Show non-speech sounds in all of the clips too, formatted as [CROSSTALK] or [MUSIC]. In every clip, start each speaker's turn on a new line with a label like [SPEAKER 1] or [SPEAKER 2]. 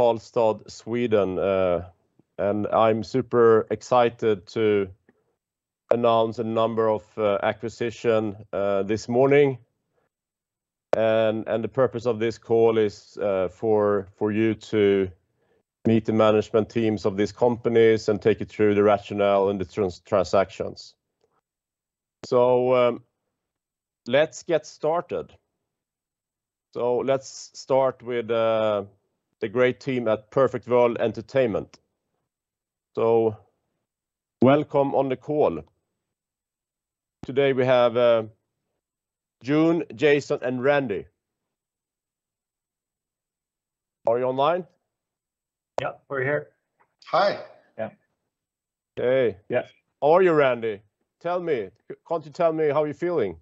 [SPEAKER 1] Karlstad, Sweden, and I'm super excited to announce a number of acquisitions this morning, and the purpose of this call is for you to meet the management teams of these companies and take you through the rationale and the transactions. Let's get started. Let's start with the great team at Perfect World Entertainment. Welcome on the call. Today we have Yoon, Jason, and Randy. Are you online?
[SPEAKER 2] Yeah, we're here.
[SPEAKER 3] Hi.
[SPEAKER 2] Yeah.
[SPEAKER 1] Hey.
[SPEAKER 2] Yes.
[SPEAKER 1] How are you, Randy? Tell me. Can't you tell me how you're feeling?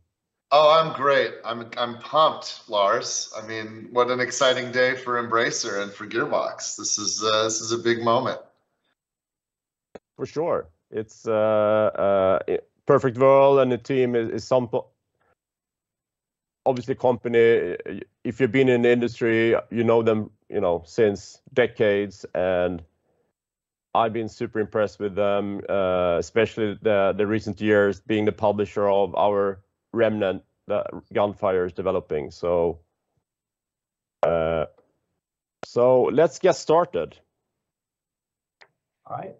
[SPEAKER 3] Oh, I'm great. I'm pumped, Lars. I mean, what an exciting day for Embracer and for Gearbox. This is a big moment.
[SPEAKER 1] For sure. It's Perfect World and the team is some obviously company, if you've been in the industry, you know them, you know, since decades, and I've been super impressed with them, especially the recent years being the publisher of our Remnant that Gunfire is developing. Let's get started.
[SPEAKER 2] All right.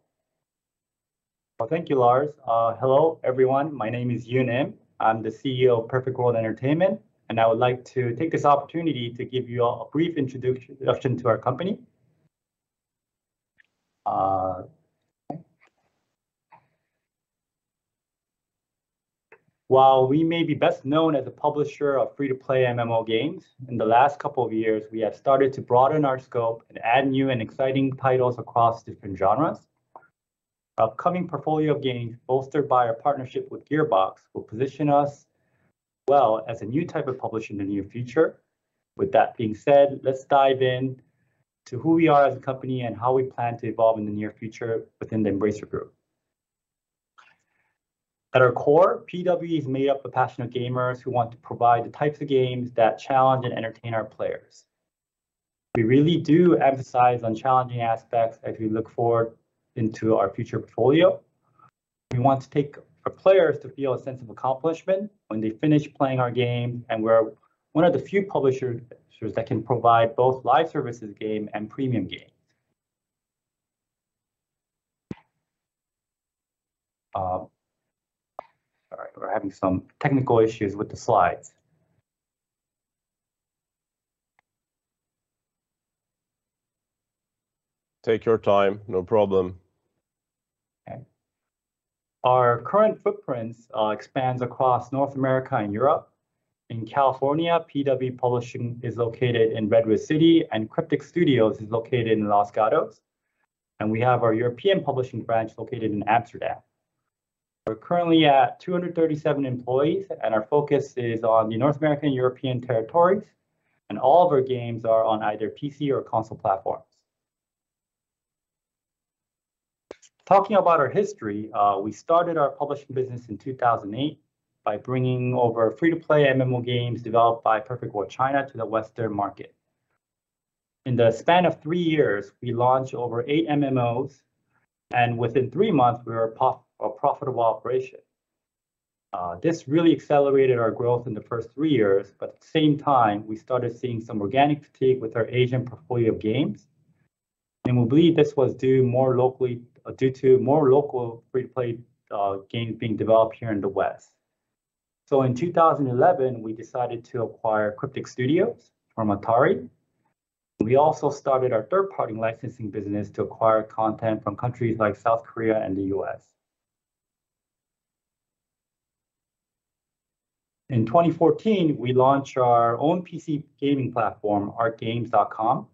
[SPEAKER 2] Well, thank you, Lars. Hello, everyone. My name is Yoon Im. I'm the CEO of Perfect World Entertainment, and I would like to take this opportunity to give you a brief introduction to our company. While we may be best known as a publisher of free-to-play MMO games, in the last couple of years we have started to broaden our scope and add new and exciting titles across different genres. Our upcoming portfolio of games, bolstered by our partnership with Gearbox, will position us well as a new type of publisher in the near future. With that being said, let's dive in to who we are as a company and how we plan to evolve in the near future within the Embracer Group. At our core, PW is made up of passionate gamers who want to provide the types of games that challenge and entertain our players. We really do emphasize on challenging aspects as we look forward into our future portfolio. We want to take our players to feel a sense of accomplishment when they finish playing our game, and we're one of the few publishers that can provide both live services game and premium games. Sorry, we're having some technical issues with the slides.
[SPEAKER 1] Take your time. No problem.
[SPEAKER 2] Our current footprints expands across North America and Europe. In California, PWE Publishing is located in Redwood City, and Cryptic Studios is located in Los Gatos, and we have our European publishing branch located in Amsterdam. We're currently at 237 employees, and our focus is on the North American-European territories, and all of our games are on either PC or console platforms. Talking about our history, we started our publishing business in 2008 by bringing over free-to-play MMO games developed by Perfect World China to the Western market. In the span of three years, we launched over eight MMOs, and within three months we were profitable operation. This really accelerated our growth in the first three years, but at the same time we started seeing some organic fatigue with our Asian portfolio of games, and we believe this was due more locally to more local free-to-play games being developed here in the West. In 2011, we decided to acquire Cryptic Studios from Atari. We also started our third-party licensing business to acquire content from countries like South Korea and the U.S. In 2014, we launched our own PC gaming platform, arcgames.com,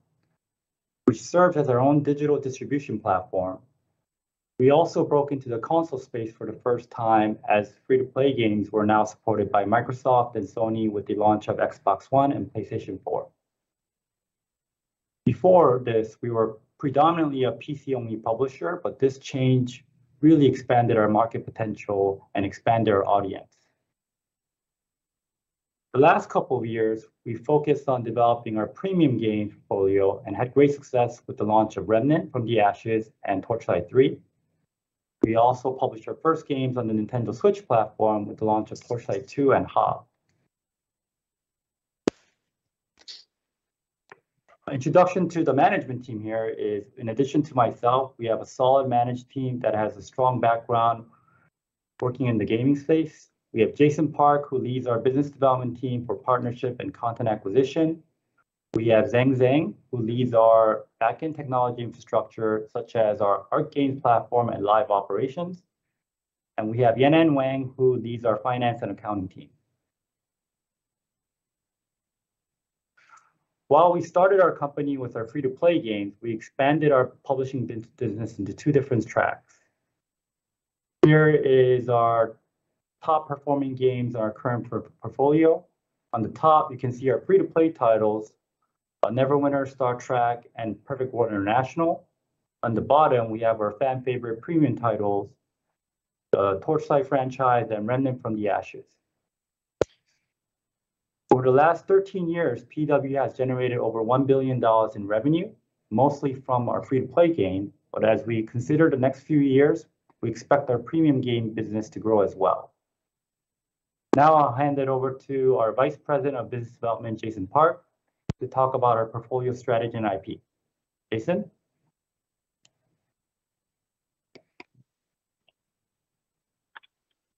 [SPEAKER 2] which served as our own digital distribution platform. We also broke into the console space for the first time as free-to-play games were now supported by Microsoft and Sony with the launch of Xbox One and PlayStation 4. Before this, we were predominantly a PC-only publisher, but this change really expanded our market potential and expanded our audience. The last couple of years, we focused on developing our premium game portfolio and had great success with the launch of Remnant: From the Ashes and Torchlight III. We also published our first games on the Nintendo Switch platform with the launch of Torchlight II and HAWKED. In addition to myself, we have a solid management team that has a strong background working in the gaming space. We have Jason Park, who leads our business development team for partnership and content acquisition. We have Zheng Zeng, who leads our backend technology infrastructure, such as our Arc Games platform and live operations, and we have Yanan Wang, who leads our finance and accounting team. While we started our company with our free-to-play games, we expanded our publishing business into two different tracks. Here is our top-performing games in our current portfolio. On the top you can see our free-to-play titles, Neverwinter, Star Trek, and Perfect World International. On the bottom, we have our fan favorite premium titles, the Torchlight franchise and Remnant from the Ashes. Over the last 13 years, PWE has generated over $1 billion in revenue, mostly from our free-to-play game. As we consider the next few years, we expect our premium game business to grow as well. Now I'll hand it over to our Vice President of Business Development, Jason Park, to talk about our portfolio strategy and IP. Jason?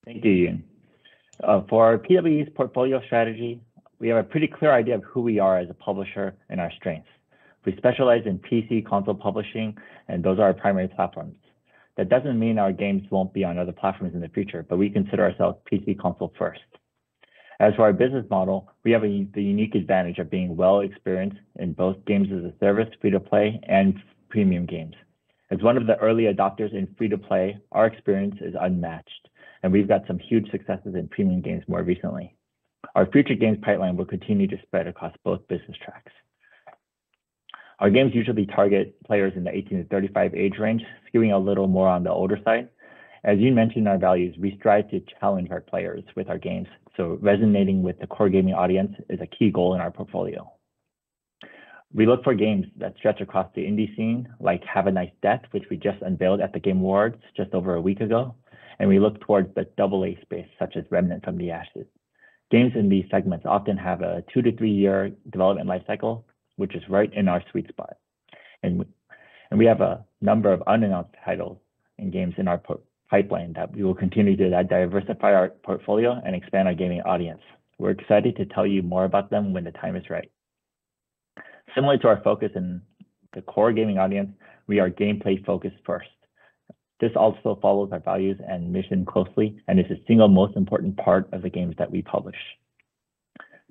[SPEAKER 4] Thank you, Yoon. For our PWE's portfolio strategy, we have a pretty clear idea of who we are as a publisher and our strengths. We specialize in PC console publishing, and those are our primary platforms. That doesn't mean our games won't be on other platforms in the future, but we consider ourselves PC console first. As for our business model, we have the unique advantage of being well experienced in both games as a service, free-to-play, and premium games. As one of the early adopters in free-to-play, our experience is unmatched, and we've got some huge successes in premium games more recently. Our future games pipeline will continue to spread across both business tracks. Our games usually target players in the 18-35 age range, skewing a little more on the older side. As Yoon mentioned in our values, we strive to challenge our players with our games, so resonating with the core gaming audience is a key goal in our portfolio. We look for games that stretch across the indie scene, like Have a Nice Death, which we just unveiled at the Game Awards just over a week ago, and we look towards the double A space, such as Remnant from the Ashes. Games in these segments often have a two to three year development life cycle, which is right in our sweet spot. We have a number of unannounced titles and games in our pipeline that we will continue to diversify our portfolio and expand our gaming audience. We're excited to tell you more about them when the time is right. Similar to our focus in the core gaming audience, we are gameplay-focused first. This also follows our values and mission closely and is the single most important part of the games that we publish.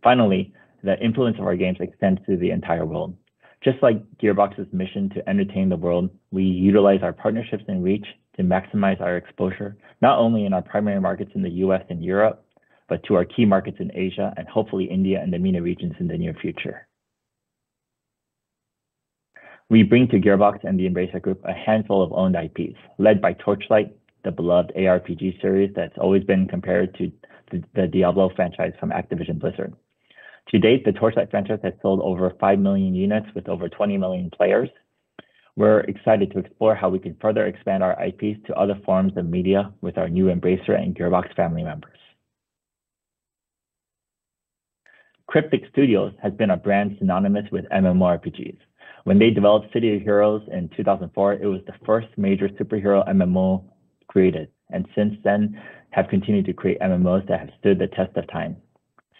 [SPEAKER 4] Finally, the influence of our games extends through the entire world. Just like Gearbox's mission to entertain the world, we utilize our partnerships and reach to maximize our exposure, not only in our primary markets in the U.S. and Europe, but to our key markets in Asia, and hopefully India and the MENA regions in the near future. We bring to Gearbox and the Embracer Group a handful of owned IPs, led by Torchlight, the beloved ARPG series that's always been compared to the Diablo franchise from Activision Blizzard. To date, the Torchlight franchise has sold over 5 million units with over 20 million players. We're excited to explore how we can further expand our IPs to other forms of media with our new Embracer and Gearbox family members. Cryptic Studios has been a brand synonymous with MMORPGs. When they developed City of Heroes in 2004, it was the first major superhero MMO created, and since then have continued to create MMOs that have stood the test of time.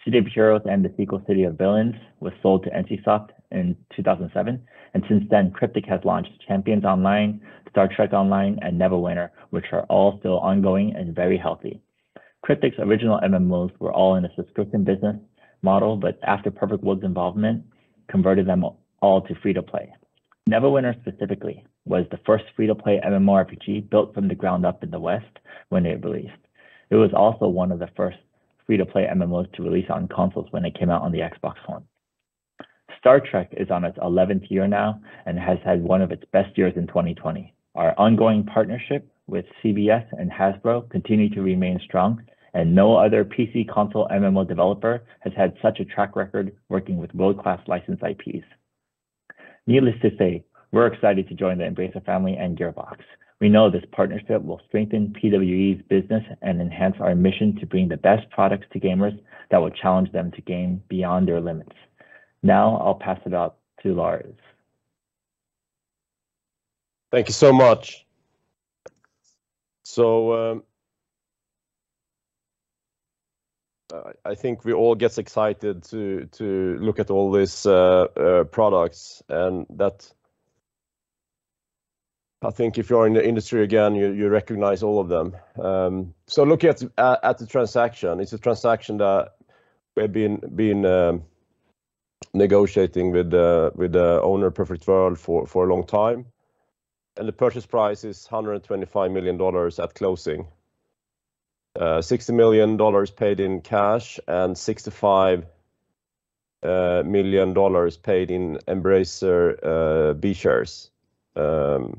[SPEAKER 4] City of Heroes and the sequel, City of Villains, was sold to NCSOFT in 2007, and since then, Cryptic has launched Champions Online, Star Trek Online, and Neverwinter, which are all still ongoing and very healthy. Cryptic's original MMOs were all in a subscription business model, but after Perfect World's involvement, converted them all to free-to-play. Neverwinter specifically was the first free-to-play MMORPG built from the ground up in the West when it released. It was also one of the first free-to-play MMOs to release on consoles when it came out on the Xbox One. Star Trek is on its eleventh year now and has had one of its best years in 2020. Our ongoing partnership with CBS and Hasbro continue to remain strong, and no other PC console MMO developer has had such a track record working with world-class licensed IPs. Needless to say, we're excited to join the Embracer family and Gearbox. We know this partnership will strengthen PWE's business and enhance our mission to bring the best products to gamers that will challenge them to game beyond their limits. Now I'll pass it off to Lars.
[SPEAKER 1] Thank you so much. I think we all get excited to look at all these products. I think if you're in the industry, again, you recognize all of them. Looking at the transaction, it's a transaction that we've been negotiating with the owner, Perfect World, for a long time, and the purchase price is $125 million at closing. $60 million paid in cash and $65 million paid in Embracer B shares. The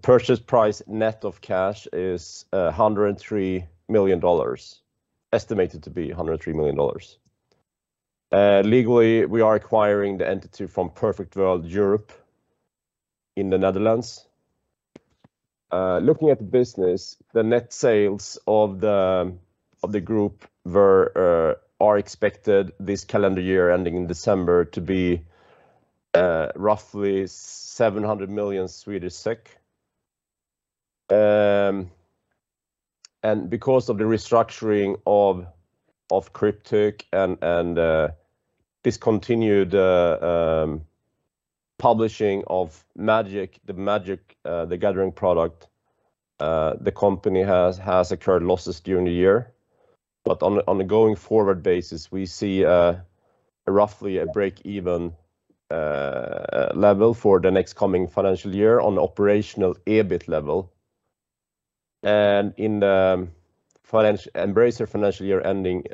[SPEAKER 1] purchase price net of cash is $103 million, estimated to be $103 million. Legally, we are acquiring the entity from Perfect World Europe in the Netherlands. Looking at the business, the net sales of the group are expected this calendar year ending in December to be roughly SEK 700 million. Because of the restructuring of Cryptic and discontinued publishing of Magic: The Gathering product, the company has incurred losses during the year. On a going forward basis, we see roughly a break-even level for the next coming financial year on operational EBIT level. In the Embracer financial year ending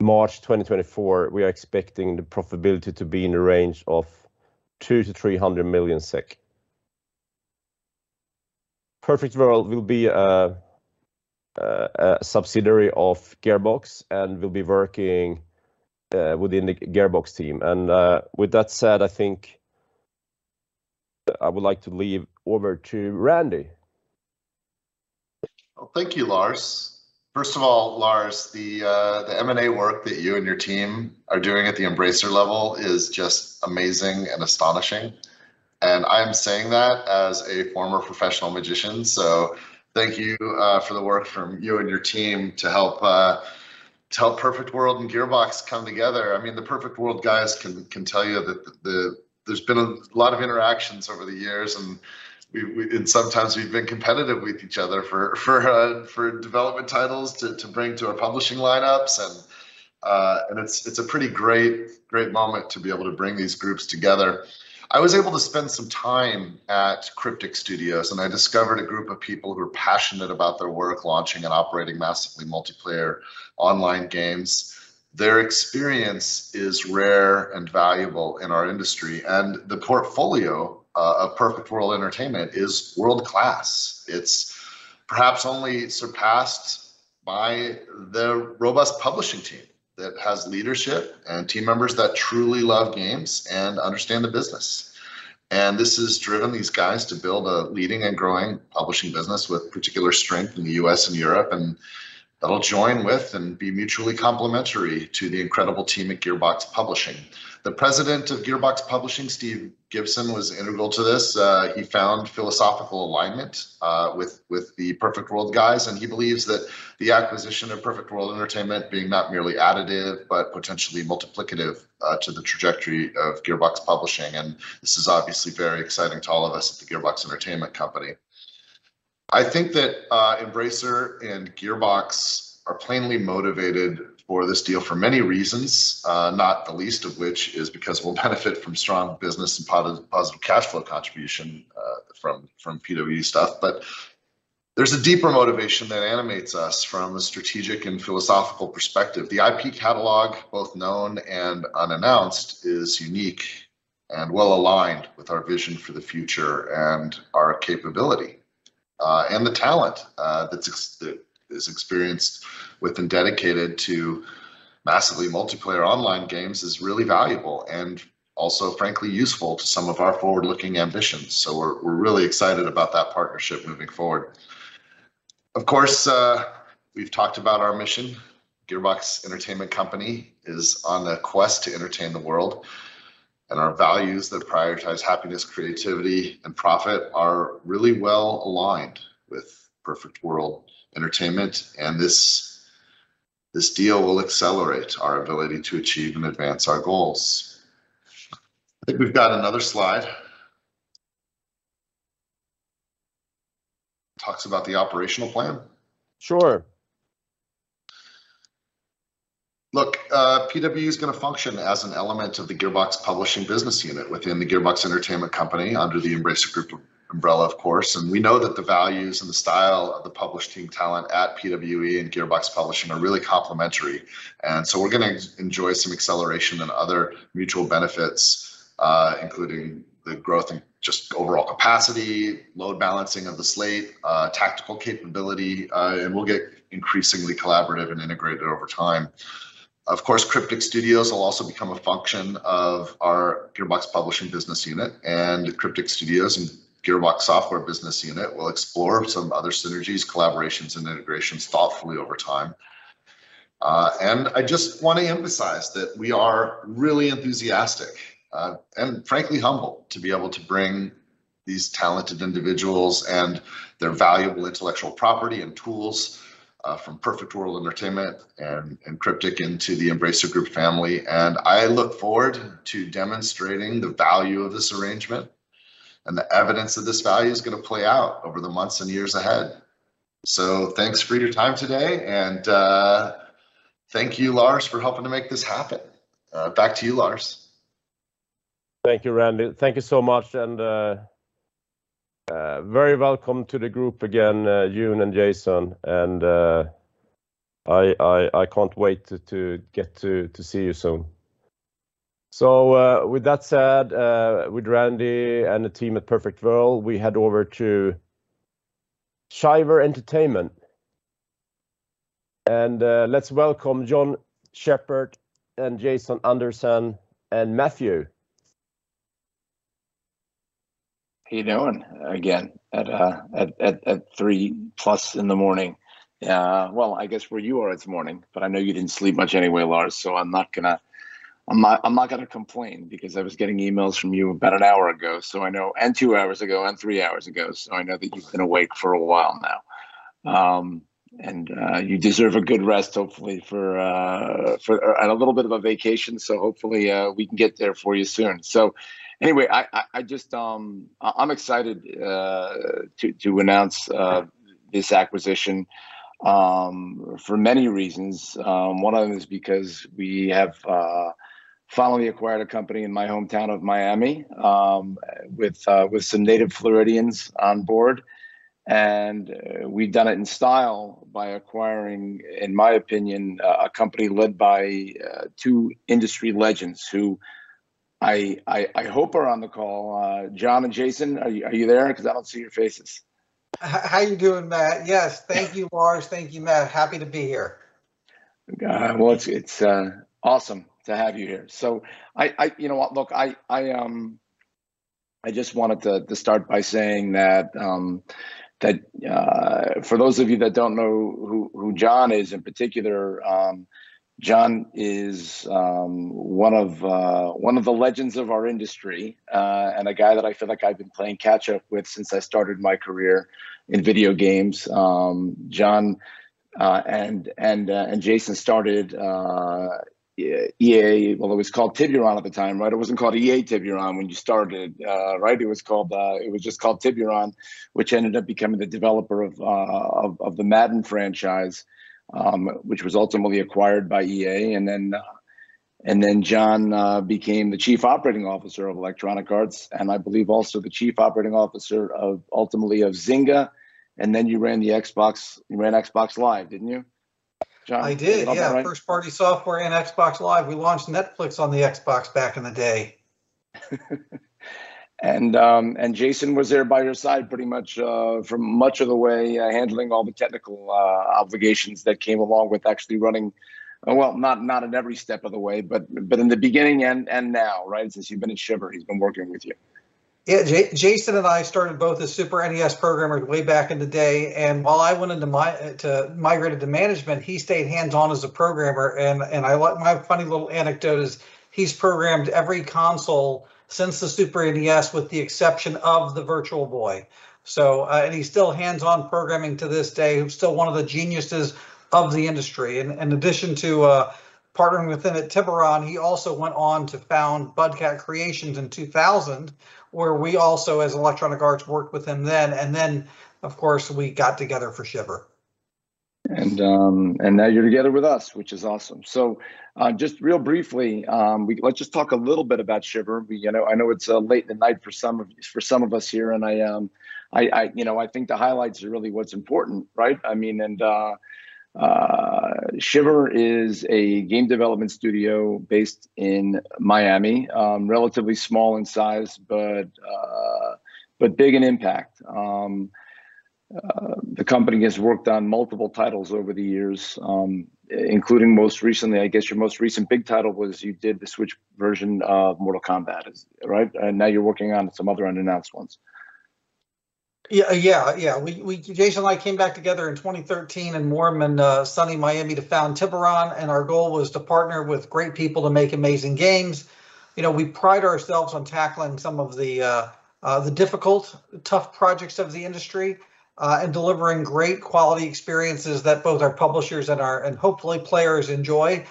[SPEAKER 1] March 2024, we are expecting the profitability to be in the range of 20 million-300 million SEK. Perfect World will be a subsidiary of Gearbox, and will be working within the Gearbox team. With that said, I think I would like to hand over to Randy.
[SPEAKER 3] Well, thank you, Lars. First of all, Lars, the M&A work that you and your team are doing at the Embracer level is just amazing and astonishing, and I am saying that as a former professional magician. Thank you for the work from you and your team to help Perfect World and Gearbox come together. I mean, the Perfect World guys can tell you that there's been a lot of interactions over the years, and sometimes we've been competitive with each other for development titles to bring to our publishing lineups, and it's a pretty great moment to be able to bring these groups together. I was able to spend some time at Cryptic Studios, and I discovered a group of people who are passionate about their work, launching and operating massively multiplayer online games. Their experience is rare and valuable in our industry, and the portfolio of Perfect World Entertainment is world-class. It's perhaps only surpassed by the robust publishing team that has leadership and team members that truly love games and understand the business. This has driven these guys to build a leading and growing publishing business with particular strength in the U.S. and Europe, and that'll join with and be mutually complementary to the incredible team at Gearbox Publishing. The President of Gearbox Publishing, Steve Gibson, was integral to this. He found philosophical alignment with the Perfect World guys, and he believes that the acquisition of Perfect World Entertainment being not merely additive, but potentially multiplicative to the trajectory of Gearbox Publishing, and this is obviously very exciting to all of us at the Gearbox Entertainment Company. I think that Embracer and Gearbox are plainly motivated for this deal for many reasons, not the least of which is because we'll benefit from strong business and positive cash flow contribution from PWE stuff. There's a deeper motivation that animates us from a strategic and philosophical perspective. The IP catalog, both known and unannounced, is unique and well-aligned with our vision for the future and our capability. The talent that is experienced with and dedicated to massively multiplayer online games is really valuable, and also, frankly, useful to some of our forward-looking ambitions, so we're really excited about that partnership moving forward. Of course, we've talked about our mission. Gearbox Entertainment Company is on a quest to entertain the world, and our values that prioritize happiness, creativity, and profit are really well-aligned with Perfect World Entertainment, and this deal will accelerate our ability to achieve and advance our goals. I think we've got another slide that talks about the operational plan.
[SPEAKER 1] Sure.
[SPEAKER 3] Look, PWE is gonna function as an element of the Gearbox Publishing business unit within the Gearbox Entertainment Company, under the Embracer Group umbrella, of course, and we know that the values and the style of the publishing talent at PWE and Gearbox Publishing are really complementary. We're gonna enjoy some acceleration and other mutual benefits, including the growth in just overall capacity, load balancing of the slate, tactical capability, and we'll get increasingly collaborative and integrated over time. Of course, Cryptic Studios will also become a function of our Gearbox Publishing business unit, and Cryptic Studios and Gearbox Software business unit will explore some other synergies, collaborations, and integrations thoughtfully over time. I just wanna emphasize that we are really enthusiastic, and frankly humbled to be able to bring these talented individuals and their valuable intellectual property and tools from Perfect World Entertainment and Cryptic into the Embracer Group family. I look forward to demonstrating the value of this arrangement, and the evidence of this value is gonna play out over the months and years ahead. Thanks for your time today, and thank you, Lars, for helping to make this happen. Back to you, Lars.
[SPEAKER 1] Thank you, Randy. Thank you so much, and very welcome to the group again, Yoon and Jason, and I can't wait to get to see you soon. With that said, with Randy and the team at Perfect World, we head over to Shiver Entertainment. Let's welcome John Schappert and Jason Andersen and Matthew.
[SPEAKER 5] How you doing? Again, at 3:00 A.M. plus in the morning. Well, I guess where you are it's morning, but I know you didn't sleep much anyway, Lars, so I'm not gonna complain, because I was getting emails from you about an hour ago, so I know, and two hours ago, and three hours ago, so I know that you've been awake for a while now. You deserve a good rest hopefully, and a little bit of a vacation, so hopefully we can get there for you soon. Anyway, I'm excited to announce this acquisition. For many reasons, one of them is because we have finally acquired a company in my hometown of Miami, with some native Floridians on board. We've done it in style by acquiring, in my opinion, a company led by two industry legends who I hope are on the call. John and Jason, are you there? Because I don't see your faces.
[SPEAKER 6] How you doing, Matt? Yes, thank you, Lars. Thank you, Matt. Happy to be here.
[SPEAKER 5] God, well, it's awesome to have you here. You know what? Look, I just wanted to start by saying that for those of you that don't know who John is in particular, John is one of the legends of our industry, and a guy that I feel like I've been playing catch up with since I started my career in video games. John and Jason started EA. Well, it was called Tiburon at the time, right? It wasn't called EA Tiburon when you started, right? It was just called Tiburon, which ended up becoming the developer of the Madden franchise, which was ultimately acquired by EA. John became the Chief Operating Officer of Electronic Arts, and I believe also the Chief Operating Officer of, ultimately of Zynga. You ran the Xbox, you ran Xbox Live, didn't you, John?
[SPEAKER 6] I did.
[SPEAKER 5] Is that about right?
[SPEAKER 6] Yeah, first-party software and Xbox Live. We launched Netflix on the Xbox back in the day.
[SPEAKER 5] Jason was there by your side pretty much for much of the way, handling all the technical obligations that came along with actually running. Well, not at every step of the way, but in the beginning and now, right? Since you've been at Shiver, he's been working with you.
[SPEAKER 6] Jason and I started both as Super NES programmers way back in the day, while I went into management, he stayed hands-on as a programmer. Like, my funny little anecdote is he's programmed every console since the Super NES, with the exception of the Virtual Boy. He's still hands-on programming to this day, still one of the geniuses of the industry. In addition to partnering with him at Tiburon, he also went on to found Budcat Creations in 2000, where we also, as Electronic Arts, worked with him then. Of course, we got together for Shiver.
[SPEAKER 5] Now you're together with us, which is awesome. Just real briefly, let's just talk a little bit about Shiver. You know, I know it's late in the night for some of us here, and You know, I think the highlights are really what's important, right? I mean, Shiver is a game development studio based in Miami. The company has worked on multiple titles over the years, including most recently, I guess your most recent big title was you did the Switch version of Mortal Kombat, is that right? Now you're working on some other unannounced ones.
[SPEAKER 6] Yeah, we came back together in 2013 and formed in sunny Miami to found Shiver, and our goal was to partner with great people to make amazing games. You know, we pride ourselves on tackling some of the difficult, tough projects of the industry and delivering great quality experiences that both our publishers and hopefully players enjoy.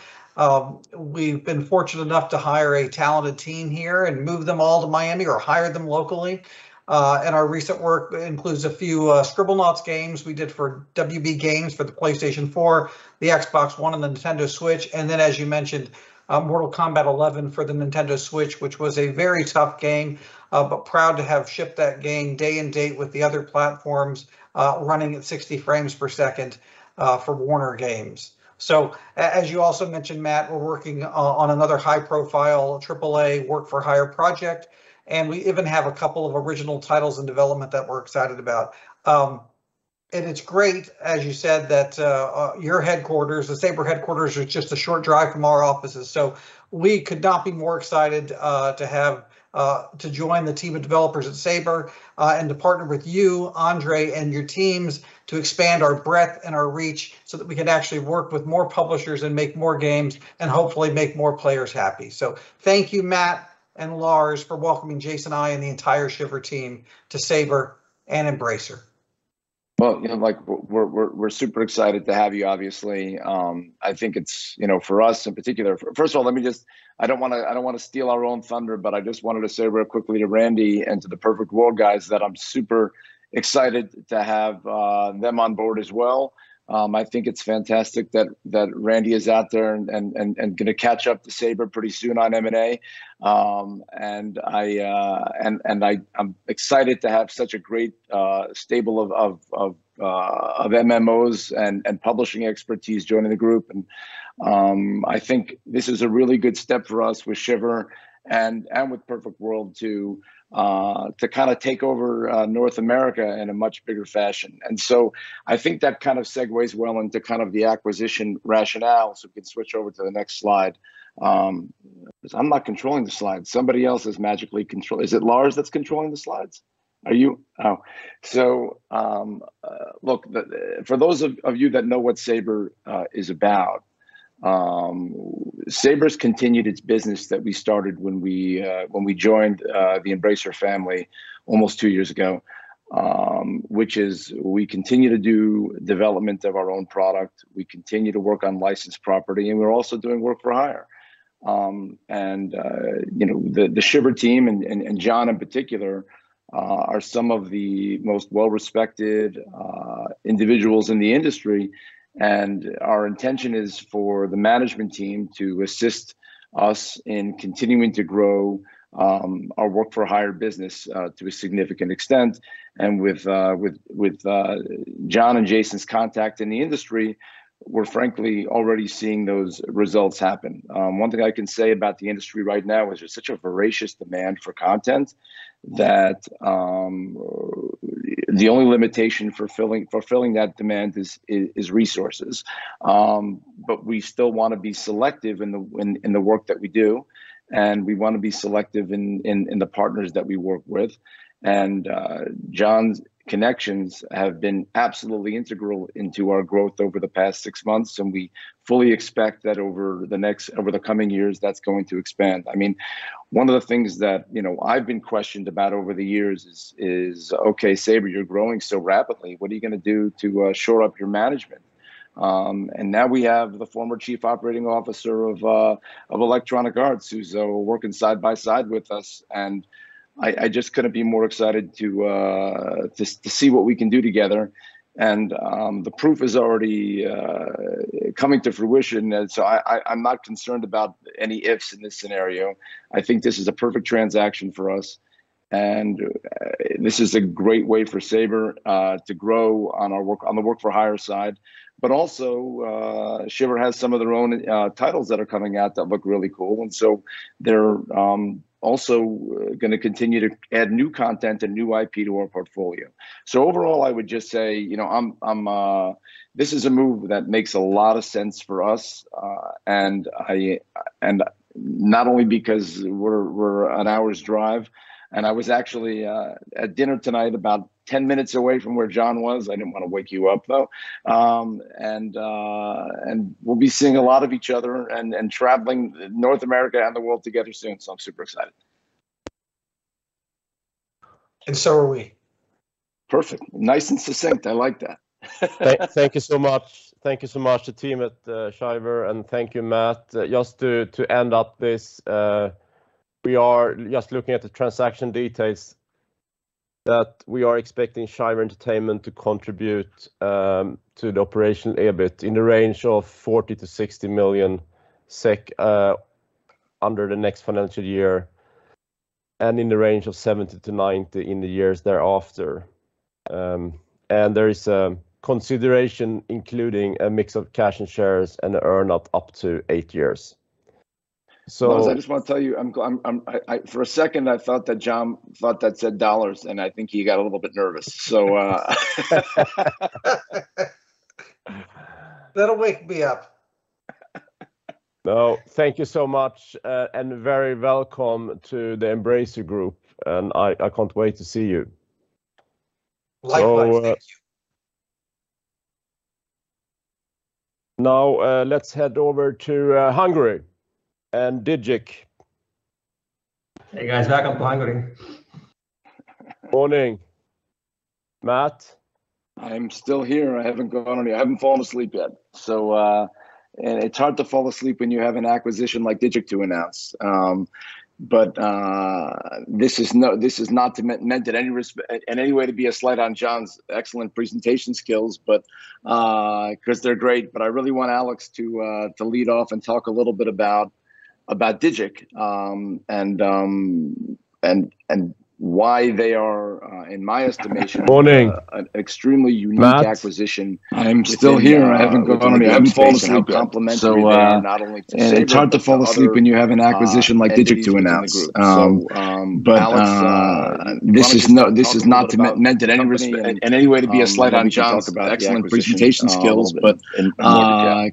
[SPEAKER 6] We've been fortunate enough to hire a talented team here and move them all to Miami or hire them locally. Our recent work includes a few Scribblenauts games we did for WB Games for the PlayStation 4, the Xbox One, and the Nintendo Switch. As you mentioned, Mortal Kombat 11 for the Nintendo Switch, which was a very tough game. Proud to have shipped that game day and date with the other platforms, running at 60 frames per second, for Warner Games. As you also mentioned, Matt, we're working on another high-profile AAA work for hire project, and we even have a couple of original titles in development that we're excited about. It's great, as you said, that your headquarters, the Saber headquarters are just a short drive from our offices, so we could not be more excited to have to join the team of developers at Saber, and to partner with you, Andrey, and your teams to expand our breadth and our reach so that we can actually work with more publishers and make more games and hopefully make more players happy. Thank you, Matt and Lars, for welcoming Jason and I and the entire Shiver team to Saber and Embracer.
[SPEAKER 5] Well, you know, like, we're super excited to have you obviously. I think it's, you know, for us in particular. First of all, I don't wanna steal our own thunder, but I just wanted to say real quickly to Randy and to the Perfect World guys that I'm super excited to have them on board as well. I think it's fantastic that Randy is out there and gonna catch up to Saber pretty soon on M&A. I'm excited to have such a great stable of MMOs and publishing expertise joining the group. I think this is a really good step for us with Shiver and with Perfect World to kind of take over North America in a much bigger fashion. I think that kind of segues well into kind of the acquisition rationale. We can switch over to the next slide. 'Cause I'm not controlling the slides. Somebody else is magically controlling the slides. Is it Lars that's controlling the slides? Are you? Oh. Look. For those of you that know what Saber is about, Saber's continued its business that we started when we joined the Embracer family almost two years ago, which is we continue to do development of our own product, we continue to work on licensed property, and we're also doing work-for-hire. You know, the Shiver team and Jon in particular are some of the most well-respected individuals in the industry, and our intention is for the management team to assist us in continuing to grow our work-for-hire business to a significant extent, and with John and Jason's contact in the industry, we're frankly already seeing those results happen. One thing I can say about the industry right now is there's such a voracious demand for content that the only limitation fulfilling that demand is resources. We still wanna be selective in the work that we do, and we wanna be selective in the partners that we work with. John's connections have been absolutely integral into our growth over the past six months, and we fully expect that over the coming years that's going to expand. I mean, one of the things that, you know, I've been questioned about over the years is, "Okay, Saber, you're growing so rapidly. What are you gonna do to shore up your management?" Now we have the former Chief Operating Officer of Electronic Arts, who's working side by side with us, and I just couldn't be more excited to just see what we can do together, and the proof is already coming to fruition. I'm not concerned about any ifs in this scenario. I think this is a perfect transaction for us, and this is a great way for Saber to grow on our work, on the work-for-hire side. Shiver has some of their own titles that are coming out that look really cool, and they're also gonna continue to add new content and new IP to our portfolio. Overall, I would just say, you know, this is a move that makes a lot of sense for us, and not only because we're an hour's drive, and I was actually at dinner tonight about 10 minutes away from where John was. I didn't wanna wake you up though. We'll be seeing a lot of each other and traveling North America and the world together soon, so I'm super excited.
[SPEAKER 6] Are we.
[SPEAKER 5] Perfect. Nice and succinct. I like that.
[SPEAKER 1] Thank you so much to the team at Shiver, and thank you Matt. Just to wrap up this, we are just looking at the transaction details that we are expecting Shiver Entertainment to contribute to the operating EBIT in the range of 40 million-60 million SEK in the next financial year, and in the range of 70 million-90 million in the years thereafter. There is a consideration including a mix of cash and shares and earn out up to eight years.
[SPEAKER 5] Thomas, I just wanna tell you. For a second I thought that Jon thought that said dollars, and I think he got a little bit nervous.
[SPEAKER 6] That'll wake me up.
[SPEAKER 1] No, thank you so much. You're very welcome to the Embracer Group, and I can't wait to see you.
[SPEAKER 6] Likewise, thank you.
[SPEAKER 1] Now, let's head over to Hungary and DIGIC.
[SPEAKER 7] Hey guys, welcome to Hungary.
[SPEAKER 1] Morning. Matt?
[SPEAKER 5] I'm still here. I haven't fallen asleep yet. It's hard to fall asleep when you have an acquisition like DIGIC to announce. This is not meant in any way to be a slight on Jon's excellent presentation skills,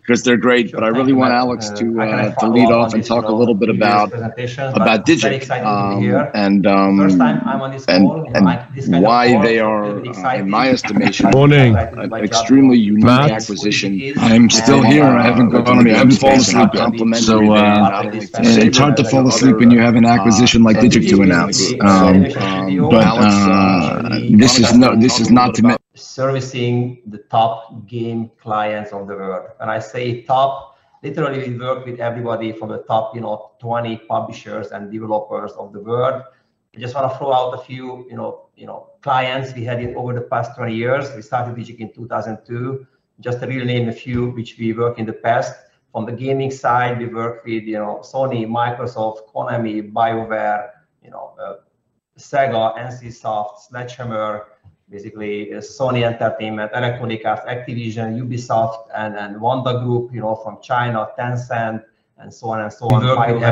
[SPEAKER 5] 'cause they're great, but I really want Alex to lead off and talk a little bit about DIGIC and why they are in my estimation [AUDIO DISTORTION]
[SPEAKER 7] Servicing the top game clients of the world. I say top, literally we work with everybody from the top 20 publishers and developers of the world. I just wanna throw out a few clients we had over the past 20 years. We started DIGIC in 2002. Just to really name a few which we worked in the past, from the gaming side we worked with Sony, Microsoft, Konami, BioWare, Sega, NCSOFT, Sledgehammer, basically Sony Entertainment, Electronic Arts, Activision, Ubisoft, and then Wanda Group from China, Tencent, and so on and so on. Probably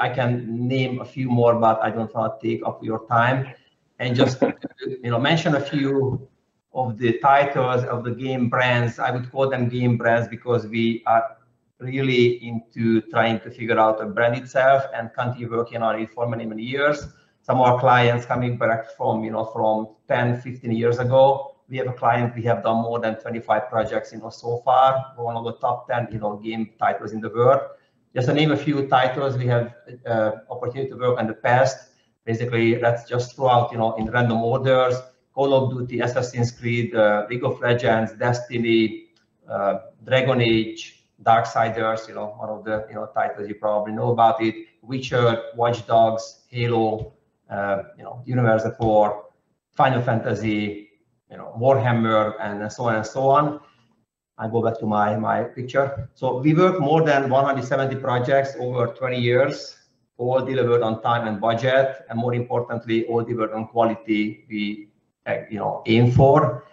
[SPEAKER 7] I can name a few more, but I don't wanna take up your time. Just, you know, mention a few of the titles of the game brands. I would call them game brands because we are really into trying to figure out the brand itself and continue working on it for many, many years. Some of our clients coming back from, you know, from 10, 15 years ago. We have a client, we have done more than 25 projects, you know, so far. One of the top 10, you know, game titles in the world. Just to name a few titles we have opportunity to work in the past, basically let's just throw out, you know, in random orders, Call of Duty, Assassin's Creed, League of Legends, Destiny, Dragon Age, Darksiders, you know, all of the, you know, titles you probably know about it. Witcher, Watch Dogs, Halo, you know, Uncharted 4, Final Fantasy, you know, Warhammer, and so on and so on. I go back to my picture. We work more than 170 projects over 20 years, all delivered on time and budget, and more importantly, all delivered on quality we aim for.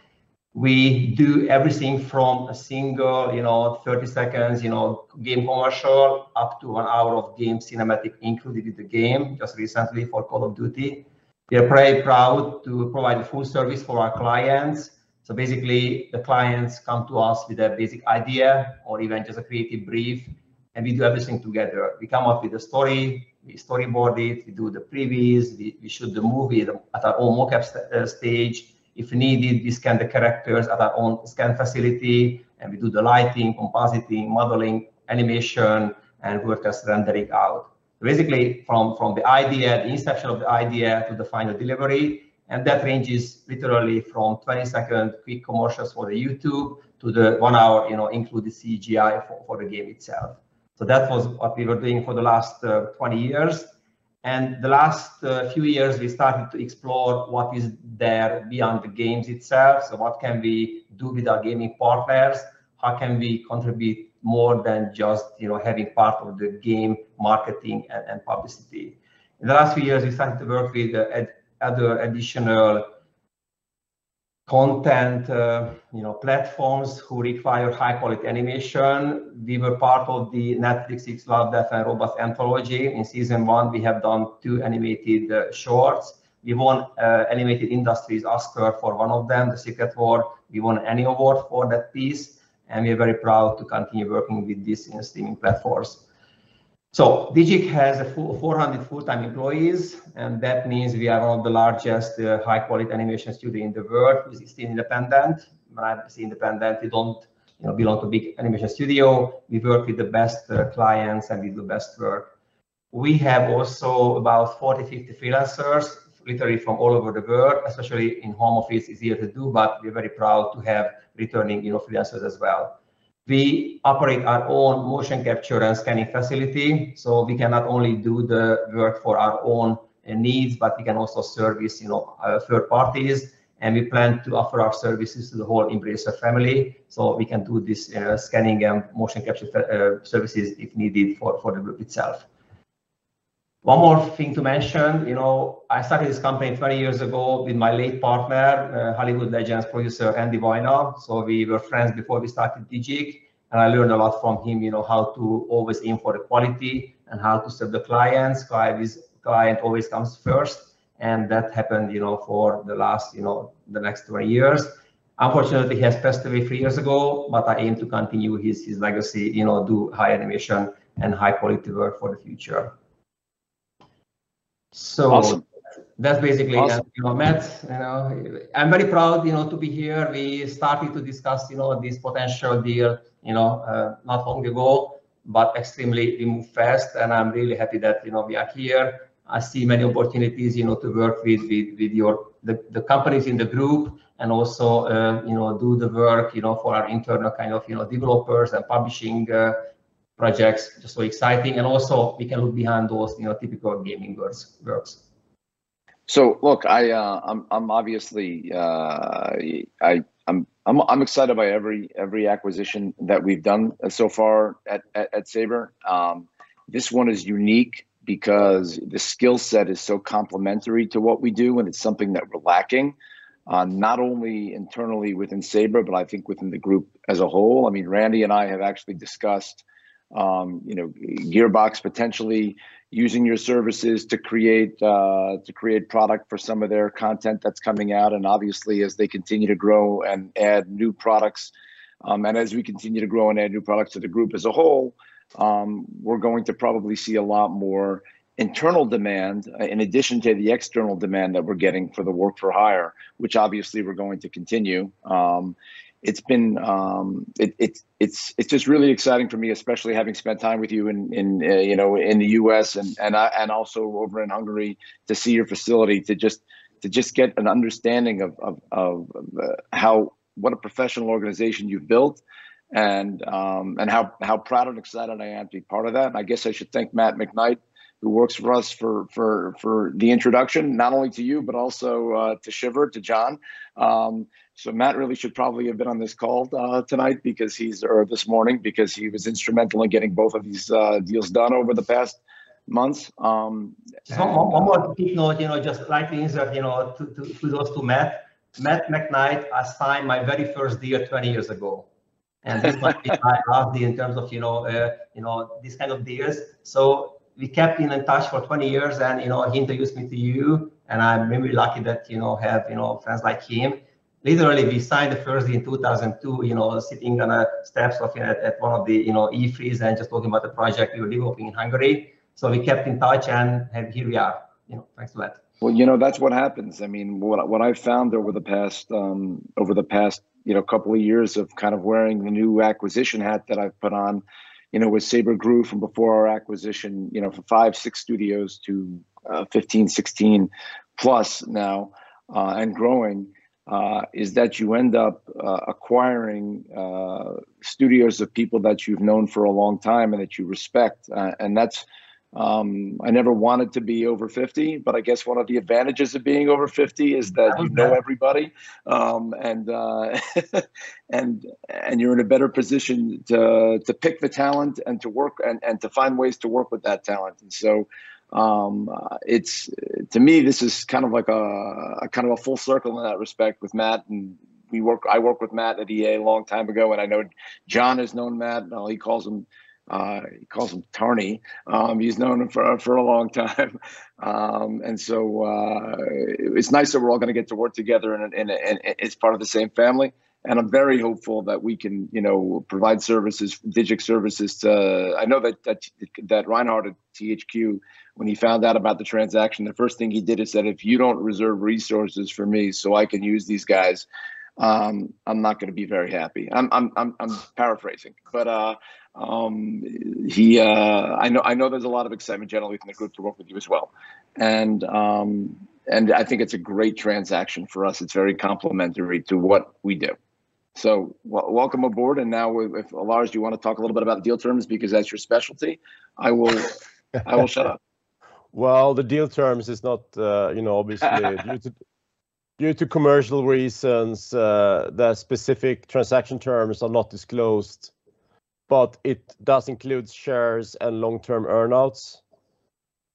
[SPEAKER 7] We do everything from a single 30 seconds game commercial up to an hour of game cinematic included with the game, just recently for Call of Duty. We are very proud to provide a full service for our clients. Basically, the clients come to us with a basic idea or even just a creative brief, and we do everything together. We come up with a story, we storyboard it, we do the previews, we shoot the movie at our own mocap stage. If needed, we scan the characters at our own scan facility, and we do the lighting, compositing, modeling, animation, and we just render it out. Basically, from the idea, the inception of the idea to the final delivery, and that ranges literally from 20-second quick commercials for youtube to the one hour, you know, including CGI for the game itself. That was what we were doing for the last 20 years, and the last few years, we started to explore what is there beyond the games itself. What can we do with our gaming partners? How can we contribute more than just, you know, having part of the game marketing and publicity? In the last few years, we started to work with other additional content, you know, platforms who require high-quality animation. We were part of Netflix's Love, Death & Robots anthology. In season one, we have done two animated shorts. We won an Academy Award for one of them, The Secret War. We won an Annie Award for that piece, and we're very proud to continue working with this streaming platforms. DIGIC has 400 full-time employees, and that means we are one of the largest high-quality animation studios in the world who's still independent. When I say independent, we don't, you know, belong to big animation studio. We work with the best clients and we do the best work. We have also about 40-50 freelancers, literally from all over the world, especially in home office, easier to do, but we're very proud to have returning, you know, freelancers as well. We operate our own motion capture and scanning facility, so we can not only do the work for our own needs, but we can also service, you know, third parties, and we plan to offer our services to the whole Embracer family, so we can do this, scanning and motion capture services if needed for the group itself. One more thing to mention, you know, I started this company 20 years ago with my late partner, Hollywood Legends producer Andy Vajna. We were friends before we started DIGIC, and I learned a lot from him, you know, how to always aim for the quality and how to serve the clients. Client always comes first, and that happened, you know, for the last, you know, the next 20 years. Unfortunately, he has passed away three years ago, but I aim to continue his legacy, you know, do high animation and high-quality work for the future.
[SPEAKER 5] Awesome.
[SPEAKER 7] That's basically.
[SPEAKER 5] Awesome
[SPEAKER 7] Yeah, you know, Matt, you know, I'm very proud, you know, to be here. We started to discuss, you know, this potential deal, you know, not long ago, but extremely it moved fast, and I'm really happy that, you know, we are here. I see many opportunities, you know, to work with your the companies in the group, and also, you know, do the work, you know, for our internal kind of, you know, developers and publishing projects. Just so exciting. Also we can look behind those, you know, typical gaming works.
[SPEAKER 5] Look, I'm obviously excited by every acquisition that we've done so far at Saber. This one is unique because the skill set is so complementary to what we do, and it's something that we're lacking not only internally within Saber, but I think within the group as a whole. I mean, Randy and I have actually discussed, you know, Gearbox potentially using your services to create product for some of their content that's coming out. Obviously, as they continue to grow and add new products, and as we continue to grow and add new products to the group as a whole, we're going to probably see a lot more internal demand in addition to the external demand that we're getting for the work for hire, which obviously we're going to continue. It's just really exciting for me, especially having spent time with you in, you know, in the U.S. and also over in Hungary to see your facility to just get an understanding of how what a professional organization you've built and how proud and excited I am to be part of that. I guess I should thank Matt McKnight, who works for us, for the introduction, not only to you, but also to Shiver, to John. So Matt really should probably have been on this call tonight or this morning, because he was instrumental in getting both of these deals done over the past months.
[SPEAKER 7] One more quick note, you know, just quickly insert, you know, to also Matt McKnight. Matt McKnight assigned my very first deal 20 years ago. This might be why I love them in terms of, you know, these kind of deals. We kept in touch for 20 years and, you know, he introduced me to you, and I'm really lucky that, you know, I have, you know, friends like him. Literally we signed the first in 2002, you know, sitting on steps looking at one of the, you know, E3s and just talking about the project we were developing in Hungary. We kept in touch and here we are. You know, thanks to that.
[SPEAKER 5] Well, you know, that's what happens. I mean, what I've found over the past, you know, couple of years of kind of wearing the new acquisition hat that I've put on, you know, with Saber Interactive from before our acquisition, you know, from five, six studios to 15, 16 plus now, and growing, is that you end up acquiring studios of people that you've known for a long time and that you respect. That's I never wanted to be over 50, but I guess one of the advantages of being over 50 is that you know everybody. You're in a better position to pick the talent and to work and to find ways to work with that talent. It's To me this is kind of like a full circle in that respect with Matt and I worked with Matt at EA a long time ago, and I know John has known Matt, and he calls him Tarney. He's known him for a long time. It's nice that we're all gonna get to work together and it's part of the same family, and I'm very hopeful that we can provide services, DIGIC services to... I know that Reinhard at THQ, when he found out about the transaction, the first thing he did he said, "If you don't reserve resources for me so I can use these guys, I'm not gonna be very happy." I'm paraphrasing. But he... I know there's a lot of excitement generally from the group to work with you as well. I think it's a great transaction for us. It's very complementary to what we do. We welcome aboard, and now if, Lars, do you want to talk a little bit about the deal terms, because that's your specialty? I will shut up.
[SPEAKER 1] The deal terms is not, you know, obviously due to commercial reasons, the specific transaction terms are not disclosed. It does include shares and long-term earnouts.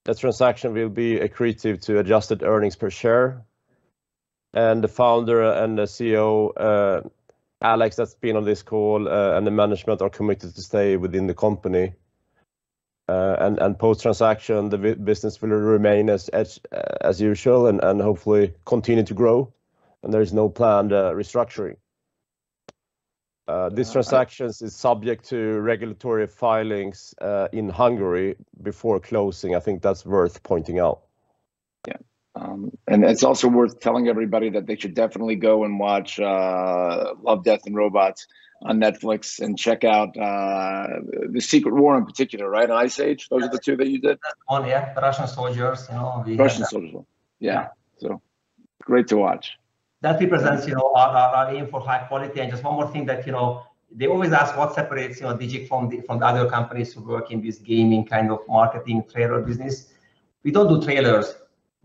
[SPEAKER 1] The transaction will be accretive to adjusted earnings per share. The founder and the CEO, Alex, that's been on this call, and the management are committed to stay within the company. Post-transaction the business will remain as usual and hopefully continue to grow. There is no planned restructuring. This transaction is subject to regulatory filings in Hungary before closing. I think that's worth pointing out.
[SPEAKER 5] Yeah. It's also worth telling everybody that they should definitely go and watch Love, Death & Robots on Netflix and check out The Secret War in particular, right? Ice Age. Those are the two that you did?
[SPEAKER 7] That's one, yeah. Russian Soldiers, you know.
[SPEAKER 5] Russian Soldiers 1.
[SPEAKER 7] Yeah.
[SPEAKER 5] Yeah. Great to watch.
[SPEAKER 7] That represents, you know, our aim for high quality. Just one more thing that, you know, they always ask what separates, you know, DIGIC from the other companies who work in this gaming kind of marketing trailer business. We don't do trailers.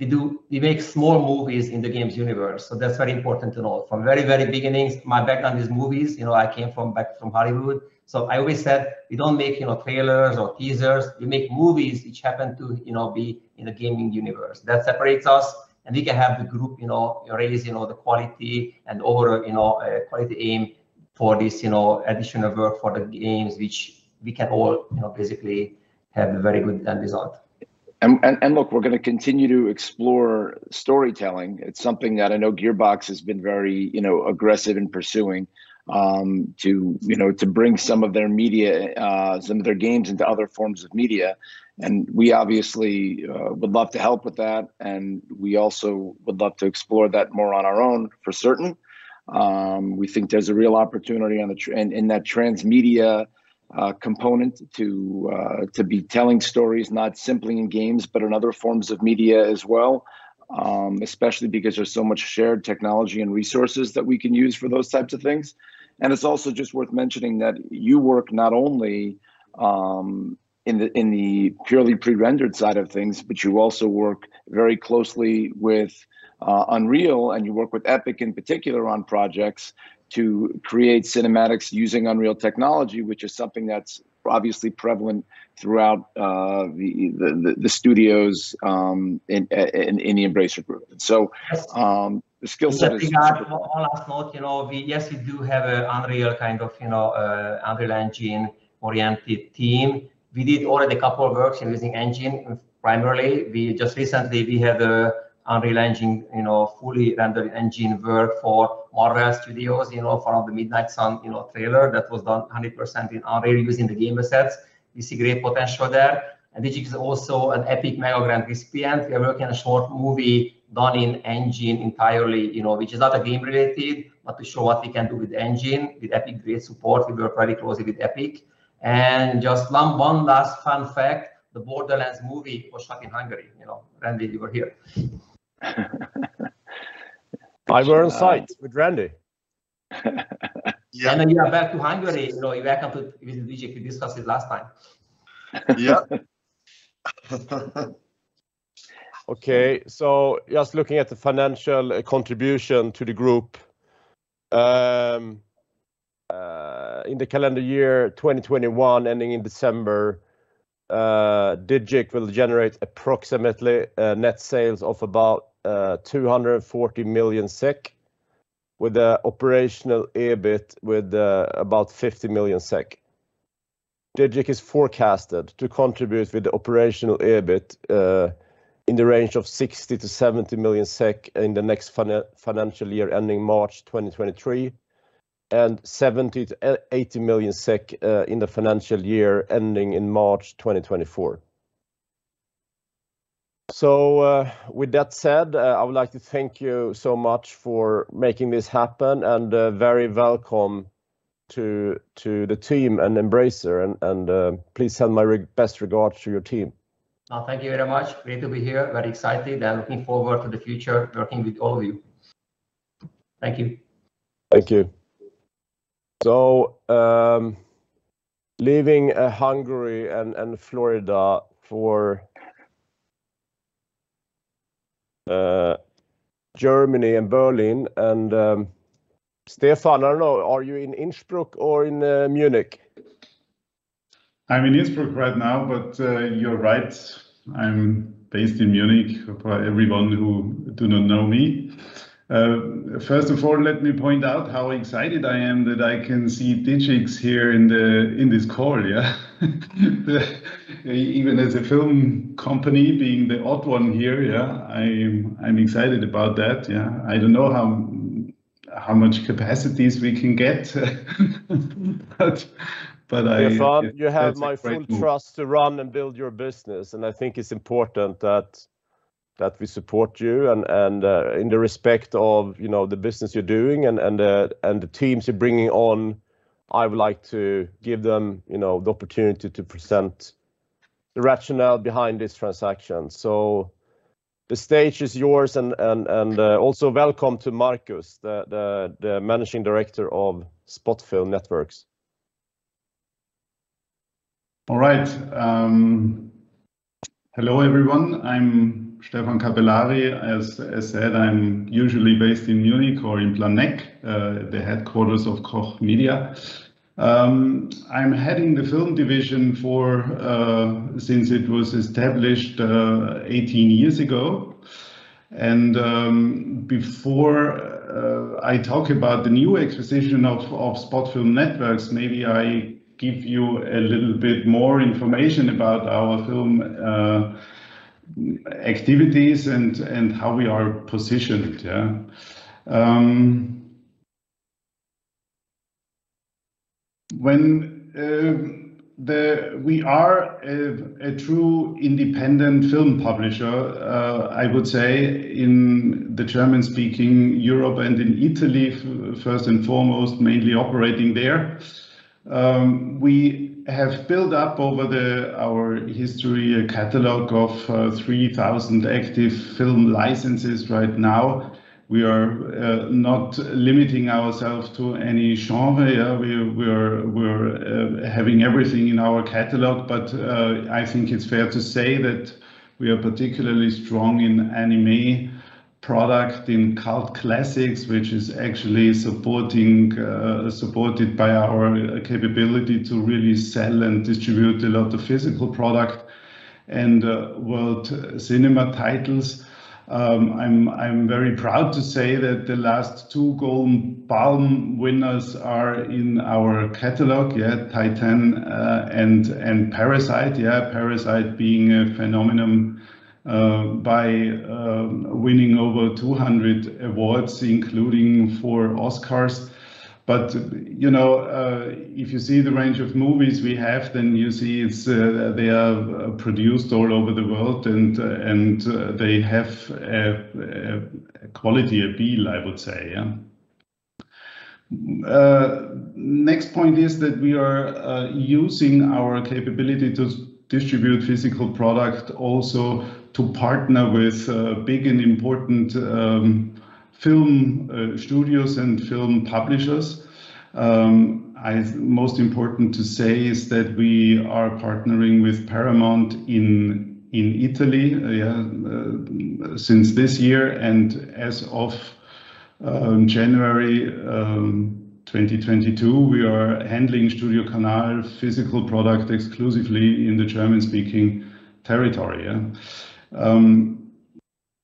[SPEAKER 7] We do, we make small movies in the games universe, so that's very important to know. From very beginnings, my background is movies. You know, I came back from Hollywood. I always said, "We don't make, you know, trailers or teasers. We make movies which happen to, you know, be in a gaming universe." That separates us, and we can have the group, you know, raise, you know, the quality and overall, you know, quality aim for this, you know, additional work for the games which we can all, you know, basically have a very good end result.
[SPEAKER 5] Look, we're gonna continue to explore storytelling. It's something that I know Gearbox has been very, you know, aggressive in pursuing, to, you know, to bring some of their media, some of their games into other forms of media. We obviously would love to help with that, and we also would love to explore that more on our own for certain. We think there's a real opportunity in that transmedia component to be telling stories not simply in games but in other forms of media as well, especially because there's so much shared technology and resources that we can use for those types of things. It's also just worth mentioning that you work not only in the purely pre-rendered side of things, but you also work very closely with Unreal, and you work with Epic in particular on projects to create cinematics using Unreal technology, which is something that's obviously prevalent throughout the studios in the Embracer Group.
[SPEAKER 7] Yes
[SPEAKER 5] the skill set is
[SPEAKER 7] Let me add one last note. You know, we do have an Unreal kind of, you know, Unreal Engine-oriented team. We did already a couple of works using Engine primarily. We just recently had a Unreal Engine, you know, fully rendered Engine work for Marvel Studios, you know, for the Marvel's Midnight Suns trailer. That was done 100% in Unreal using the game assets. We see great potential there. DIGIC is also an Epic MegaGrants recipient. We are working on a short movie done in Engine entirely, you know, which is not game related, but to show what we can do with Engine with Epic's great support. We work very closely with Epic. Just one last fun fact, the Borderlands movie was shot in Hungary, you know. Randy, you were here.
[SPEAKER 1] I was on site with Randy.
[SPEAKER 5] Yeah.
[SPEAKER 7] You are back to Hungary, you know, you're welcome to visit DIGIC. We discussed it last time.
[SPEAKER 5] Yeah.
[SPEAKER 1] Just looking at the financial contribution to the group. In the calendar year 2021 ending in December, DIGIC will generate approximately net sales of about 240 million SEK with an operational EBIT of about 50 million SEK. DIGIC is forecasted to contribute with the operational EBIT in the range of 60 million-70 million SEK in the next financial year ending March 2023, and 70 million-80 million SEK in the financial year ending in March 2024. With that said, I would like to thank you so much for making this happen, and very welcome to the team and Embracer. Please send my best regards to your team.
[SPEAKER 7] Oh, thank you very much. Great to be here. Very excited, and looking forward to the future working with all of you. Thank you.
[SPEAKER 1] Thank you. Leaving Hungary and Florida for Germany and Berlin. Stefan, I don't know, are you in Innsbruck or in Munich?
[SPEAKER 8] I'm in Innsbruck right now, but you're right, I'm based in Munich, for everyone who do not know me. First of all, let me point out how excited I am that I can see DIGIC here in this call, yeah. Even as a film company being the odd one here, yeah, I'm excited about that, yeah. I don't know how much capacities we can get, but I-
[SPEAKER 1] Stefan, you have my full trust to run and build your business, and I think it's important that we support you. In respect of, you know, the business you're doing and the teams you're bringing on, I would like to give them, you know, the opportunity to present the rationale behind this transaction. The stage is yours and also welcome to Markus, the Managing Director of Spotfilm Networx.
[SPEAKER 8] All right. Hello everyone, I'm Stefan Kapelari. As said, I'm usually based in Munich or in Planegg, the headquarters of Koch Media. I'm heading the film division since it was established 18 years ago. Before I talk about the new acquisition of Spotfilm Networx, maybe I give you a little bit more information about our film activities and how we are positioned, yeah. We are a true independent film publisher, I would say in the German-speaking Europe and in Italy first and foremost, mainly operating there. We have built up over our history a catalog of 3,000 active film licenses right now. We are not limiting ourselves to any genre. We're having everything in our catalog, but I think it's fair to say that we are particularly strong in anime product, in cult classics, which is actually supported by our capability to really sell and distribute a lot of physical product and world cinema titles. I'm very proud to say that the last two Palme d'Or winners are in our catalog, yeah. Titane and Parasite, yeah. Parasite being a phenomenon by winning over 200 awards, including 4 Oscars. You know, if you see the range of movies we have, then you see it's they are produced all over the world and they have a quality appeal, I would say, yeah. Next point is that we are using our capability to distribute physical product also to partner with big and important film studios and film publishers. Most important to say is that we are partnering with Paramount in Italy since this year. As of January 2022, we are handling StudioCanal physical product exclusively in the German-speaking territory.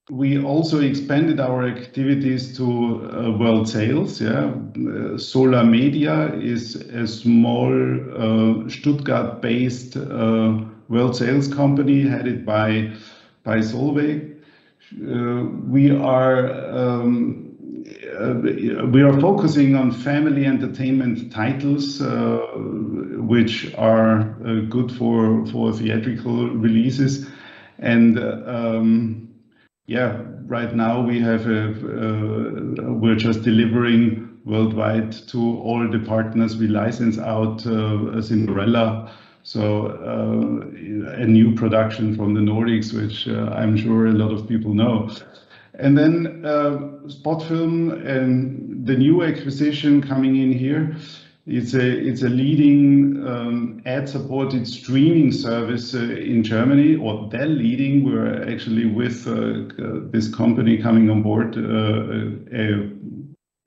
[SPEAKER 8] We also expanded our activities to world sales. Sola Media is a small Stuttgart-based world sales company headed by Solveig. We are focusing on family entertainment titles which are good for theatrical releases. Right now we're just delivering worldwide to all the partners. We license out Cinderella, so a new production from the Nordics, which I'm sure a lot of people know. Spotfilm and the new acquisition coming in here, it's a leading ad-supported streaming service in Germany. Or they're leading, we're actually with this company coming on board the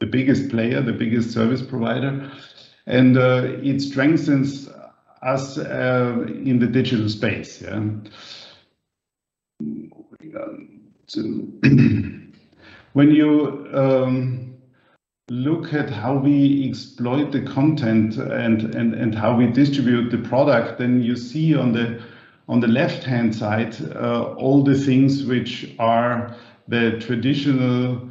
[SPEAKER 8] biggest player, the biggest service provider. It strengthens us in the digital space, yeah. When you look at how we exploit the content and how we distribute the product, then you see on the left-hand side all the things which are the traditional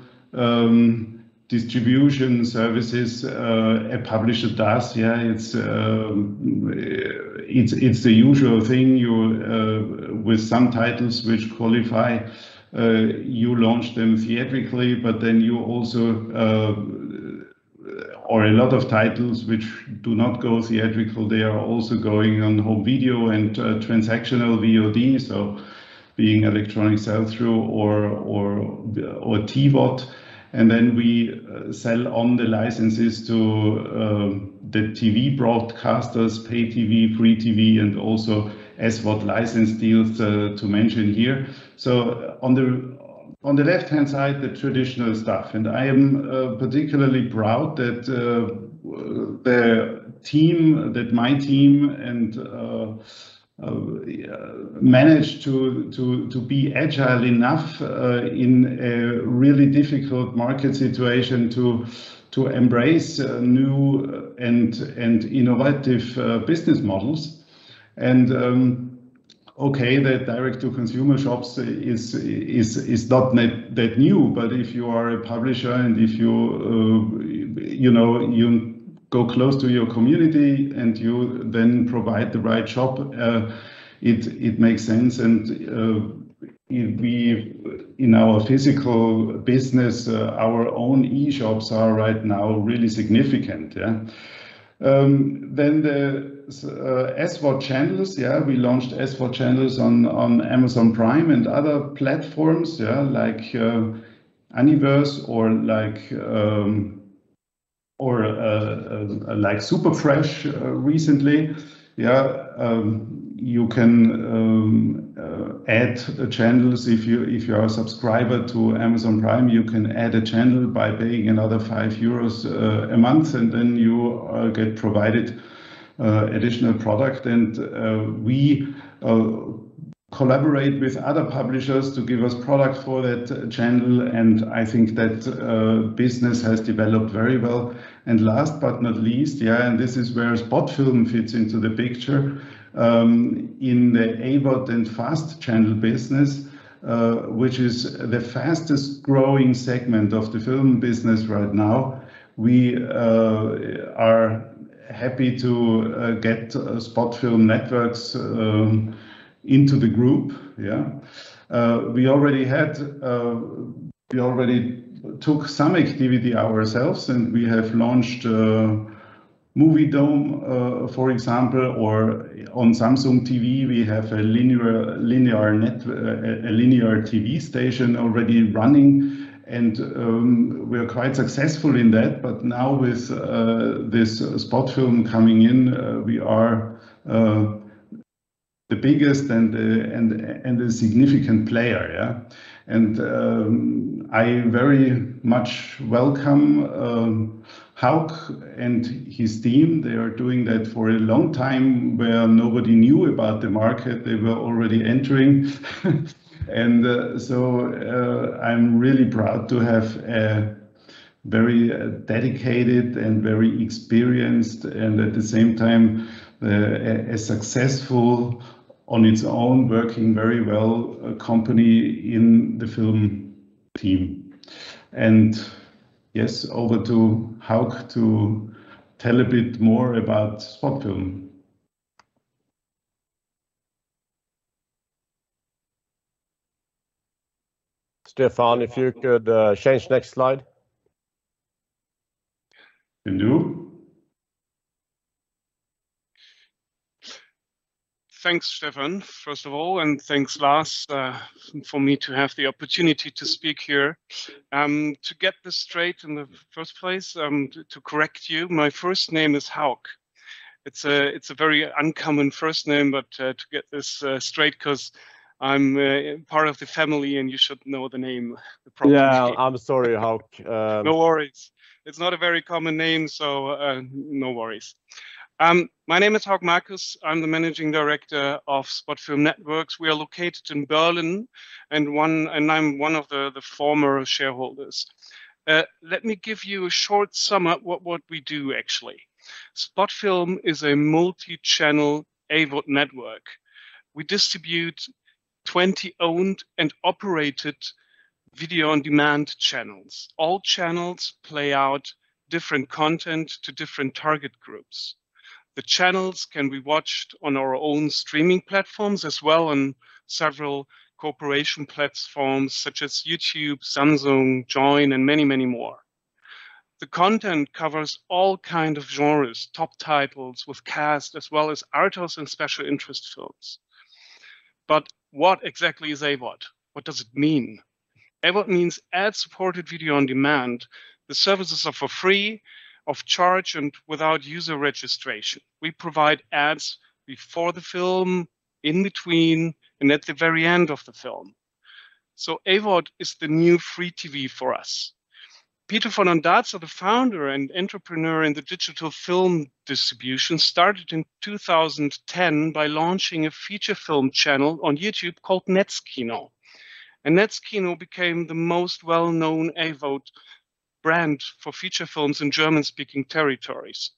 [SPEAKER 8] distribution services a publisher does. Yeah, it's the usual thing. With some titles which qualify, you launch them theatrically, but then you also. A lot of titles which do not go theatrical. They are also going on home video and transactional VOD, so being electronic sell-through or TVOD. Then we sell the licenses to the TV broadcasters, pay TV, free TV, and also SVOD license deals to mention here. On the left-hand side, the traditional stuff. I am particularly proud that the team that my team and managed to be agile enough in a really difficult market situation to embrace new and innovative business models. The direct-to-consumer shops is not that new. But if you are a publisher and if you you know get close to your community and you then provide the right shop it makes sense. In our physical business, our own e-shops are right now really significant, yeah. SVOD channels, yeah, we launched SVOD channels on Amazon Prime and other platforms, yeah, like Anyverse or like Superfresh recently. Yeah. You can add the channels if you are a subscriber to Amazon Prime. You can add a channel by paying another 5 euros a month, and then you get provided additional product. We collaborate with other publishers to give us product for that channel, and I think that business has developed very well. Last but not least, yeah, this is where Spotfilm fits into the picture, in the AVOD and FAST channel business, which is the fastest growing segment of the film business right now. We are happy to get Spotfilm Networx into the group. Yeah. We already took some activity ourselves, and we have launched Moviedome, for example, or on Samsung TV we have a linear TV station already running, and we are quite successful in that. Now with this Spotfilm coming in, we are the biggest and the significant player, yeah. I very much welcome Hauk and his team. They are doing that for a long time where nobody knew about the market they were already entering. I'm really proud to have a very dedicated and very experienced and at the same time, a successful on its own working very well, company in the film team. Yes, over to Markus Hauk to tell a bit more about Spotfilm
[SPEAKER 1] Stefan, if you could, change next slide.
[SPEAKER 8] Can do.
[SPEAKER 9] Thanks, Stefan, first of all, and thanks Lars, for me to have the opportunity to speak here. To get this straight in the first place, to correct you, my first name is Hauk. It's a very uncommon first name, but to get this straight 'cause I'm a part of the family and you should know the name, the proper name.
[SPEAKER 1] Yeah. I'm sorry, Hauk.
[SPEAKER 9] No worries. It's not a very common name, so, no worries. My name is Hauk Markus. I'm the managing director of Spotfilm Networx. We are located in Berlin and I'm one of the former shareholders. Let me give you a short sum up what we do actually. Spotfilm Networx is a multi-channel AVOD network. We distribute 20 owned and operated video-on-demand channels. All channels play out different content to different target groups. The channels can be watched on our own streaming platforms as well on several cooperating platforms such as YouTube, Samsung, Joyn, and many, many more. The content covers all kinds of genres, top titles with cast as well as arthouse and special interest films. What exactly is AVOD? What does it mean? AVOD means ad-supported video-on-demand. The services are free of charge and without user registration. We provide ads before the film, in between, and at the very end of the film. AVOD is the new free TV for us. Peter von Ondarza, the founder and entrepreneur in the digital film distribution, started in 2010 by launching a feature film channel on YouTube called Netzkino. Netzkino became the most well-known AVOD brand for feature films in German-speaking territories.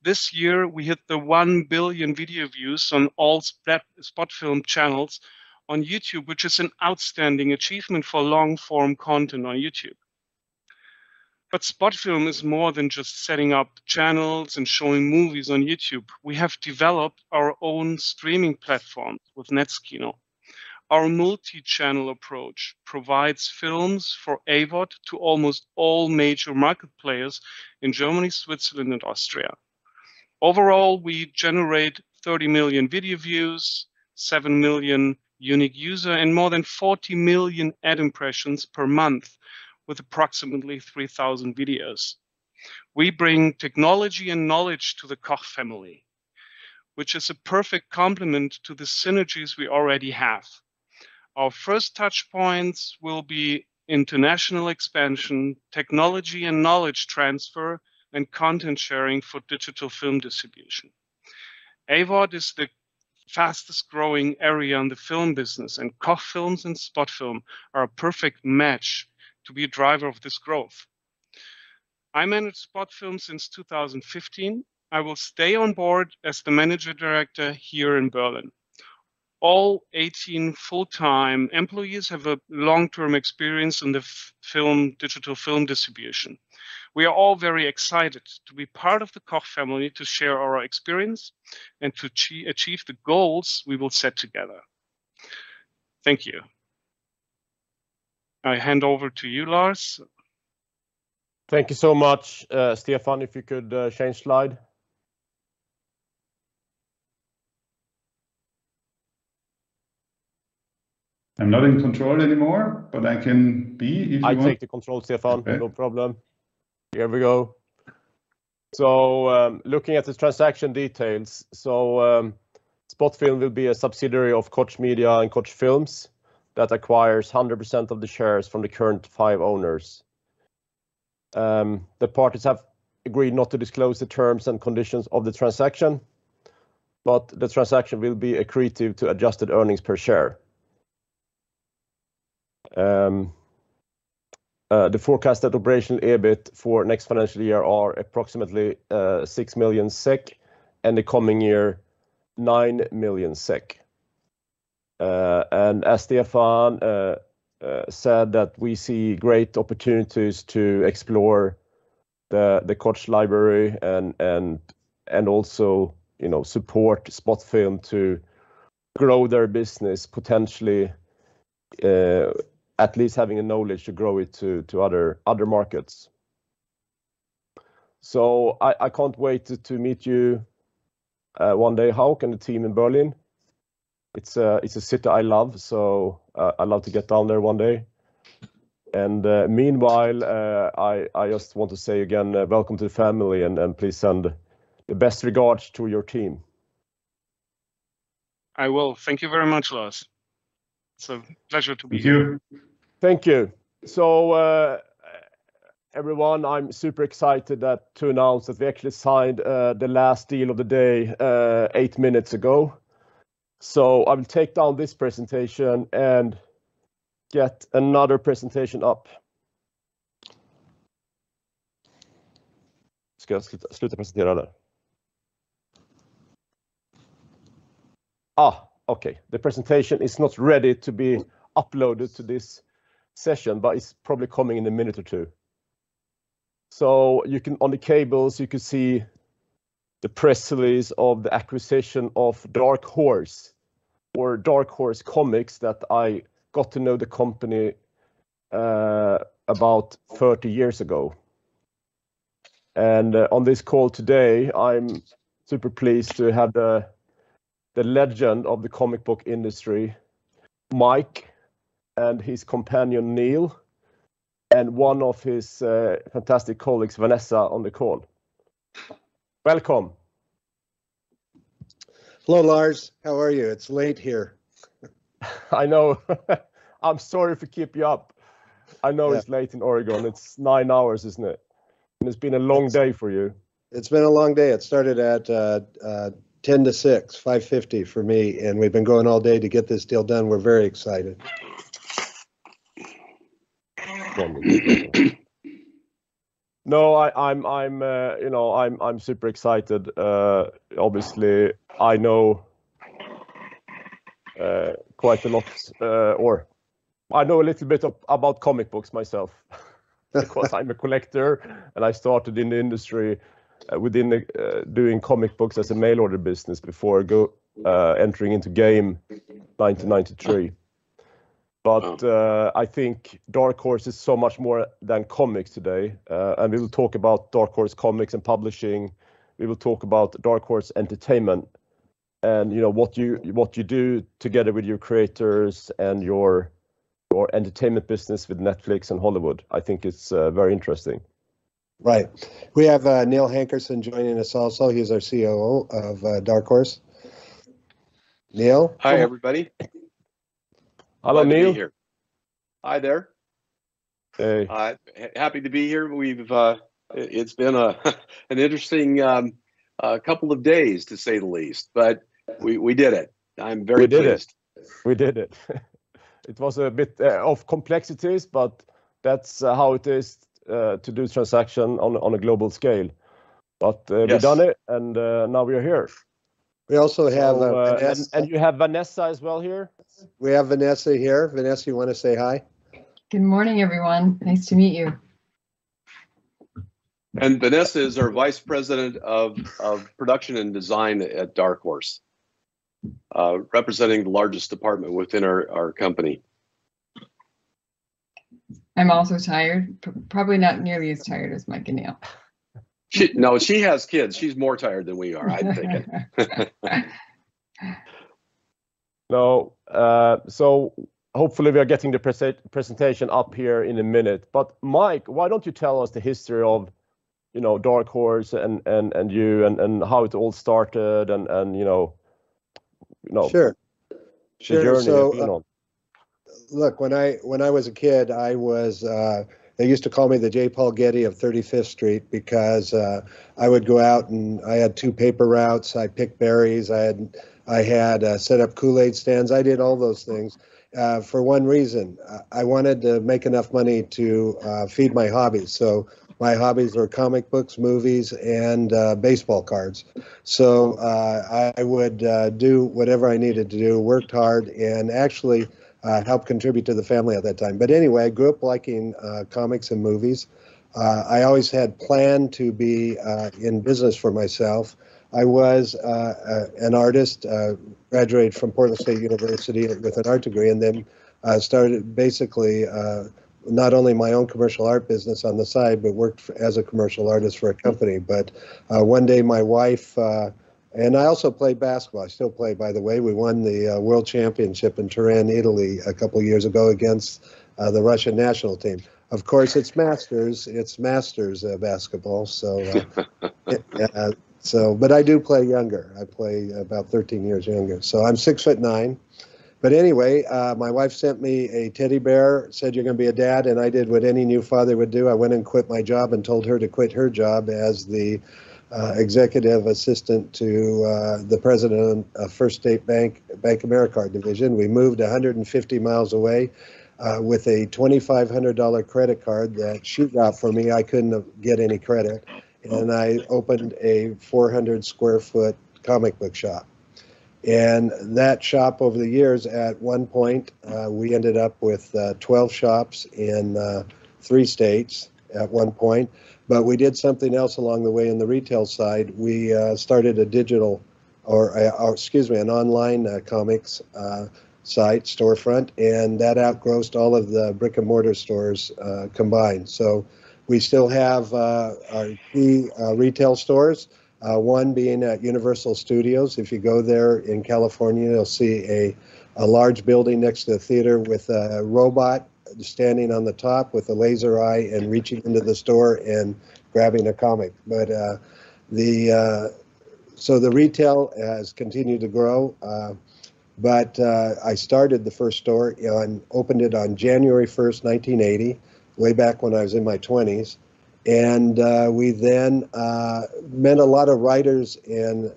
[SPEAKER 9] This year, we hit the 1 billion video views on all Spotfilm channels on YouTube, which is an outstanding achievement for long-form content on YouTube. Spotfilm is more than just setting up channels and showing movies on YouTube. We have developed our own streaming platform with Netzkino. Our multi-channel approach provides films for AVOD to almost all major market players in Germany, Switzerland, and Austria. Overall, we generate 30 million video views, 7 million unique user, and more than 40 million ad impressions per month, with approximately 3,000 videos. We bring technology and knowledge to the Koch family, which is a perfect complement to the synergies we already have. Our first touch points will be international expansion, technology and knowledge transfer, and content sharing for digital film distribution. AVOD is the fastest-growing area in the film business, and Koch Films and Spotfilm are a perfect match to be a driver of this growth. I manage Spotfilm since 2015. I will stay on board as the managing director here in Berlin. All 18 full-time employees have a long-term experience in the film, digital film distribution. We are all very excited to be part of the Koch family, to share our experience, and to achieve the goals we will set together. Thank you. I hand over to you, Lars.
[SPEAKER 1] Thank you so much, Stefan. If you could, change slide.
[SPEAKER 8] I'm not in control anymore, but I can be if you want.
[SPEAKER 1] I take the control, Stefan.
[SPEAKER 8] Okay.
[SPEAKER 1] No problem. Here we go. Looking at the transaction details, Spotfilm will be a subsidiary of Koch Media and Koch Films that acquires 100% of the shares from the current five owners. The parties have agreed not to disclose the terms and conditions of the transaction, but the transaction will be accretive to adjusted earnings per share. The forecasted operational EBIT for next financial year are approximately 6 million SEK, and the coming year, 9 million SEK. As Stefan said that we see great opportunities to explore the Koch library and also, you know, support Spotfilm to grow their business, potentially, at least having a knowledge to grow it to other markets. I can't wait to meet you one day, Hauk, and the team in Berlin. It's a city I love, so I'd love to get down there one day. Meanwhile, I just want to say again, welcome to the family and please send the best regards to your team.
[SPEAKER 9] I will. Thank you very much, Lars. It's a pleasure to be here.
[SPEAKER 1] Thank you. Everyone, I'm super excited to announce that we actually signed the last deal of the day eight minutes ago. I will take down this presentation and get another presentation up. Okay. The presentation is not ready to be uploaded to this session, but it's probably coming in a minute or two. You can, on the screens, see the press release of the acquisition of Dark Horse or Dark Horse Comics that I got to know the company about 30 years ago. On this call today, I'm super pleased to have the legend of the comic book industry, Mike, and his companion, Neil, and one of his fantastic colleagues, Vanessa, on the call. Welcome.
[SPEAKER 10] Hello, Lars. How are you? It's late here.
[SPEAKER 1] I know. I'm sorry for keeping you up.
[SPEAKER 10] Yeah.
[SPEAKER 1] I know it's late in Oregon. It's nine hours, isn't it? It's been a long day for you.
[SPEAKER 10] It's been a long day. It started at 5:50 for me, and we've been going all day to get this deal done. We're very excited.
[SPEAKER 1] No, I'm super excited. Obviously I know quite a lot or a little bit about comic books myself. Because I'm a collector, and I started in the industry with doing comic books as a mail order business before entering into games 1993.
[SPEAKER 10] Yeah.
[SPEAKER 1] I think Dark Horse is so much more than comics today. We will talk about Dark Horse Comics and publishing. We will talk about Dark Horse Entertainment and, you know, what you do together with your creators and your entertainment business with Netflix and Hollywood. I think it's very interesting.
[SPEAKER 10] Right. We have Neil Hankerson joining us also. He's our COO of Dark Horse. Neil, hello.
[SPEAKER 11] Hi, everybody.
[SPEAKER 1] Hello, Neil.
[SPEAKER 11] Good to be here. Hi there.
[SPEAKER 1] Hey.
[SPEAKER 11] I'm happy to be here. It's been an interesting couple of days, to say the least, but we did it. I'm very pleased.
[SPEAKER 1] We did it. We did it. It was a bit of complexities, but that's how it is to do transaction on a global scale.
[SPEAKER 11] Yes...
[SPEAKER 1] we done it, and now we are here.
[SPEAKER 10] We also have Vanessa-
[SPEAKER 11] You have Vanessa as well here?
[SPEAKER 10] We have Vanessa here. Vanessa, you wanna say hi?
[SPEAKER 12] Good morning, everyone. Nice to meet you.
[SPEAKER 11] Vanessa is our Vice President of production and design at Dark Horse, representing the largest department within our company.
[SPEAKER 12] I'm also tired. Probably not nearly as tired as Mike and Neil.
[SPEAKER 11] No, she has kids. She's more tired than we are, I'm thinking.
[SPEAKER 1] No, hopefully we are getting the presentation up here in a minute, but Mike, why don't you tell us the history of, you know, Dark Horse and you and how it all started and, you know.
[SPEAKER 10] Sure
[SPEAKER 1] the journey, you know.
[SPEAKER 10] Sure, look, when I was a kid, they used to call me the J. Paul Getty of 35th Street, because I would go out and I had two paper routes. I picked berries. I had set up Kool-Aid stands. I did all those things for one reason. I wanted to make enough money to feed my hobbies. My hobbies were comic books, movies, and baseball cards. I would do whatever I needed to do, worked hard, and actually helped contribute to the family at that time. Anyway, I grew up liking comics and movies. I always had planned to be in business for myself. I was an artist, graduated from Portland State University with an art degree and then started basically not only my own commercial art business on the side but worked as a commercial artist for a company. One day, my wife sent me a teddy bear, said, "You're gonna be a dad." I also played basketball. I still play, by the way. We won the world championship in Turin, Italy a couple years ago against the Russian national team. Of course, it's masters basketball. I do play younger. I play about 13 years younger, so I'm 6 ft 9. Anyway, my wife sent me a teddy bear, said, "You're gonna be a dad," and I did what any new father would do. I went and quit my job and told her to quit her job as the executive assistant to the president of First State Bank, BankAmericard division. We moved 150 miles away with a $2,500 credit card that she got for me. I couldn't have get any credit. I opened a 400 sq ft comic book shop. That shop, over the years, at one point we ended up with 12 shops in three states at one point. We did something else along the way on the retail side. We started an online comics site, storefront, and that outgrossed all of the brick-and-mortar stores combined. We still have our key retail stores, one being at Universal Studios. If you go there in California, you'll see a large building next to the theater with a robot standing on the top with a laser eye and reaching into the store and grabbing a comic. The retail has continued to grow. I started the first store, you know, opened it on January 1st, 1980, way back when I was in my 20s. We then met a lot of writers and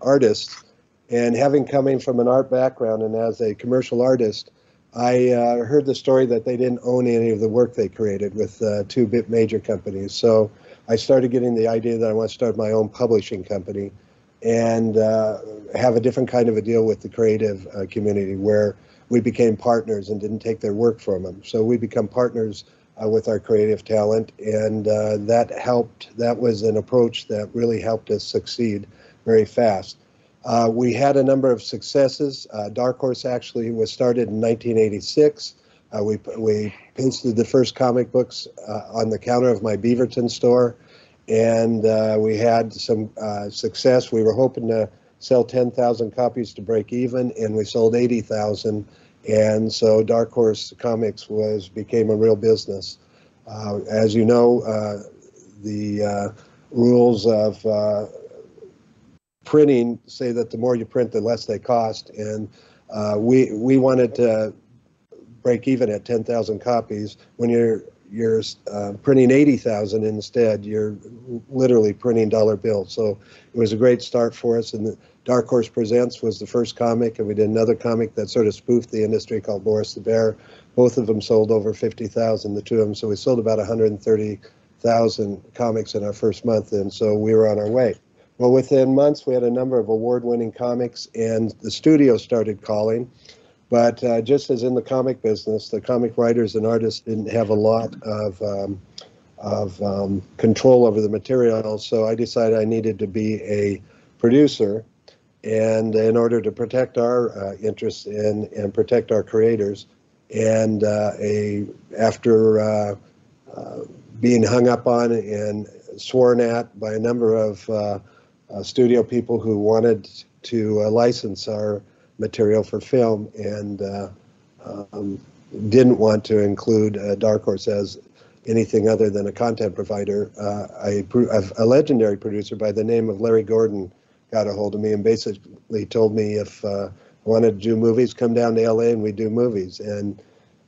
[SPEAKER 10] artists. Having come from an art background and as a commercial artist, I heard the story that they didn't own any of the work they created with two big major companies. I started getting the idea that I want to start my own publishing company and have a different kind of a deal with the creative community where we became partners and didn't take their work from them. We become partners with our creative talent, and that helped. That was an approach that really helped us succeed very fast. We had a number of successes. Dark Horse actually was started in 1986. We instituted the first comic books on the counter of my Beaverton store, and we had some success. We were hoping to sell 10,000 copies to break even, and we sold 80,000, and Dark Horse Comics became a real business. As you know, the rules of printing say that the more you print, the less they cost, and we wanted to break even at 10,000 copies. When you're printing 80,000 instead, you're literally printing dollar bills. It was a great start for us, and the Dark Horse Presents was the first comic. We did another comic that sort of spoofed the industry called Boris the Bear. Both of them sold over 50,000, the two of them, so we sold about 130,000 comics in our first month, and we were on our way. Within months, we had a number of award-winning comics, and the studio started calling. Just as in the comic business, the comic writers and artists didn't have a lot of control over the material. Also I decided I needed to be a producer, and in order to protect our interests and protect our creators. After being hung up on and sworn at by a number of studio people who wanted to license our material for film and didn't want to include Dark Horse as anything other than a content provider. A legendary producer by the name of Larry Gordon got ahold of me and basically told me if I wanted to do movies, come down to L.A. and we'd do movies.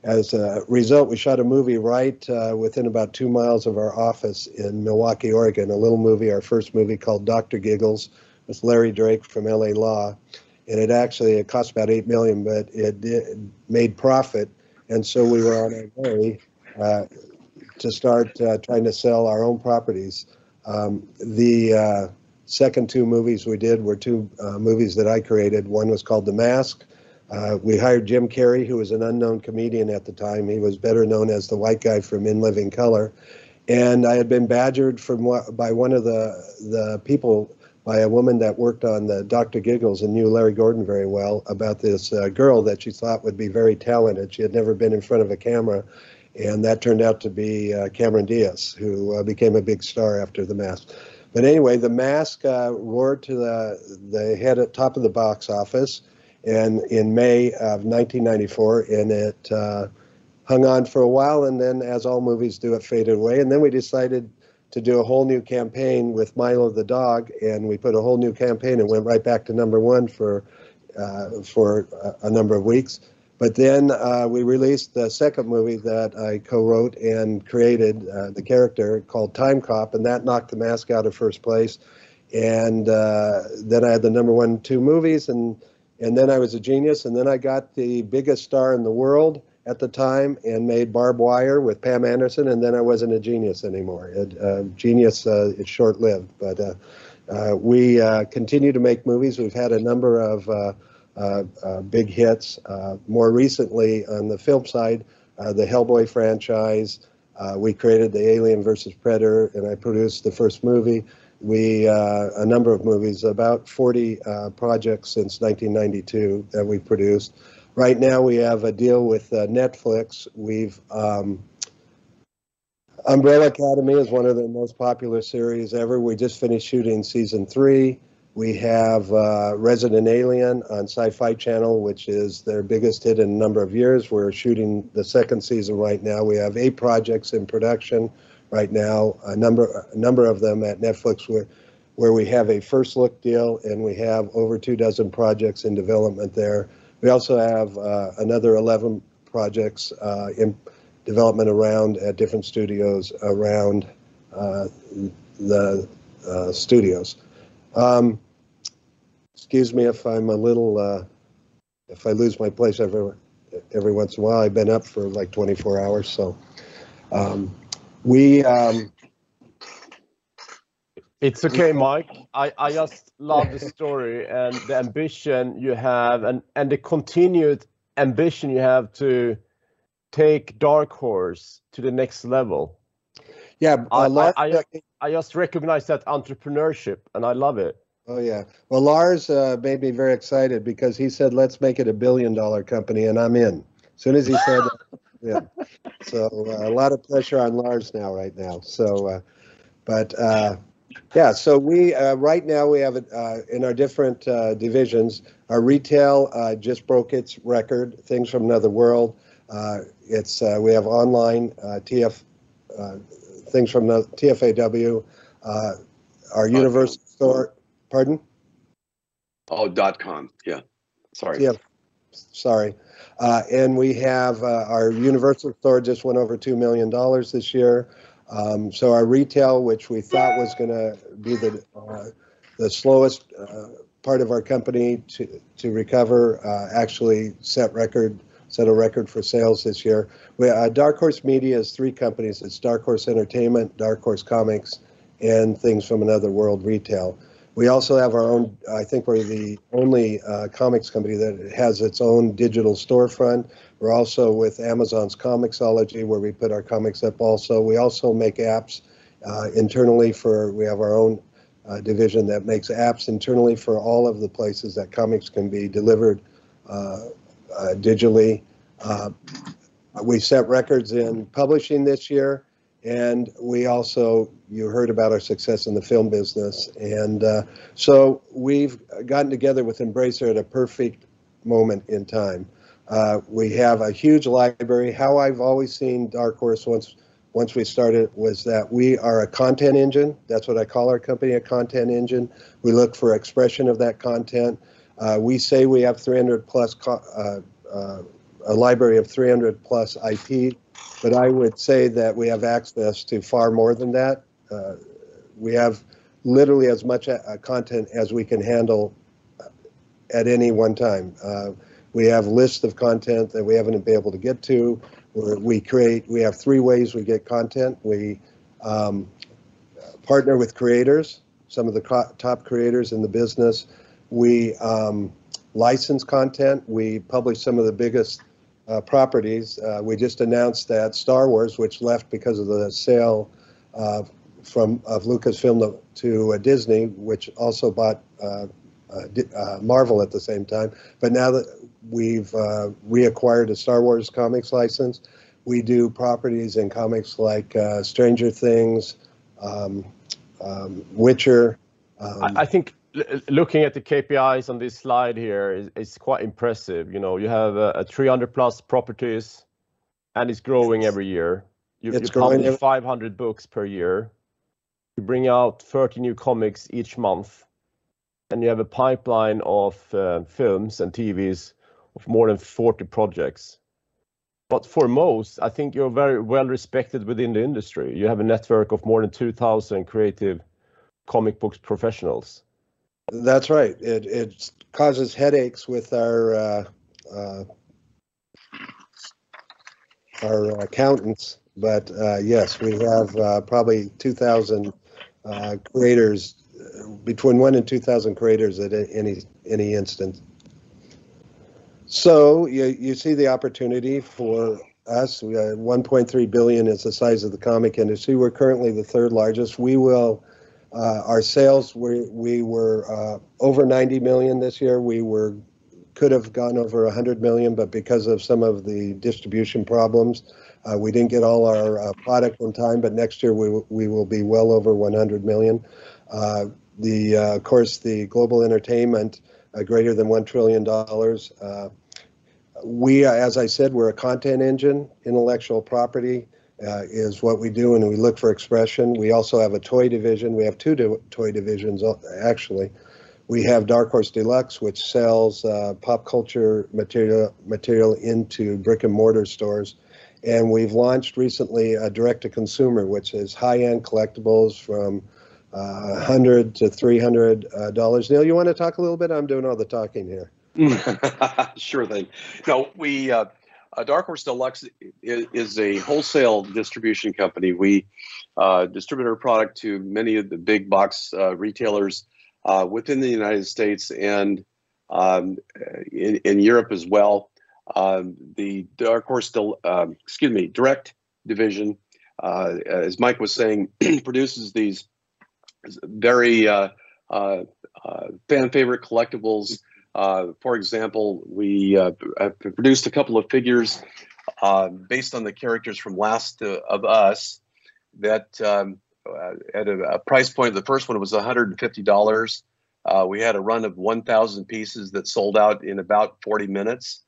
[SPEAKER 10] As a result, we shot a movie right within about two miles of our office in Milwaukie, Oregon, a little movie, our first movie called Dr. Giggles with Larry Drake from L.A. Law, and it actually cost about $8 million, but it made profit, and so we were on our way to start trying to sell our own properties. The second two movies we did were two movies that I created. One was called The Mask. We hired Jim Carrey, who was an unknown comedian at the time. He was better known as the white guy from In Living Color, and I had been badgered by a woman that worked on the Dr. Giggles and knew Larry Gordon very well about this girl that she thought would be very talented. She had never been in front of a camera, and that turned out to be Cameron Diaz, who became a big star after The Mask. Anyway, The Mask roared to the top of the box office in May of 1994, and it hung on for a while, and then as all movies do, it faded away. We decided to do a whole new campaign with Milo the Dog, and we put a whole new campaign and went right back to number one for a number of weeks. We released the second movie that I co-wrote and created, the character called Timecop, and that knocked The Mask out of first place, and then I had the number one and two movies, and then I was a genius. I got the biggest star in the world at the time and made Barb Wire with Pam Anderson, and then I wasn't a genius anymore. It's genius. It's short-lived. We continue to make movies. We've had a number of big hits, more recently on the film side, the Hellboy franchise. We created the Alien vs. Predator, and I produced the first movie. We a number of movies, about 40 projects since 1992 that we've produced. Right now, we have a deal with Netflix. Umbrella Academy is one of the most popular series ever. We just finished shooting season three. We have Resident Alien on Syfy Channel, which is their biggest hit in a number of years. We're shooting the second season right now. We have eight projects in production right now, a number of them at Netflix where we have a first look deal, and we have over two dozen projects in development there. We also have another 11 projects in development at different studios. Excuse me if I lose my place every once in a while. I've been up for, like, 24 hours, so we
[SPEAKER 1] It's okay, Mike. I just love the story and the ambition you have and the continued ambition you have to take Dark Horse to the next level.
[SPEAKER 10] Yeah, I love.
[SPEAKER 1] I just recognize that entrepreneurship, and I love it.
[SPEAKER 10] Oh, yeah. Well, Lars made me very excited because he said, "Let's make it a billion-dollar company," and I'm in. As soon as he said it. Yeah. A lot of pressure on Lars now, right now. Yeah, right now we have in our different divisions, our retail just broke its record, Things From Another World. We have online, TFAW, our universal store. Pardon?
[SPEAKER 1] Oh, .com. Yeah. Sorry.
[SPEAKER 10] We have our universal store just went over $2 million this year. Our retail, which we thought was gonna be the slowest part of our company to recover, actually set a record for sales this year. Dark Horse Media is three companies. It's Dark Horse Entertainment, Dark Horse Comics, and Things From Another World retail. We also have our own. I think we're the only comics company that has its own digital storefront. We're also with Amazon's ComiXology where we put our comics up also. We also make apps internally. We have our own division that makes apps internally for all of the places that comics can be delivered digitally. We set records in publishing this year, and we also, you heard about our success in the film business. So we've gotten together with Embracer at a perfect moment in time. We have a huge library. How I've always seen Dark Horse once we started was that we are a content engine. That's what I call our company, a content engine. We look for expression of that content. We say we have a library of 300-plus IP, but I would say that we have access to far more than that. We have literally as much content as we can handle at any one time. We have lists of content that we haven't been able to get to. We create, we have three ways we get content. We partner with creators, some of the top creators in the business. We license content. We publish some of the biggest properties. We just announced that Star Wars, which left because of the sale of Lucasfilm to Disney, which also bought Marvel at the same time, but now that we've reacquired a Star Wars comics license. We do properties and comics like Stranger Things, Witcher.
[SPEAKER 1] I think looking at the KPIs on this slide here is quite impressive. You know, you have 300+ properties, and it's growing every year.
[SPEAKER 10] It's growing every-
[SPEAKER 1] You publish 500 books per year. You bring out 30 new comics each month, and you have a pipeline of films and TVs of more than 40 projects. Foremost, I think you're very well-respected within the industry. You have a network of more than 2,000 creative comic books professionals.
[SPEAKER 10] That's right. It causes headaches with our accountants, but yes, we have probably 2,000 creators, between one and 2,000 creators at any instance. You see the opportunity for us. $1.3 billion is the size of the comic industry. We're currently the third largest. Our sales were over $90 million this year. We could have gone over $100 million, but because of some of the distribution problems, we didn't get all our product on time, but next year, we will be well over $100 million. Of course, the global entertainment greater than $1 trillion. As I said, we're a content engine. Intellectual property is what we do, and we look for expression. We also have a toy division. We have two toy divisions actually. We have Dark Horse Deluxe, which sells pop culture material into brick-and-mortar stores, and we've launched recently Dark Horse Direct, which is high-end collectibles from $100-$300. Neil, you wanna talk a little bit? I'm doing all the talking here.
[SPEAKER 11] Sure thing. No, Dark Horse Deluxe is a wholesale distribution company. We distribute our product to many of the big box retailers within the United States, and in Europe as well. Excuse me, the Dark Horse Direct division, as Mike was saying, produces these very fan-favorite collectibles. For example, we produced a couple of figures based on the characters from The Last of Us that at a price point, the first one was $150. We had a run of 1,000 pieces that sold out in about 40 minutes,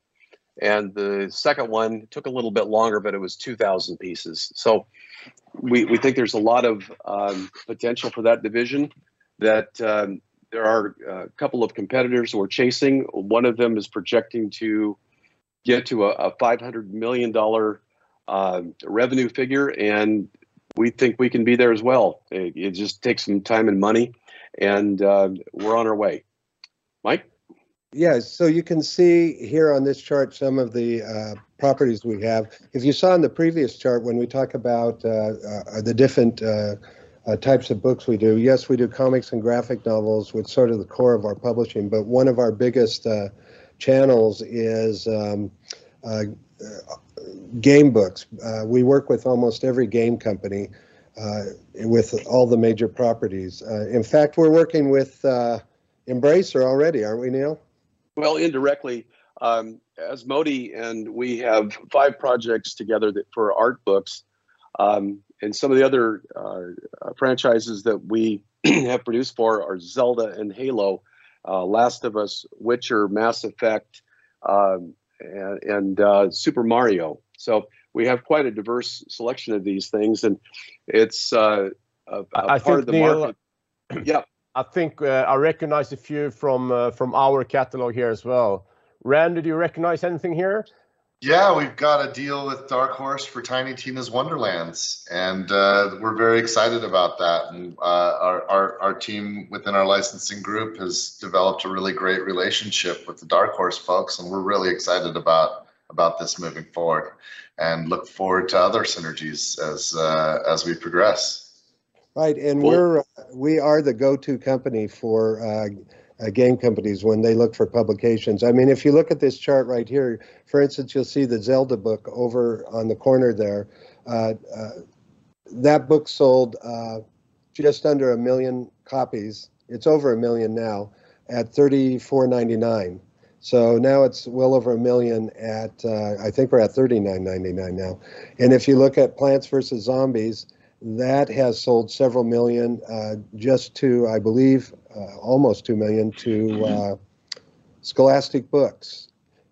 [SPEAKER 11] and the second one took a little bit longer, but it was 2,000 pieces. We think there's a lot of potential for that division that there are a couple of competitors who are chasing. One of them is projecting to get to a $500 million revenue figure, and we think we can be there as well. It just takes some time and money, and we're on our way. Mike?
[SPEAKER 10] Yeah, you can see here on this chart some of the properties we have. If you saw on the previous chart when we talk about the different types of books we do, yes, we do comics and graphic novels, which is sort of the core of our publishing, but one of our biggest channels is game books. We work with almost every game company with all the major properties. In fact, we're working with Embracer already, aren't we, Neil?
[SPEAKER 11] Well, indirectly, as Modi, and we have five projects together that, for art books, and some of the other franchises that we have produced for are Zelda and Halo, The Last of Us, The Witcher, Mass Effect, and Super Mario. We have quite a diverse selection of these things, and it's a part of the market-
[SPEAKER 1] I think, Neil.
[SPEAKER 11] Yeah?
[SPEAKER 1] I think I recognize a few from our catalog here as well. Randy, did you recognize anything here?
[SPEAKER 3] Yeah. We've got a deal with Dark Horse for Tiny Tina's Wonderlands, and we're very excited about that. Our team within our licensing group has developed a really great relationship with the Dark Horse folks, and we're really excited about this moving forward and look forward to other synergies as we progress.
[SPEAKER 10] Right.
[SPEAKER 1] Well-
[SPEAKER 10] We are the go-to company for game companies when they look for publications. I mean, if you look at this chart right here, for instance, you'll see the Zelda book over on the corner there. That book sold just under 1 million copies. It's over 1 million now at $34.99. Now it's well over 1 million at, I think we're at $39.99 now. If you look at Plants vs. Zombies, that has sold several million, just to, I believe, almost 2 million to-
[SPEAKER 1] Mm-hmm
[SPEAKER 10] Scholastic Books.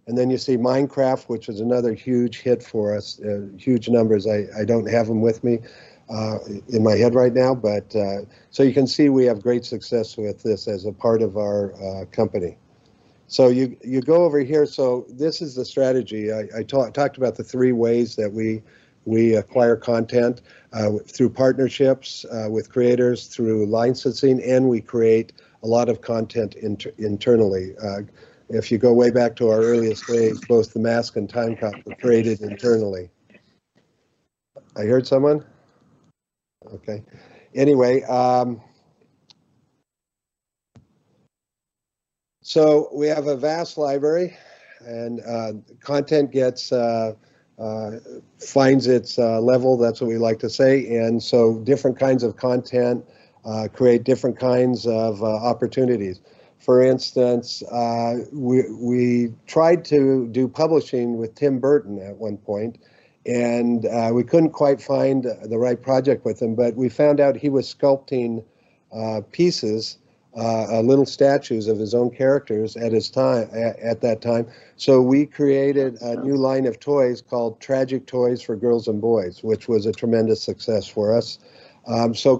[SPEAKER 10] Then you see Minecraft, which is another huge hit for us, huge numbers. I don't have them with me, in my head right now, but so you can see we have great success with this as a part of our company. You go over here. This is the strategy. I talked about the three ways that we acquire content through partnerships with creators, through licensing, and we create a lot of content internally. If you go way back to our earliest days, both The Mask and Timecop were created internally. I heard someone? Okay. Anyway, we have a vast library, and content finds its level. That's what we like to say. Different kinds of content create different kinds of opportunities. For instance, we tried to do publishing with Tim Burton at one point, and we couldn't quite find the right project with him, but we found out he was sculpting pieces, little statues of his own characters at that time. We created-
[SPEAKER 1] That's awesome.
[SPEAKER 10] a new line of toys called Tragic Toys for Girls and Boys, which was a tremendous success for us.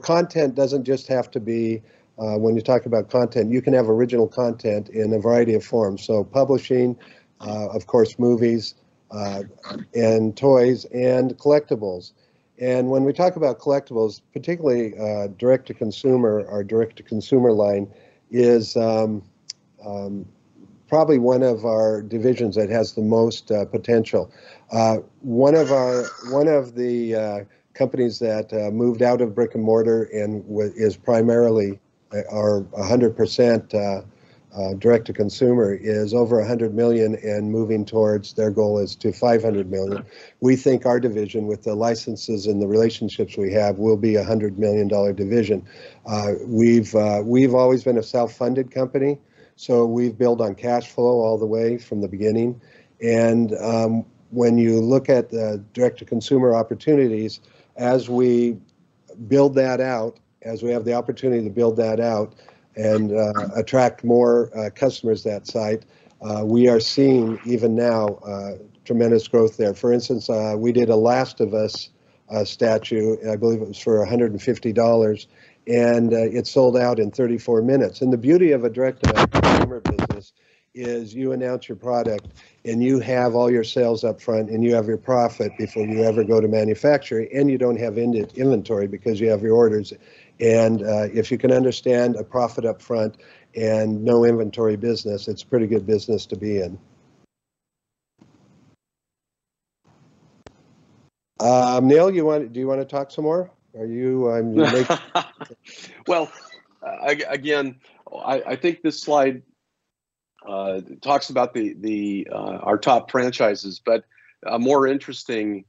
[SPEAKER 10] Content doesn't just have to be, when you talk about content, you can have original content in a variety of forms. Publishing, of course movies, and toys, and collectibles. When we talk about collectibles, particularly direct to consumer, our direct to consumer line is probably one of our divisions that has the most potential. One of the companies that moved out of brick-and-mortar and is primarily 100% direct to consumer is over $100 million and moving towards, their goal is to $500 million.
[SPEAKER 11] Okay.
[SPEAKER 10] We think our division with the licenses and the relationships we have will be a $100 million division. We've always been a self-funded company, so we've built on cash flow all the way from the beginning. When you look at the direct to consumer opportunities, as we build that out, as we have the opportunity to build that out and attract more customers on that side, we are seeing even now tremendous growth there. For instance, we did a The Last of Us statue, I believe it was for $150, and it sold out in 34 minutes. The beauty of a direct to consumer business is you announce your product and you have all your sales up front and you have your profit before you ever go to manufacturing, and you don't have inventory because you have your orders. If you can understand upfront profit and no inventory business, it's pretty good business to be in. Neil, do you want to talk some more? You're making...
[SPEAKER 11] Well, again, I think this slide talks about our top franchises, but a more interesting,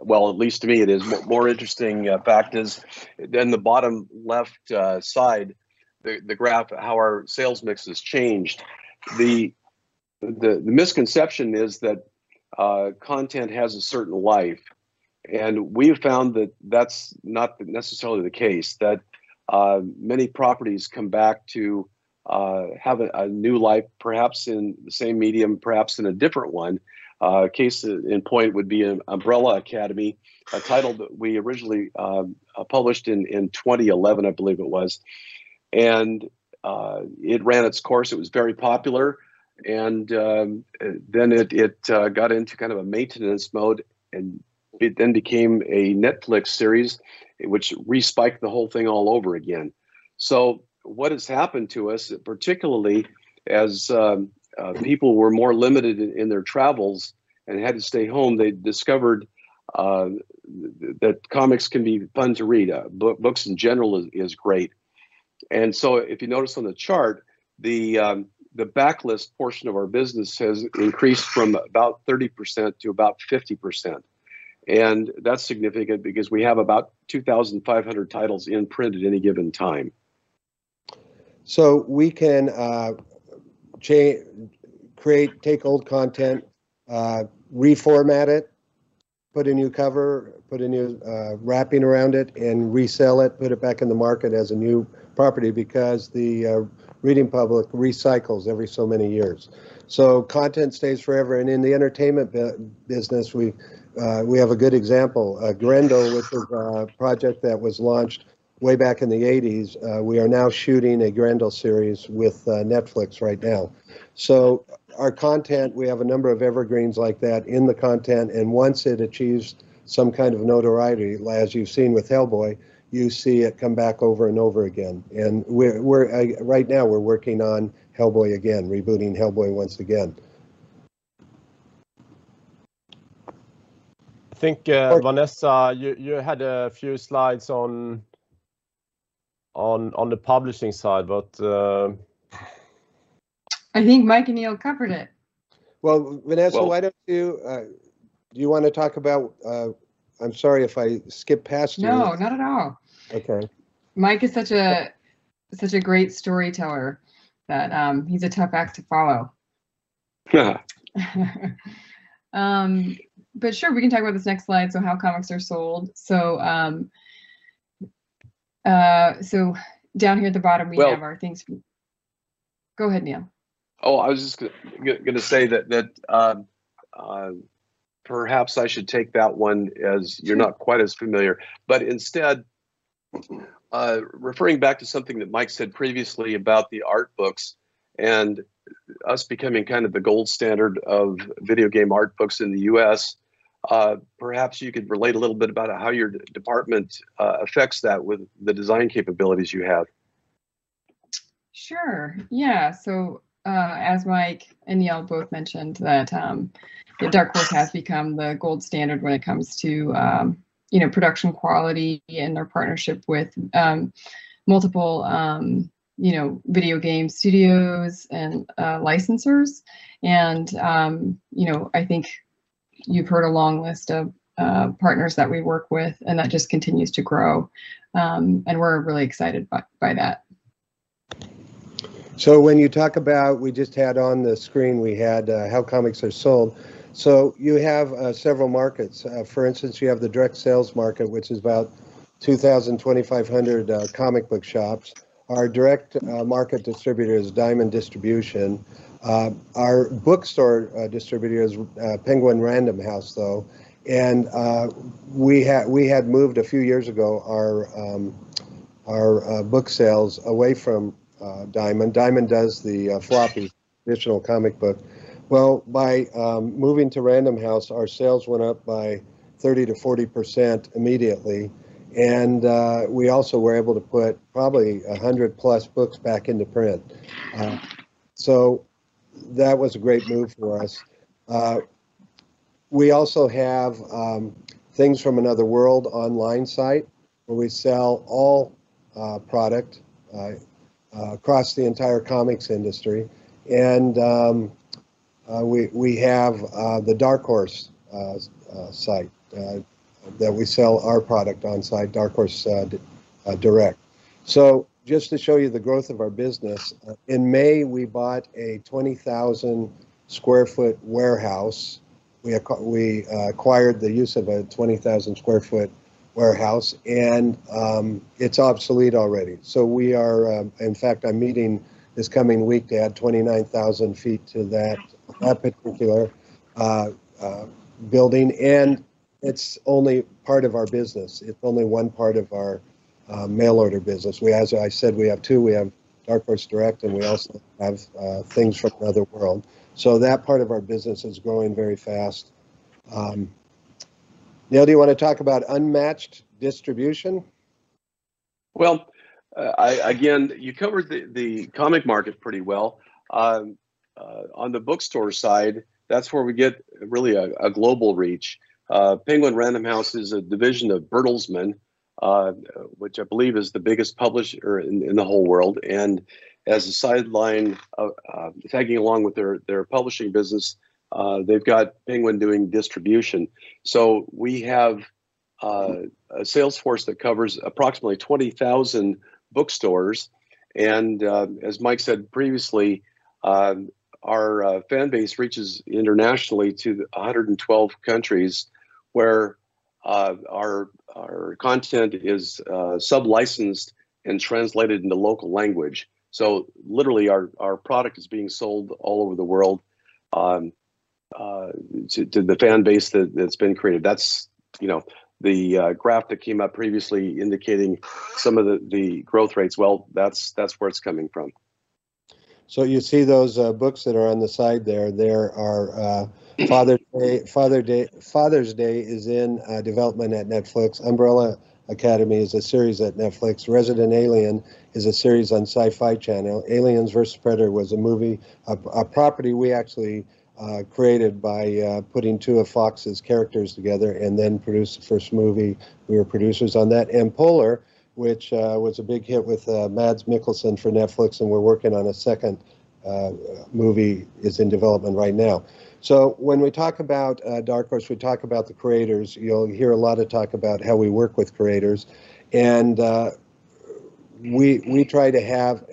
[SPEAKER 11] well, at least to me it is. More interesting fact is in the bottom left side, the graph, how our sales mix has changed. The misconception is that content has a certain life, and we have found that that's not necessarily the case, that many properties come back to have a new life, perhaps in the same medium, perhaps in a different one. A case in point would be an Umbrella Academy, a title that we originally published in 2011 I believe it was. It ran its course. It was very popular. It got into kind of a maintenance mode, and it then became a Netflix series, which respiked the whole thing all over again. What has happened to us, particularly as people were more limited in their travels and had to stay home, they discovered that comics can be fun to read. Books in general is great. If you notice on the chart, the backlist portion of our business has increased from about 30% to about 50%. That's significant because we have about 2,500 titles in print at any given time.
[SPEAKER 10] We can create, take old content, reformat it, put a new cover, put a new wrapping around it, and resell it, put it back in the market as a new property because the reading public recycles every so many years. Content stays forever. In the entertainment business, we have a good example. Grendel, which was a project that was launched way back in the 1980s, we are now shooting a Grendel series with Netflix right now. Our content, we have a number of evergreens like that in the content. Once it achieved some kind of notoriety, as you've seen with Hellboy, you see it come back over and over again. We're right now working on Hellboy again, rebooting Hellboy once again.
[SPEAKER 11] I think.
[SPEAKER 10] Oh
[SPEAKER 11] Vanessa, you had a few slides on the publishing side, but.
[SPEAKER 12] I think Mike and Neil covered it.
[SPEAKER 10] Well, Vanessa. I'm sorry if I skipped past yours.
[SPEAKER 12] No, not at all.
[SPEAKER 10] Okay.
[SPEAKER 12] Mike is such a great storyteller that he's a tough act to follow.
[SPEAKER 11] Yeah.
[SPEAKER 12] Sure, we can talk about this next slide, how comics are sold down here at the bottom we have.
[SPEAKER 11] Well-
[SPEAKER 12] our things. Go ahead, Neil.
[SPEAKER 11] Oh, I was just gonna say that perhaps I should take that one as you're not quite as familiar. Instead, referring back to something that Mike said previously about the art books and us becoming kind of the gold standard of video game art books in the U.S., perhaps you could relate a little bit about how your department affects that with the design capabilities you have.
[SPEAKER 12] Sure. Yeah. As Mike and Neil both mentioned, that Dark Horse has become the gold standard when it comes to, you know, production quality and their partnership with, multiple, you know, video game studios and, licensors. You know, I think you've heard a long list of, partners that we work with, and that just continues to grow. We're really excited by that.
[SPEAKER 10] When you talk about, we just had on the screen how comics are sold, so you have several markets. For instance, you have the direct sales market, which is about 2,000-2,500 comic book shops. Our direct market distributor is Diamond Comic Distributors. Our bookstore distributor is Penguin Random House, though. We had moved a few years ago our book sales away from Diamond. Diamond does the floppy traditional comic book. Well, by moving to Random House, our sales went up by 30%-40% immediately, and we also were able to put probably 100+ books back into print. That was a great move for us. We also have Things From Another World online site, where we sell all product across the entire comics industry. We have the Dark Horse site that we sell our product on, Dark Horse Direct. Just to show you the growth of our business, in May, we acquired the use of a 20,000 sq ft warehouse, and it's obsolete already. In fact, I'm meeting this coming week to add 29,000 sq ft to that particular building, and it's only part of our business. It's only one part of our mail order business. As I said, we have two. We have Dark Horse Direct, and we also have Things From Another World, so that part of our business is growing very fast. Neil, do you wanna talk about unmatched distribution?
[SPEAKER 11] Well, again, you covered the comic market pretty well. On the bookstore side, that's where we get really a global reach. Penguin Random House is a division of Bertelsmann, which I believe is the biggest publisher in the whole world, and as a sideline, tagging along with their publishing business, they've got Penguin doing distribution. We have a sales force that covers approximately 20,000 bookstores, and, as Mike said previously, our fan base reaches internationally to 112 countries, where our content is sub-licensed and translated into local language. Literally our product is being sold all over the world to the fan base that's been created. That's, you know, the graph that came up previously indicating some of the growth rates. Well, that's where it's coming from.
[SPEAKER 10] You see those books that are on the side there. They are Father's Day is in development at Netflix. Umbrella Academy is a series at Netflix. Resident Alien is a series on Syfy Channel. Aliens vs. Predator was a movie, a property we actually created by putting two of Fox's characters together and then produced the first movie. We were producers on that. Polar, which was a big hit with Mads Mikkelsen for Netflix, and we're working on a second movie. It's in development right now. When we talk about Dark Horse, we talk about the creators. You'll hear a lot of talk about how we work with creators, and we try to have,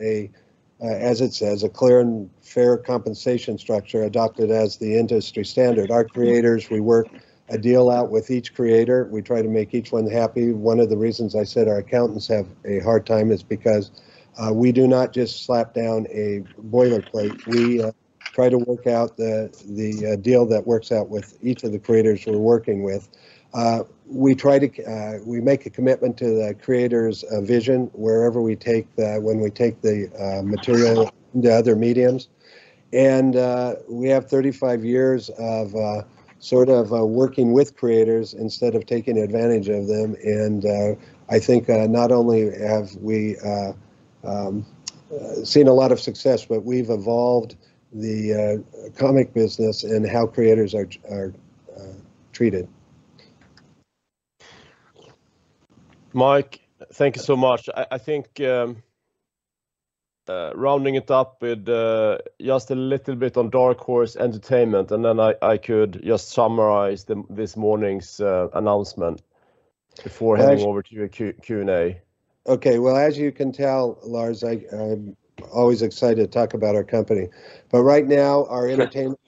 [SPEAKER 10] as it says, a clear and fair compensation structure adopted as the industry standard. Our creators, we work a deal out with each creator. We try to make each one happy. One of the reasons I said our accountants have a hard time is because we do not just slap down a boilerplate. We try to work out the deal that works out with each of the creators we're working with. We make a commitment to the creator's vision when we take the material to other mediums. We have 35 years of sort of working with creators instead of taking advantage of them, and I think not only have we seen a lot of success, but we've evolved the comic business and how creators are treated.
[SPEAKER 1] Mike, thank you so much. I think rounding it up with just a little bit on Dark Horse Entertainment, and then I could just summarize this morning's announcement before-
[SPEAKER 10] Thanks...
[SPEAKER 1] heading over to Q&A.
[SPEAKER 10] Okay. Well, as you can tell, Lars, I'm always excited to talk about our company, but right now our entertainment-
[SPEAKER 1] Sure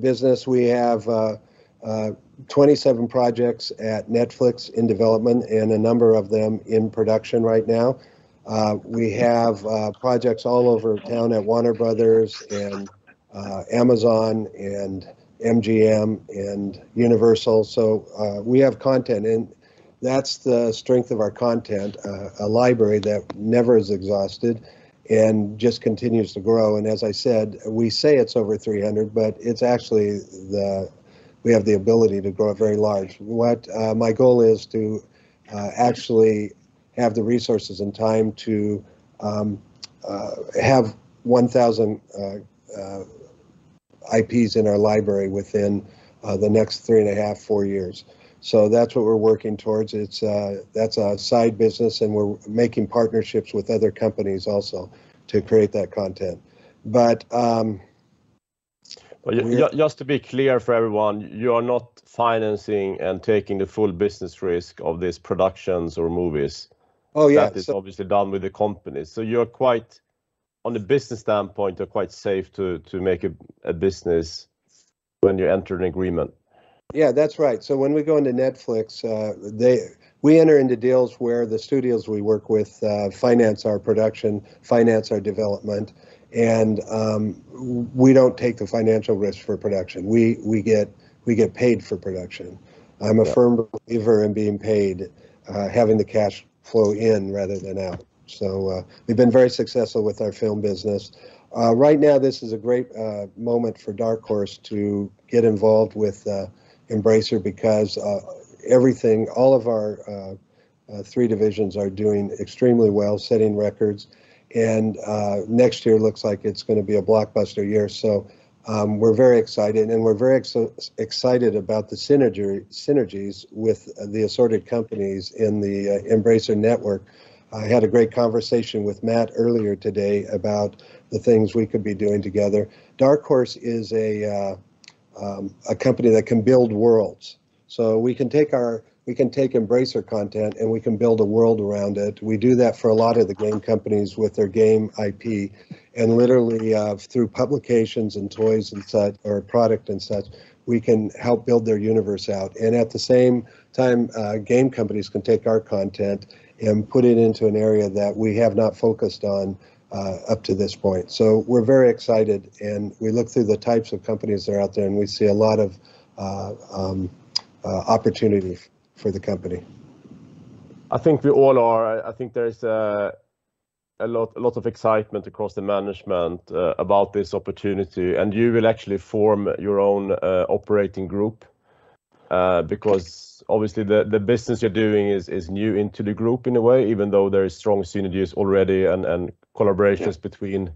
[SPEAKER 10] Business, we have 27 projects at Netflix in development and a number of them in production right now. We have projects all over town at Warner Bros. and Amazon and MGM and Universal, so we have content, and that's the strength of our content, a library that never is exhausted and just continues to grow. As I said, we say it's over 300, but it's actually. We have the ability to grow it very large. My goal is to actually have the resources and time to have 1,000 IPs in our library within the next three and half, four years. That's what we're working towards. That's a side business, and we're making partnerships with other companies also to create that content.
[SPEAKER 1] Just to be clear for everyone, you are not financing and taking the full business risk of these productions or movies?
[SPEAKER 10] Oh, yes.
[SPEAKER 1] That is obviously done with the company. You're quite safe to make a business when you enter an agreement.
[SPEAKER 10] Yeah, that's right. When we go into Netflix, we enter into deals where the studios we work with finance our production, finance our development, and we don't take the financial risk for production. We get paid for production.
[SPEAKER 1] Yeah.
[SPEAKER 10] I'm a firm believer in being paid, having the cash flow in rather than out. We've been very successful with our film business. Right now this is a great moment for Dark Horse to get involved with Embracer because everything, all of our three divisions are doing extremely well, setting records, and next year looks like it's gonna be a blockbuster year. We're very excited, and we're very excited about the synergies with the assorted companies in the Embracer network. I had a great conversation with Matt earlier today about the things we could be doing together. Dark Horse is a company that can build worlds. We can take Embracer content, and we can build a world around it. We do that for a lot of the game companies with their game IP, and literally, through publications and toys and such, or product and such, we can help build their universe out. At the same time, game companies can take our content and put it into an area that we have not focused on, up to this point. We're very excited, and we look through the types of companies that are out there, and we see a lot of opportunity for the company.
[SPEAKER 1] I think we all are. I think there is a lot of excitement across the management about this opportunity, and you will actually form your own operating group because obviously the business you're doing is new into the group in a way, even though there is strong synergies already and collaborations.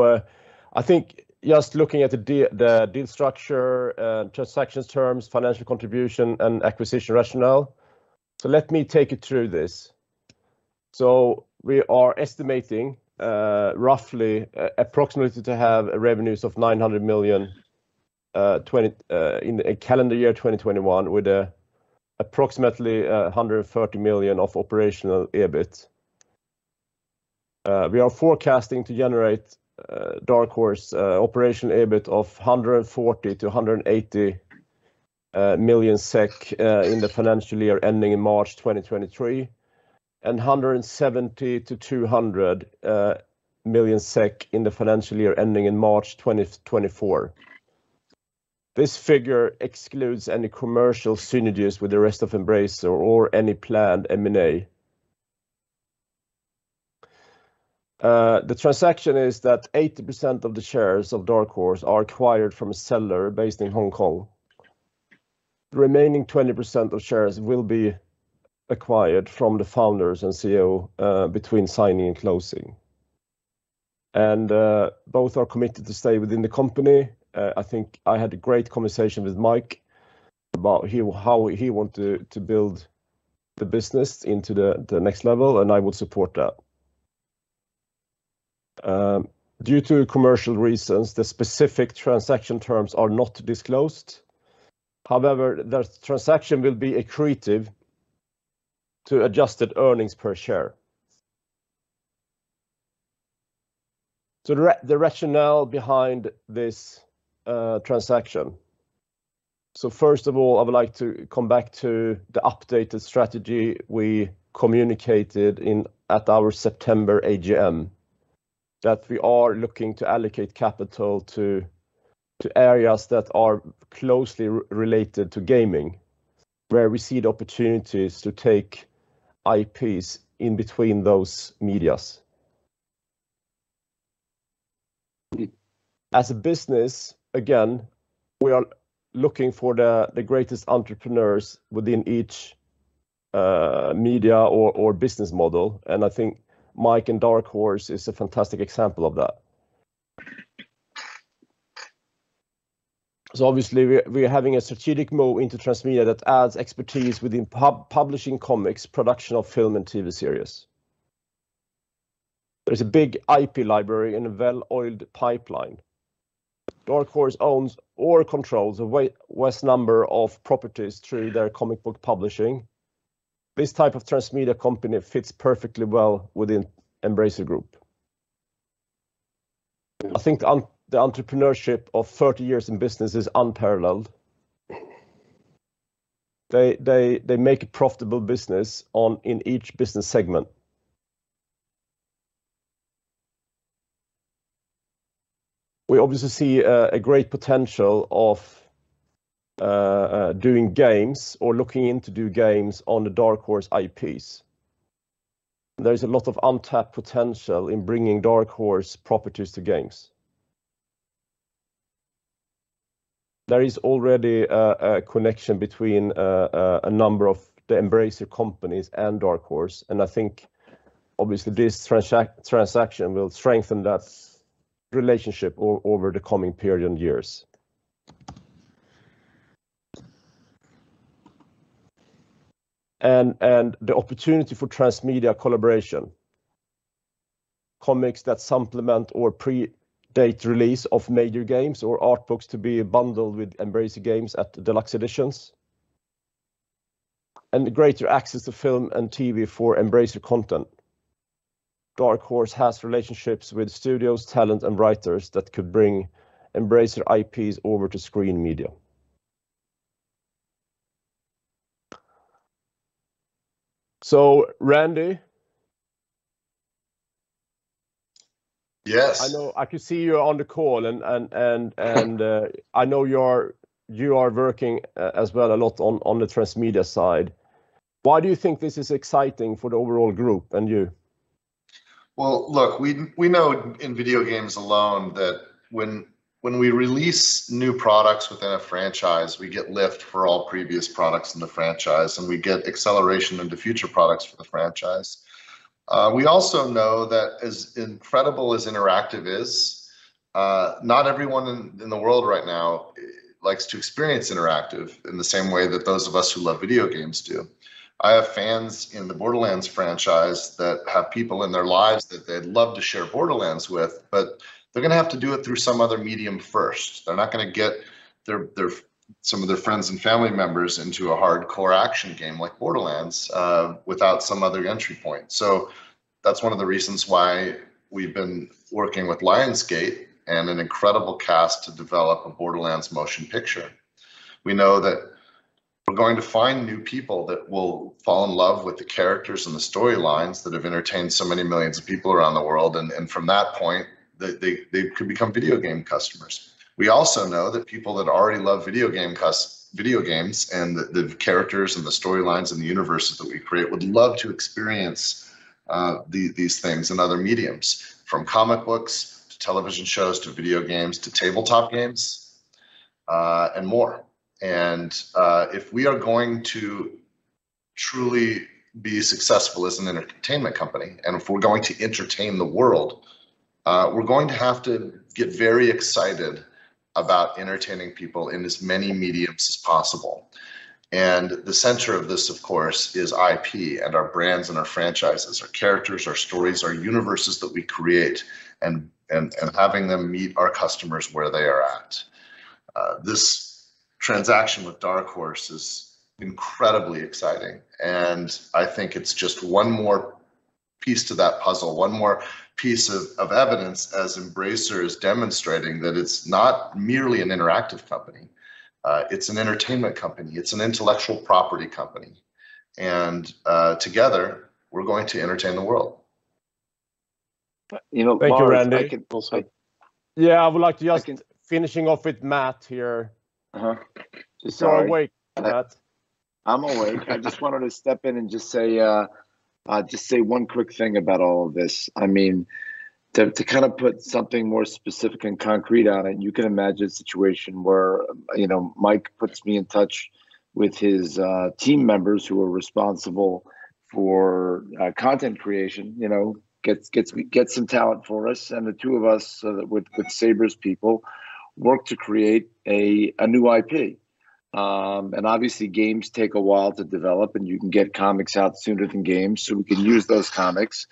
[SPEAKER 10] Yeah
[SPEAKER 1] I think just looking at the deal structure, transaction terms, financial contribution, and acquisition rationale, let me take you through this. We are estimating roughly approximately to have revenues of 900 million in calendar year 2021, with approximately 130 million SEK of operational EBIT. We are forecasting to generate Dark Horse operational EBIT of 140 million-180 million SEK in the financial year ending in March 2023, and 170 million-200 million SEK in the financial year ending in March 2024. This figure excludes any commercial synergies with the rest of Embracer or any planned M&A. The transaction is that 80% of the shares of Dark Horse are acquired from a seller based in Hong Kong. The remaining 20% of shares will be acquired from the founders and CEO, between signing and closing. Both are committed to stay within the company. I think I had a great conversation with Mike about how he want to build the business into the next level, and I will support that. Due to commercial reasons, the specific transaction terms are not disclosed. However, the transaction will be accretive to adjusted earnings per share. The rationale behind this transaction. First of all, I would like to come back to the updated strategy we communicated in at our September AGM, that we are looking to allocate capital to areas that are closely related to gaming, where we see the opportunities to take IPs in between those medias. As a business, again, we are looking for the greatest entrepreneurs within each media or business model, and I think Mike and Dark Horse is a fantastic example of that. Obviously we're having a strategic move into transmedia that adds expertise within publishing comics, production of film and TV series. There is a big IP library and a well-oiled pipeline. Dark Horse owns or controls a vast number of properties through their comic book publishing. This type of transmedia company fits perfectly well within Embracer Group. I think the entrepreneurship of 30 years in business is unparalleled. They make a profitable business in each business segment. We obviously see great potential of doing games or looking into do games on the Dark Horse IPs. There is a lot of untapped potential in bringing Dark Horse properties to games. There is already a connection between a number of the Embracer companies and Dark Horse, and I think obviously this transaction will strengthen that relationship over the coming period and years. The opportunity for transmedia collaboration. Comics that supplement or predate release of major games, or art books to be bundled with Embracer games at the deluxe editions. The greater access to film and TV for Embracer content. Dark Horse has relationships with studios, talent, and writers that could bring Embracer IPs over to screen media. Randy?
[SPEAKER 3] Yes.
[SPEAKER 1] I know, I can see you on the call and I know you are working as well a lot on the transmedia side. Why do you think this is exciting for the overall group and you?
[SPEAKER 3] Well, look, we know in video games alone that when we release new products within a franchise, we get lift for all previous products in the franchise, and we get acceleration into future products for the franchise. We also know that as incredible as interactive is, not everyone in the world right now likes to experience interactive in the same way that those of us who love video games do. I have fans in the Borderlands franchise that have people in their lives that they'd love to share Borderlands with, but they're gonna have to do it through some other medium first. They're not gonna get some of their friends and family members into a hardcore action game like Borderlands without some other entry point. That's one of the reasons why we've been working with Lionsgate and an incredible cast to develop a Borderlands motion picture. We know that we're going to find new people that will fall in love with the characters and the storylines that have entertained so many millions of people around the world and from that point, they could become video game customers. We also know that people that already love video games, and the characters, and the storylines, and the universes that we create would love to experience these things in other mediums, from comic books, to television shows, to video games, to tabletop games, and more. If we are going to truly be successful as an entertainment company, and if we're going to entertain the world, we're going to have to get very excited about entertaining people in as many media as possible. The center of this, of course, is IP and our brands and our franchises, our characters, our stories, our universes that we create, and having them meet our customers where they are at. This transaction with Dark Horse is incredibly exciting, and I think it's just one more piece to that puzzle, one more piece of evidence as Embracer is demonstrating that it's not merely an interactive company, it's an entertainment company. It's an intellectual property company. Together we're going to entertain the world.
[SPEAKER 1] Thank you, Randy.
[SPEAKER 5] You know, Lars, I can also.
[SPEAKER 1] Yeah, I would like to ask, finishing off with Matt here.
[SPEAKER 5] Sorry.
[SPEAKER 1] You're awake, Matt.
[SPEAKER 5] I'm awake. I just wanted to step in and just say one quick thing about all of this. I mean, to kind of put something more specific and concrete on it, you can imagine a situation where, you know, Mike puts me in touch with his team members who are responsible for content creation. You know, gets some talent for us, and the two of us, with Saber's people, work to create a new IP. Obviously games take a while to develop, and you can get comics out sooner than games, so we can use those comics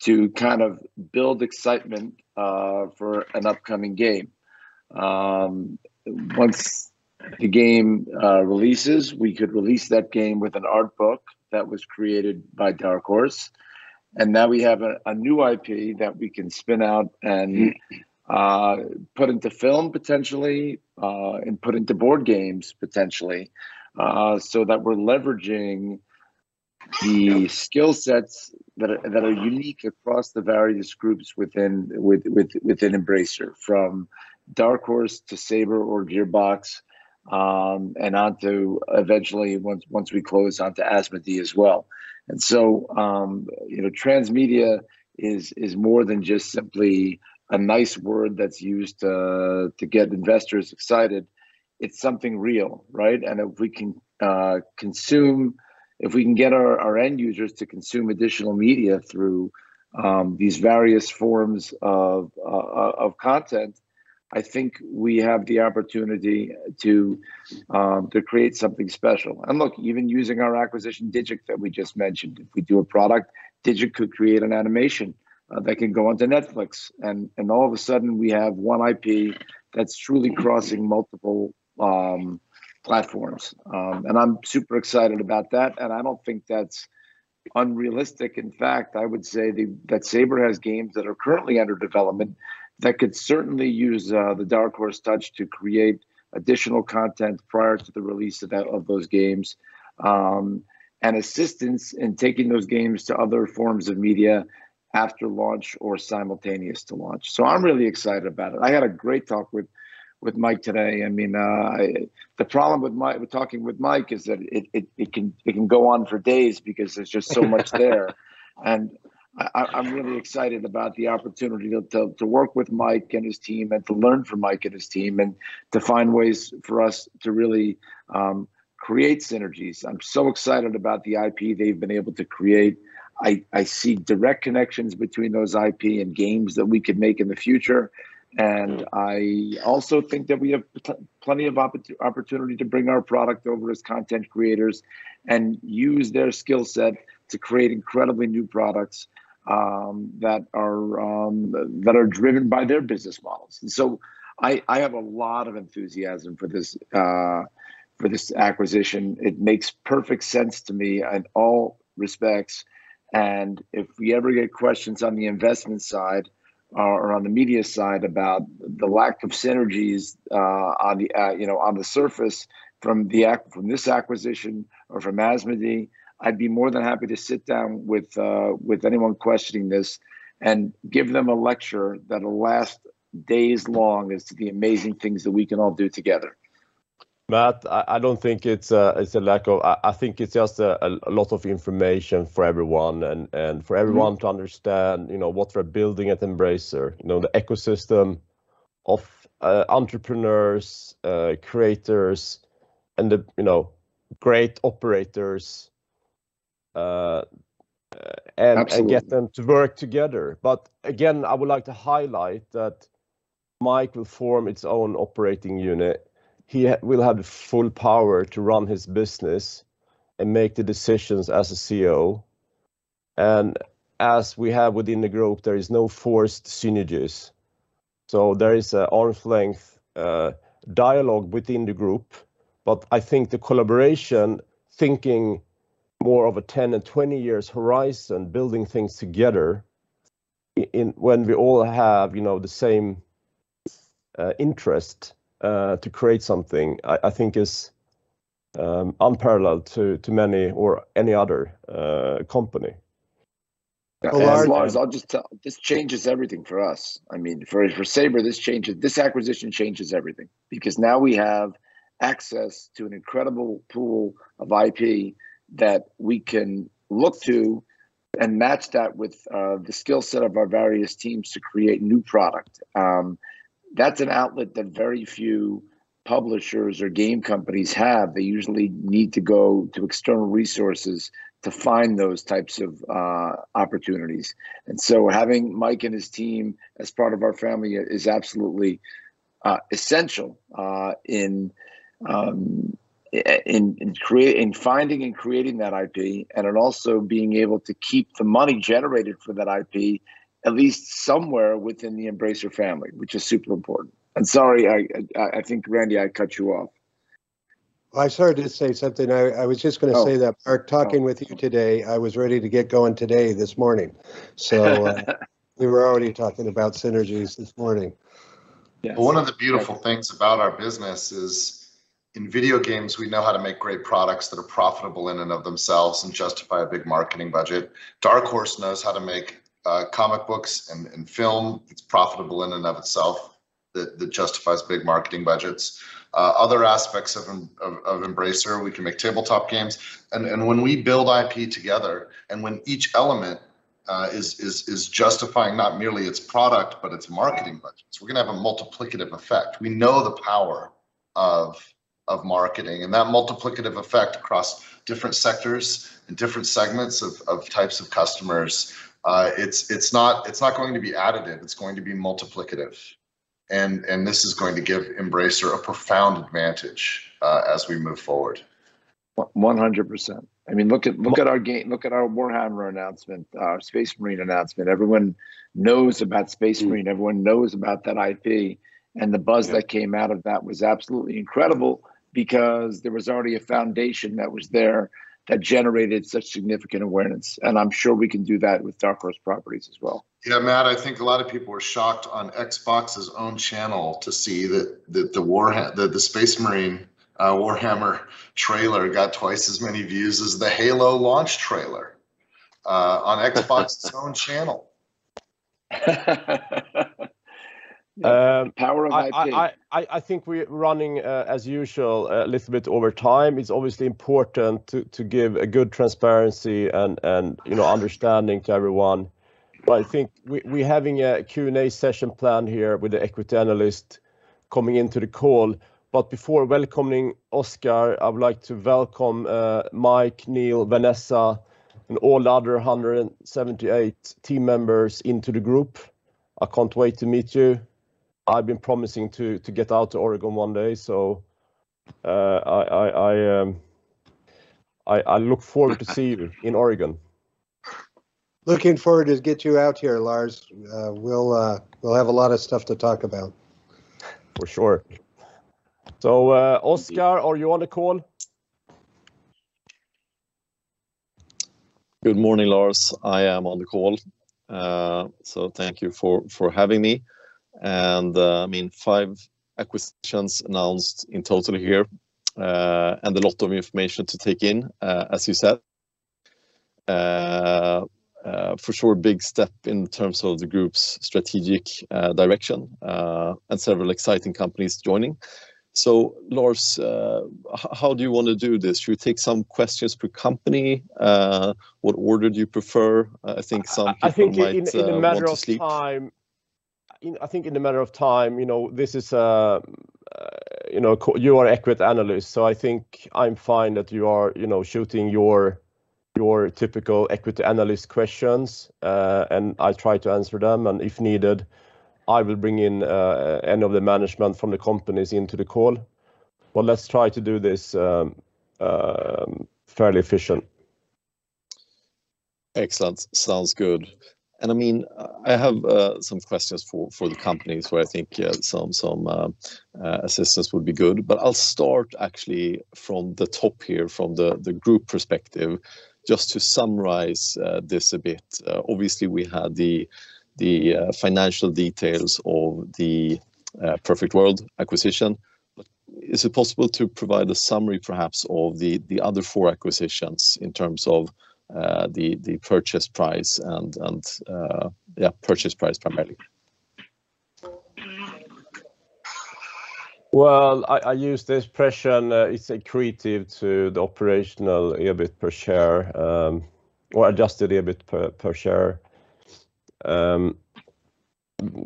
[SPEAKER 5] to kind of build excitement for an upcoming game. Once the game releases, we could release that game with an art book that was created by Dark Horse, and now we have a new IP that we can spin out and put into film potentially, and put into board games potentially, so that we're leveraging the skill sets that are unique across the various groups within Embracer, from Dark Horse to Saber or Gearbox, and onto eventually once we close, onto Asmodee as well. You know, transmedia is more than just simply a nice word that's used to get investors excited. It's something real, right? If we can get our end users to consume additional media through these various forms of content, I think we have the opportunity to create something special. Look, even using our acquisition DIGIC that we just mentioned, if we do a product, DIGIC could create an animation that can go onto Netflix and all of a sudden we have one IP that's truly crossing multiple platforms. I'm super excited about that, and I don't think that's unrealistic. In fact, I would say that Saber has games that are currently under development that could certainly use the Dark Horse touch to create additional content prior to the release of those games. Assistance in taking those games to other forms of media after launch or simultaneous to launch. I'm really excited about it. I had a great talk with Mike today. I mean, the problem with talking with Mike is that it can go on for days because there's just so much there, and I'm really excited about the opportunity to work with Mike and his team and to learn from Mike and his team, and to find ways for us to really create synergies. I'm so excited about the IP they've been able to create. I see direct connections between those IP and games that we could make in the future. I also think that we have plenty of opportunity to bring our product over as content creators and use their skill set to create incredibly new products that are driven by their business models. I have a lot of enthusiasm for this acquisition. It makes perfect sense to me in all respects. If we ever get questions on the investment side or on the media side about the lack of synergies, you know, on the surface from this acquisition or from Asmodee, I'd be more than happy to sit down with anyone questioning this and give them a lecture that'll last days long as to the amazing things that we can all do together.
[SPEAKER 1] Matt, I don't think it's a lot of information for everyone and for everyone.
[SPEAKER 5] Mm...
[SPEAKER 1] to understand, you know, what we're building at Embracer. You know, the ecosystem of, entrepreneurs, creators, and the, you know, great operators,
[SPEAKER 5] Absolutely
[SPEAKER 1] Get them to work together. Again, I would like to highlight that Mike will form its own operating unit. He will have the full power to run his business and make the decisions as a CEO. As we have within the group, there is no forced synergies. There is an arm's length dialogue within the group. I think the collaboration, thinking more of a 10- and 20-year horizon, building things together in when we all have, you know, the same interest to create something, I think is unparalleled to many or any other company.
[SPEAKER 5] Lars-
[SPEAKER 1] Go ahead
[SPEAKER 5] Lars, I'll just tell you, this changes everything for us. I mean, for Saber, this acquisition changes everything because now we have access to an incredible pool of IP that we can look to and match that with the skill set of our various teams to create new product. That's an outlet that very few publishers or game companies have. They usually need to go to external resources to find those types of opportunities. Having Mike and his team as part of our family is absolutely essential in finding and creating that IP, and in also being able to keep the money generated for that IP at least somewhere within the Embracer family, which is super important. Sorry, I think, Randy, I cut you off.
[SPEAKER 10] Well, I was just gonna say that.
[SPEAKER 5] Oh
[SPEAKER 10] Matt, talking with you today, I was ready to get going today this morning. We were already talking about synergies this morning.
[SPEAKER 1] Yes.
[SPEAKER 3] One of the beautiful things about our business is in video games, we know how to make great products that are profitable in and of themselves and justify a big marketing budget. Dark Horse knows how to make comic books and film. It's profitable in and of itself that justifies big marketing budgets. Other aspects of Embracer, we can make tabletop games, and when we build IP together, and when each element is justifying not merely its product but its marketing budgets, we're gonna have a multiplicative effect. We know the power of marketing, and that multiplicative effect across different sectors and different segments of types of customers, it's not going to be additive. It's going to be multiplicative. This is going to give Embracer a profound advantage as we move forward.
[SPEAKER 5] 100%. I mean, look at our Warhammer announcement, our Space Marine announcement. Everyone knows about Space Marine.
[SPEAKER 3] Mm.
[SPEAKER 5] Everyone knows about that IP.
[SPEAKER 3] Yeah.
[SPEAKER 5] The buzz that came out of that was absolutely incredible because there was already a foundation that was there that generated such significant awareness, and I'm sure we can do that with Dark Horse properties as well.
[SPEAKER 3] Yeah, Matt, I think a lot of people were shocked on Xbox's own channel to see that the Space Marine Warhammer trailer got twice as many views as the Halo launch trailer on Xbox's own channel.
[SPEAKER 5] Um-
[SPEAKER 10] The power of IP
[SPEAKER 1] I think we're running as usual a little bit over time. It's obviously important to give a good transparency and you know understanding to everyone. I think we're having a Q&A session planned here with the equity analyst coming into the call. Before welcoming Oscar, I would like to welcome Mike, Neil, Vanessa, and all other 178 team members into the group. I can't wait to meet you. I've been promising to get out to Oregon one day, so I look forward to seeing you in Oregon.
[SPEAKER 10] Looking forward to get you out here, Lars. We'll have a lot of stuff to talk about.
[SPEAKER 1] For sure. Oscar, are you on the call?
[SPEAKER 13] Good morning, Lars. I am on the call. Thank you for having me. I mean, five acquisitions announced in total here, and a lot of information to take in, as you said. For sure big step in terms of the group's strategic direction, and several exciting companies joining. Lars, how do you wanna do this? Shall we take some questions per company? What order do you prefer? I think some people might
[SPEAKER 1] I think in a matter of time, you know, this is a, you know, you are an equity analyst, so I think I'm fine that you are, you know, shooting your typical equity analyst questions, and I try to answer them, and if needed, I will bring in any of the management from the companies into the call. Let's try to do this fairly efficient.
[SPEAKER 13] Excellent. Sounds good. I mean, I have some questions for the companies where I think some assistance would be good. I'll start actually from the top here, from the group perspective, just to summarize this a bit. Obviously, we had the financial details of the Perfect World acquisition. Is it possible to provide a summary perhaps of the other four acquisitions in terms of the purchase price and yeah, purchase price primarily?
[SPEAKER 1] Well, I use the expression, it's accretive to the operational EBIT per share, or adjusted EBIT per share.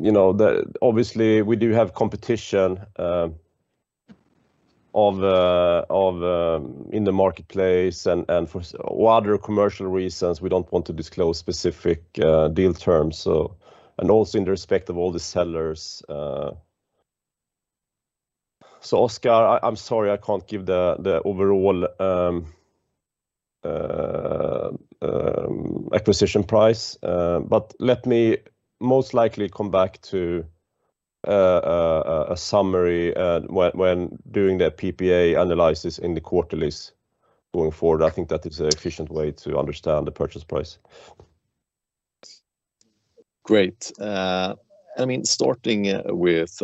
[SPEAKER 1] You know, obviously, we do have competition in the marketplace and for other commercial reasons, we don't want to disclose specific deal terms, and also in respect of all the sellers. Oscar, I'm sorry I can't give the overall acquisition price, but let me most likely come back to a summary when doing the PPA analysis in the quarterlies going forward. I think that is an efficient way to understand the purchase price.
[SPEAKER 13] Great. I mean, starting with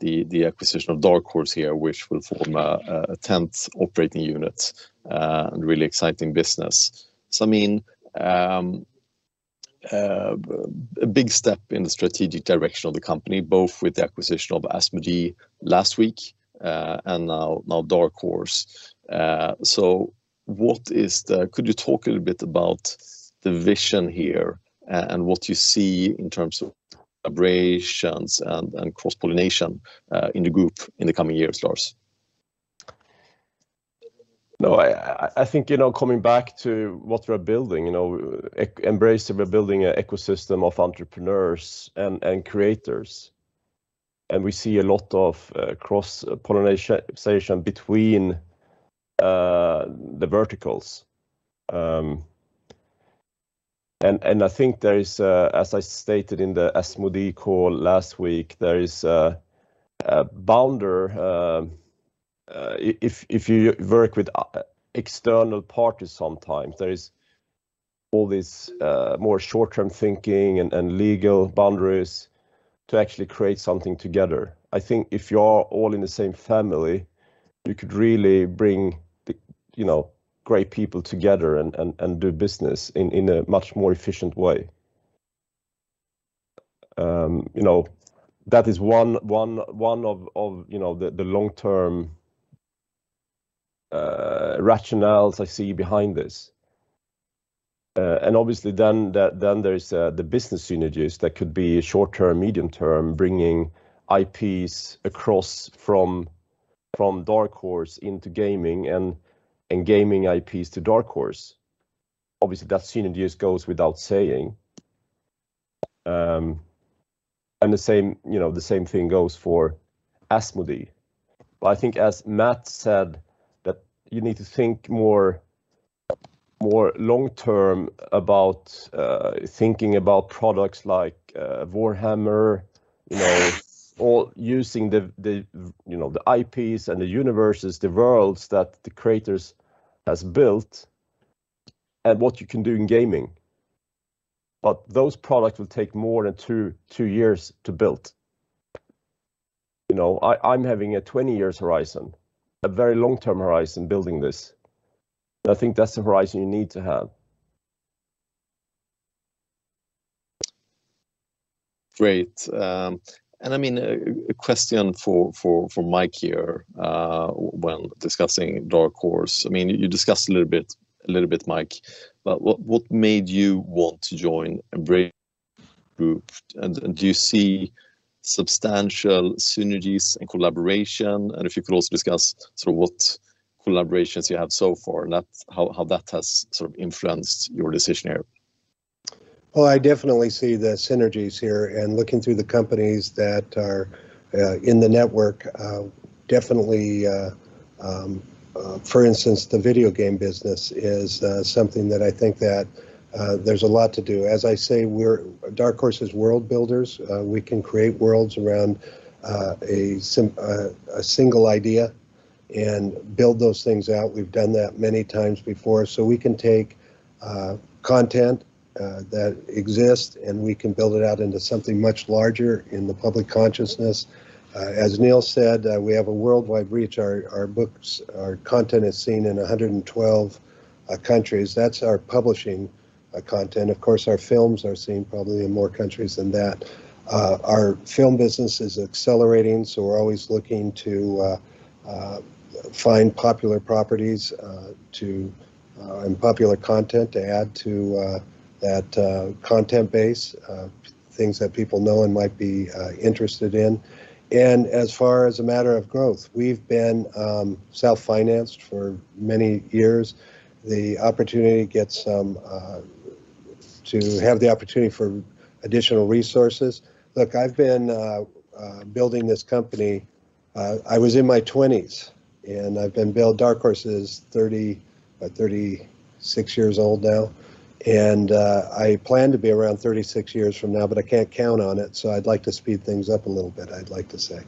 [SPEAKER 13] the acquisition of Dark Horse here, which will form a tenth operating unit and really exciting business. I mean, a big step in the strategic direction of the company, both with the acquisition of Asmodee last week and now Dark Horse. Could you talk a little bit about the vision here and what you see in terms of acquisitions and cross-pollination in the group in the coming years, Lars?
[SPEAKER 1] No, I think, you know, coming back to what we're building, you know, Embracer, we're building an ecosystem of entrepreneurs and creators. We see a lot of cross-pollination between the verticals. I think there is a boundary, as I stated in the Asmodee call last week, if you work with external parties sometimes. There is all this more short-term thinking and legal boundaries to actually create something together. I think if you are all in the same family, you could really bring the, you know, great people together and do business in a much more efficient way. You know, that is one of, you know, the long-term rationales I see behind this. Obviously, there is the business synergies that could be short-term, medium-term, bringing IPs across from Dark Horse into gaming and gaming IPs to Dark Horse. Obviously, that synergies goes without saying. The same, you know, the same thing goes for Asmodee. I think as Matt said, that you need to think more long-term about thinking about products like Warhammer, you know, or using the, you know, the IPs and the universes, the worlds that the creators has built and what you can do in gaming. Those products will take more than two years to build. You know, I'm having a 20 years horizon, a very long-term horizon building this. I think that's the horizon you need to have.
[SPEAKER 13] Great. I mean, a question for Mike here, when discussing Dark Horse. I mean, you discussed a little bit, Mike, but what made you want to join Embracer Group? And do you see substantial synergies and collaboration? And if you could also discuss sort of what collaborations you have so far, and how that has sort of influenced your decision here.
[SPEAKER 10] Well, I definitely see the synergies here, and looking through the companies that are in the network, definitely, for instance, the video game business is something that I think that there's a lot to do. As I say, Dark Horse is world builders. We can create worlds around a single idea and build those things out. We've done that many times before. We can take content that exists, and we can build it out into something much larger in the public consciousness. As Neil said, we have a worldwide reach. Our books, our content is seen in 112 countries. That's our publishing content. Of course, our films are seen probably in more countries than that. Our film business is accelerating, so we're always looking to find popular properties to and popular content to add to that content base, things that people know and might be interested in. As far as a matter of growth, we've been self-financed for many years. The opportunity to have the opportunity for additional resources. Look, I've been building this company. I was in my 20s, and I've been building Dark Horse. It's 30, like 36 years old now, and I plan to be around 36 years from now, but I can't count on it, so I'd like to speed things up a little bit, I'd like to say.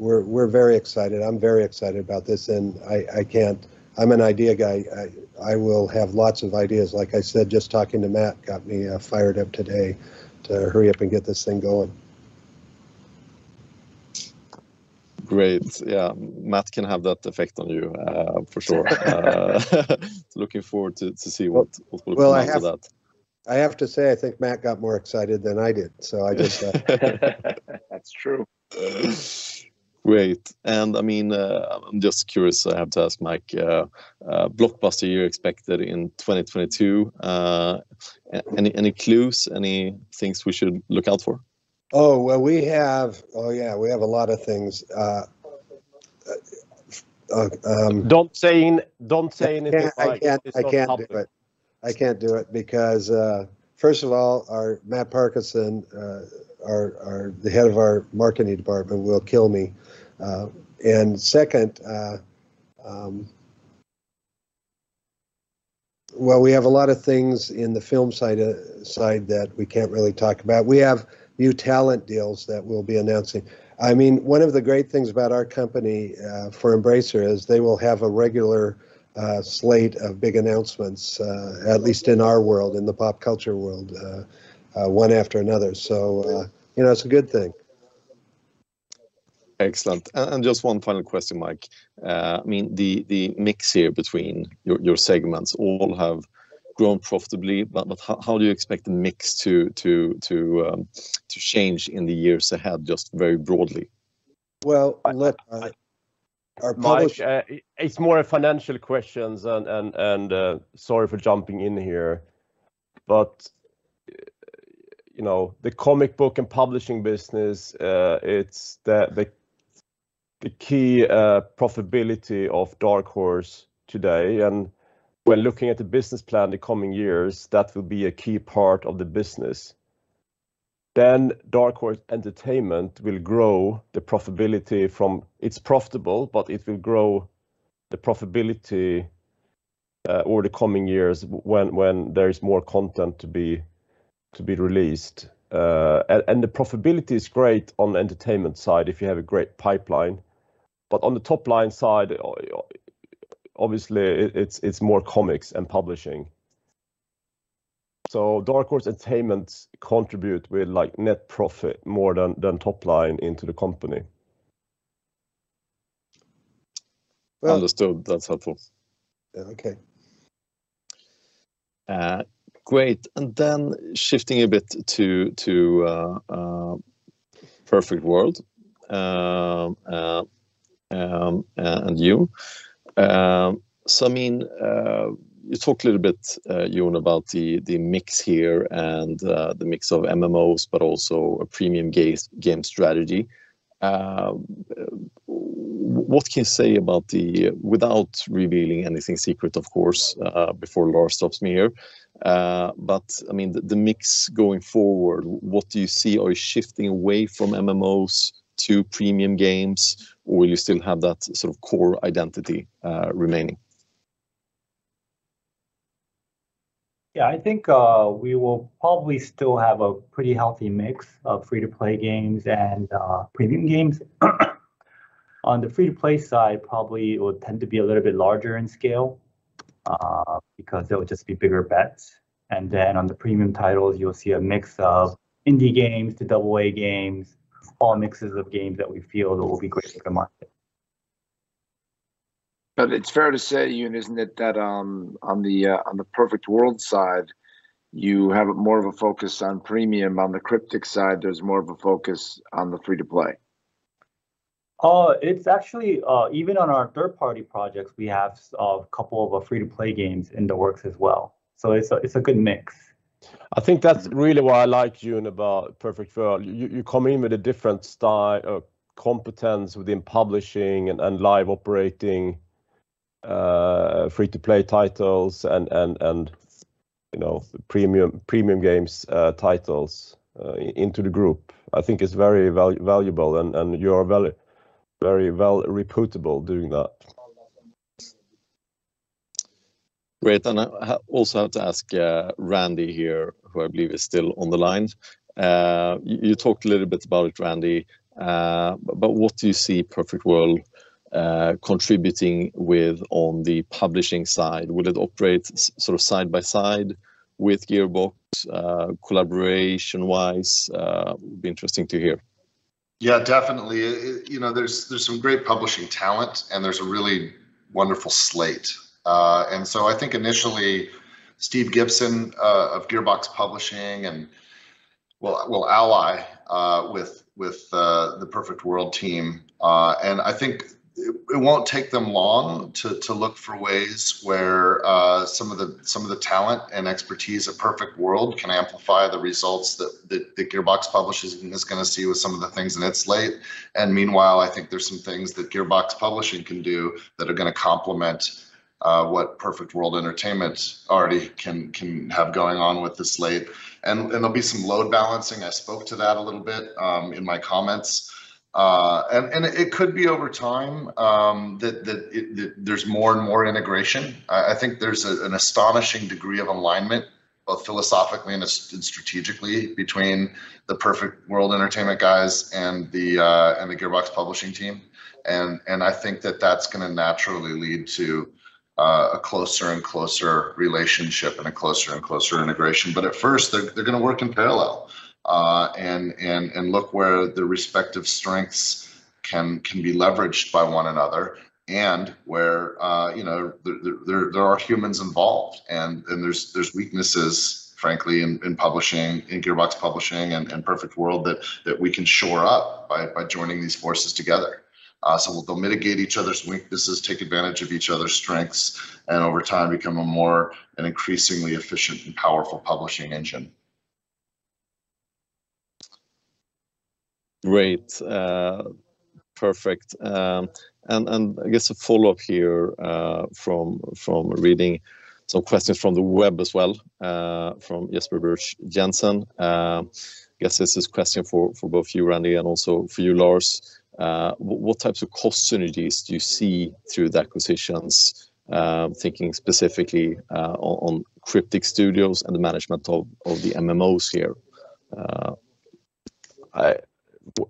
[SPEAKER 10] We're very excited. I'm very excited about this, and I can't. I'm an idea guy. I will have lots of ideas. Like I said, just talking to Matt got me fired up today to hurry up and get this thing going.
[SPEAKER 13] Great. Yeah. Matt can have that effect on you, for sure. Looking forward to see what will come out of that.
[SPEAKER 10] Well, I have to say, I think Matt got more excited than I did. I just-
[SPEAKER 1] That's true.
[SPEAKER 13] Great. I mean, I'm just curious. I have to ask Mike, the blockbuster you expected in 2022, any clues, any things we should look out for?
[SPEAKER 10] Oh, yeah, we have a lot of things.
[SPEAKER 1] Don't say anything, Mike.
[SPEAKER 10] I can't do it because, first of all, our Matt Parkinson, the head of our marketing department will kill me. Second, well, we have a lot of things in the film side that we can't really talk about. We have new talent deals that we'll be announcing. I mean, one of the great things about our company for Embracer is they will have a regular slate of big announcements at least in our world, in the pop culture world, one after another. You know, it's a good thing.
[SPEAKER 13] Excellent. Just one final question, Mike. I mean, the mix here between your segments all have grown profitably, but how do you expect the mix to change in the years ahead, just very broadly?
[SPEAKER 10] Well, look, our publish-
[SPEAKER 1] Mike, it's more financial questions and sorry for jumping in here. You know, the comic book and publishing business, it's the key profitability of Dark Horse today. When looking at the business plan the coming years, that will be a key part of the business. Dark Horse Entertainment will grow the profitability from. It's profitable, but it will grow the profitability over the coming years when there is more content to be released. The profitability is great on the entertainment side if you have a great pipeline. But on the top-line side, obviously it's more comics and publishing. Dark Horse Entertainment contribute with like net profit more than top line into the company.
[SPEAKER 13] Understood. That's helpful.
[SPEAKER 10] Okay.
[SPEAKER 13] Great. Shifting a bit to Perfect World and you. I mean, you talked a little bit, Yoon, about the mix here and the mix of MMOs, but also a premium game strategy. What can you say without revealing anything secret, of course, before Lars stops me here. I mean, the mix going forward, what do you see are shifting away from MMOs to premium games, or will you still have that sort of core identity remaining?
[SPEAKER 2] Yeah, I think we will probably still have a pretty healthy mix of free-to-play games and premium games. On the free-to-play side, probably it would tend to be a little bit larger in scale because they'll just be bigger bets. On the premium titles, you'll see a mix of indie games to double-A games, all mixes of games that we feel that will be great for the market.
[SPEAKER 10] It's fair to say, Yoon, isn't it, that on the Perfect World side, you have more of a focus on premium. On the Cryptic side, there's more of a focus on the free-to-play.
[SPEAKER 2] It's actually even on our third-party projects, we have a couple of free-to-play games in the works as well. It's a good mix.
[SPEAKER 13] I think that's really what I like, Yoon, about Perfect World. You come in with a different style or competence within publishing and live operating free-to-play titles and you know premium games titles into the group. I think it's very valuable and you are very well reputable doing that. Great. I also have to ask Randy here, who I believe is still on the line. You talked a little bit about it, Randy, but what do you see Perfect World contributing with on the publishing side? Will it operate sort of side by side with Gearbox collaboration-wise? It would be interesting to hear.
[SPEAKER 3] Yeah, definitely. You know, there's some great publishing talent and there's a really wonderful slate. I think initially Steve Gibson of Gearbox Publishing and Well, we'll ally with the Perfect World team. I think it won't take them long to look for ways where some of the talent and expertise of Perfect World can amplify the results that Gearbox Publishing is gonna see with some of the things in its slate. Meanwhile, I think there's some things that Gearbox Publishing can do that are gonna complement what Perfect World Entertainment already can have going on with the slate. There'll be some load balancing. I spoke to that a little bit in my comments. It could be over time that there's more and more integration. I think there's an astonishing degree of alignment, both philosophically and strategically between the Perfect World Entertainment guys and the Gearbox Publishing team. I think that that's gonna naturally lead to a closer and closer relationship and a closer and closer integration. But at first, they're gonna work in parallel, and look where the respective strengths can be leveraged by one another and where, you know, there are humans involved. There's weaknesses, frankly, in publishing, in Gearbox Publishing and Perfect World that we can shore up by joining these forces together. So they'll mitigate each other's weaknesses, take advantage of each other's strengths, and over time become a more and increasingly efficient and powerful publishing engine.
[SPEAKER 13] Great. Perfect. I guess a follow-up here, from reading some questions from the web as well, from Jesper Birch-Jensen. I guess this is a question for both you, Randy, and also for you, Lars. What types of cost synergies do you see through the acquisitions, thinking specifically, on Cryptic Studios and the management of the MMOs here?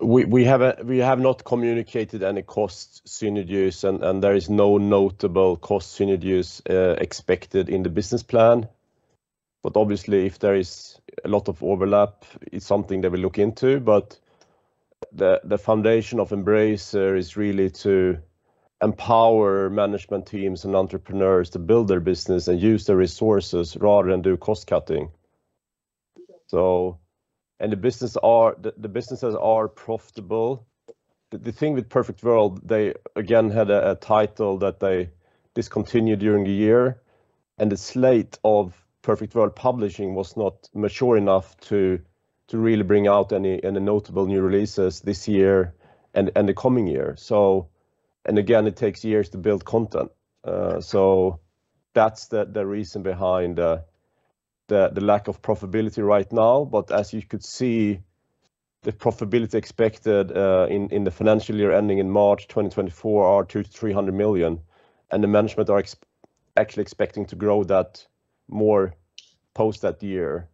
[SPEAKER 1] We have not communicated any cost synergies and there is no notable cost synergies expected in the business plan. Obviously if there is a lot of overlap, it's something that we'll look into. The foundation of Embracer is really to empower management teams and entrepreneurs to build their business and use their resources rather than do cost cutting. The businesses are profitable. The thing with Perfect World, they again had a title that they discontinued during the year, and the slate of Perfect World Publishing was not mature enough to really bring out any notable new releases this year and the coming year. Again, it takes years to build content. That's the reason behind the lack of profitability right now. As you could see, the profitability expected in the financial year ending in March 2024 are 200 million-300 million, and the management are actually expecting to grow that more post that year.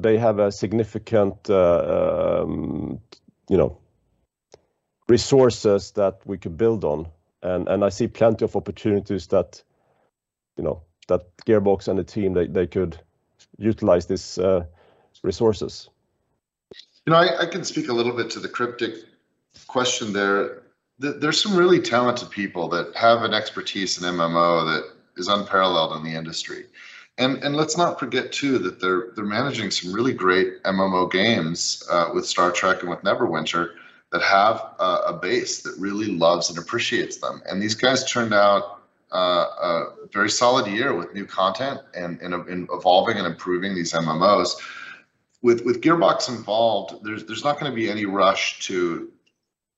[SPEAKER 1] They have a significant, you know, resources that we could build on, and I see plenty of opportunities that, you know, that Gearbox and the team they could utilize these resources.
[SPEAKER 3] You know, I can speak a little bit to the Cryptic question there. There's some really talented people that have an expertise in MMO that is unparalleled in the industry. Let's not forget too that they're managing some really great MMO games with Star Trek and with Neverwinter that have a base that really loves and appreciates them. These guys turned out a very solid year with new content and in evolving and improving these MMOs. With Gearbox involved, there's not gonna be any rush to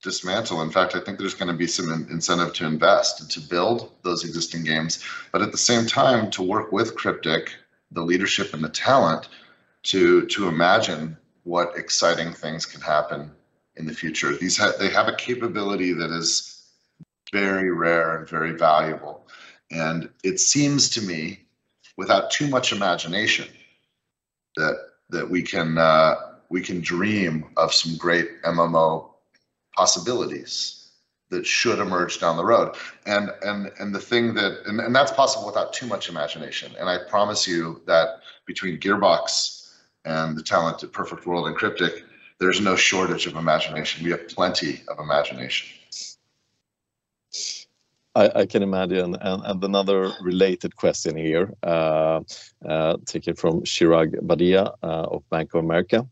[SPEAKER 3] dismantle. In fact, I think there's gonna be some incentive to invest and to build those existing games, but at the same time to work with Cryptic, the leadership and the talent to imagine what exciting things can happen in the future. They have a capability that is very rare and very valuable, and it seems to me, without too much imagination, that we can dream of some great MMO possibilities that should emerge down the road. That's possible without too much imagination, and I promise you that between Gearbox and the talent at Perfect World and Cryptic, there's no shortage of imagination. We have plenty of imagination.
[SPEAKER 13] I can imagine. Another related question here, taken from Chirag Badia of Bank of America.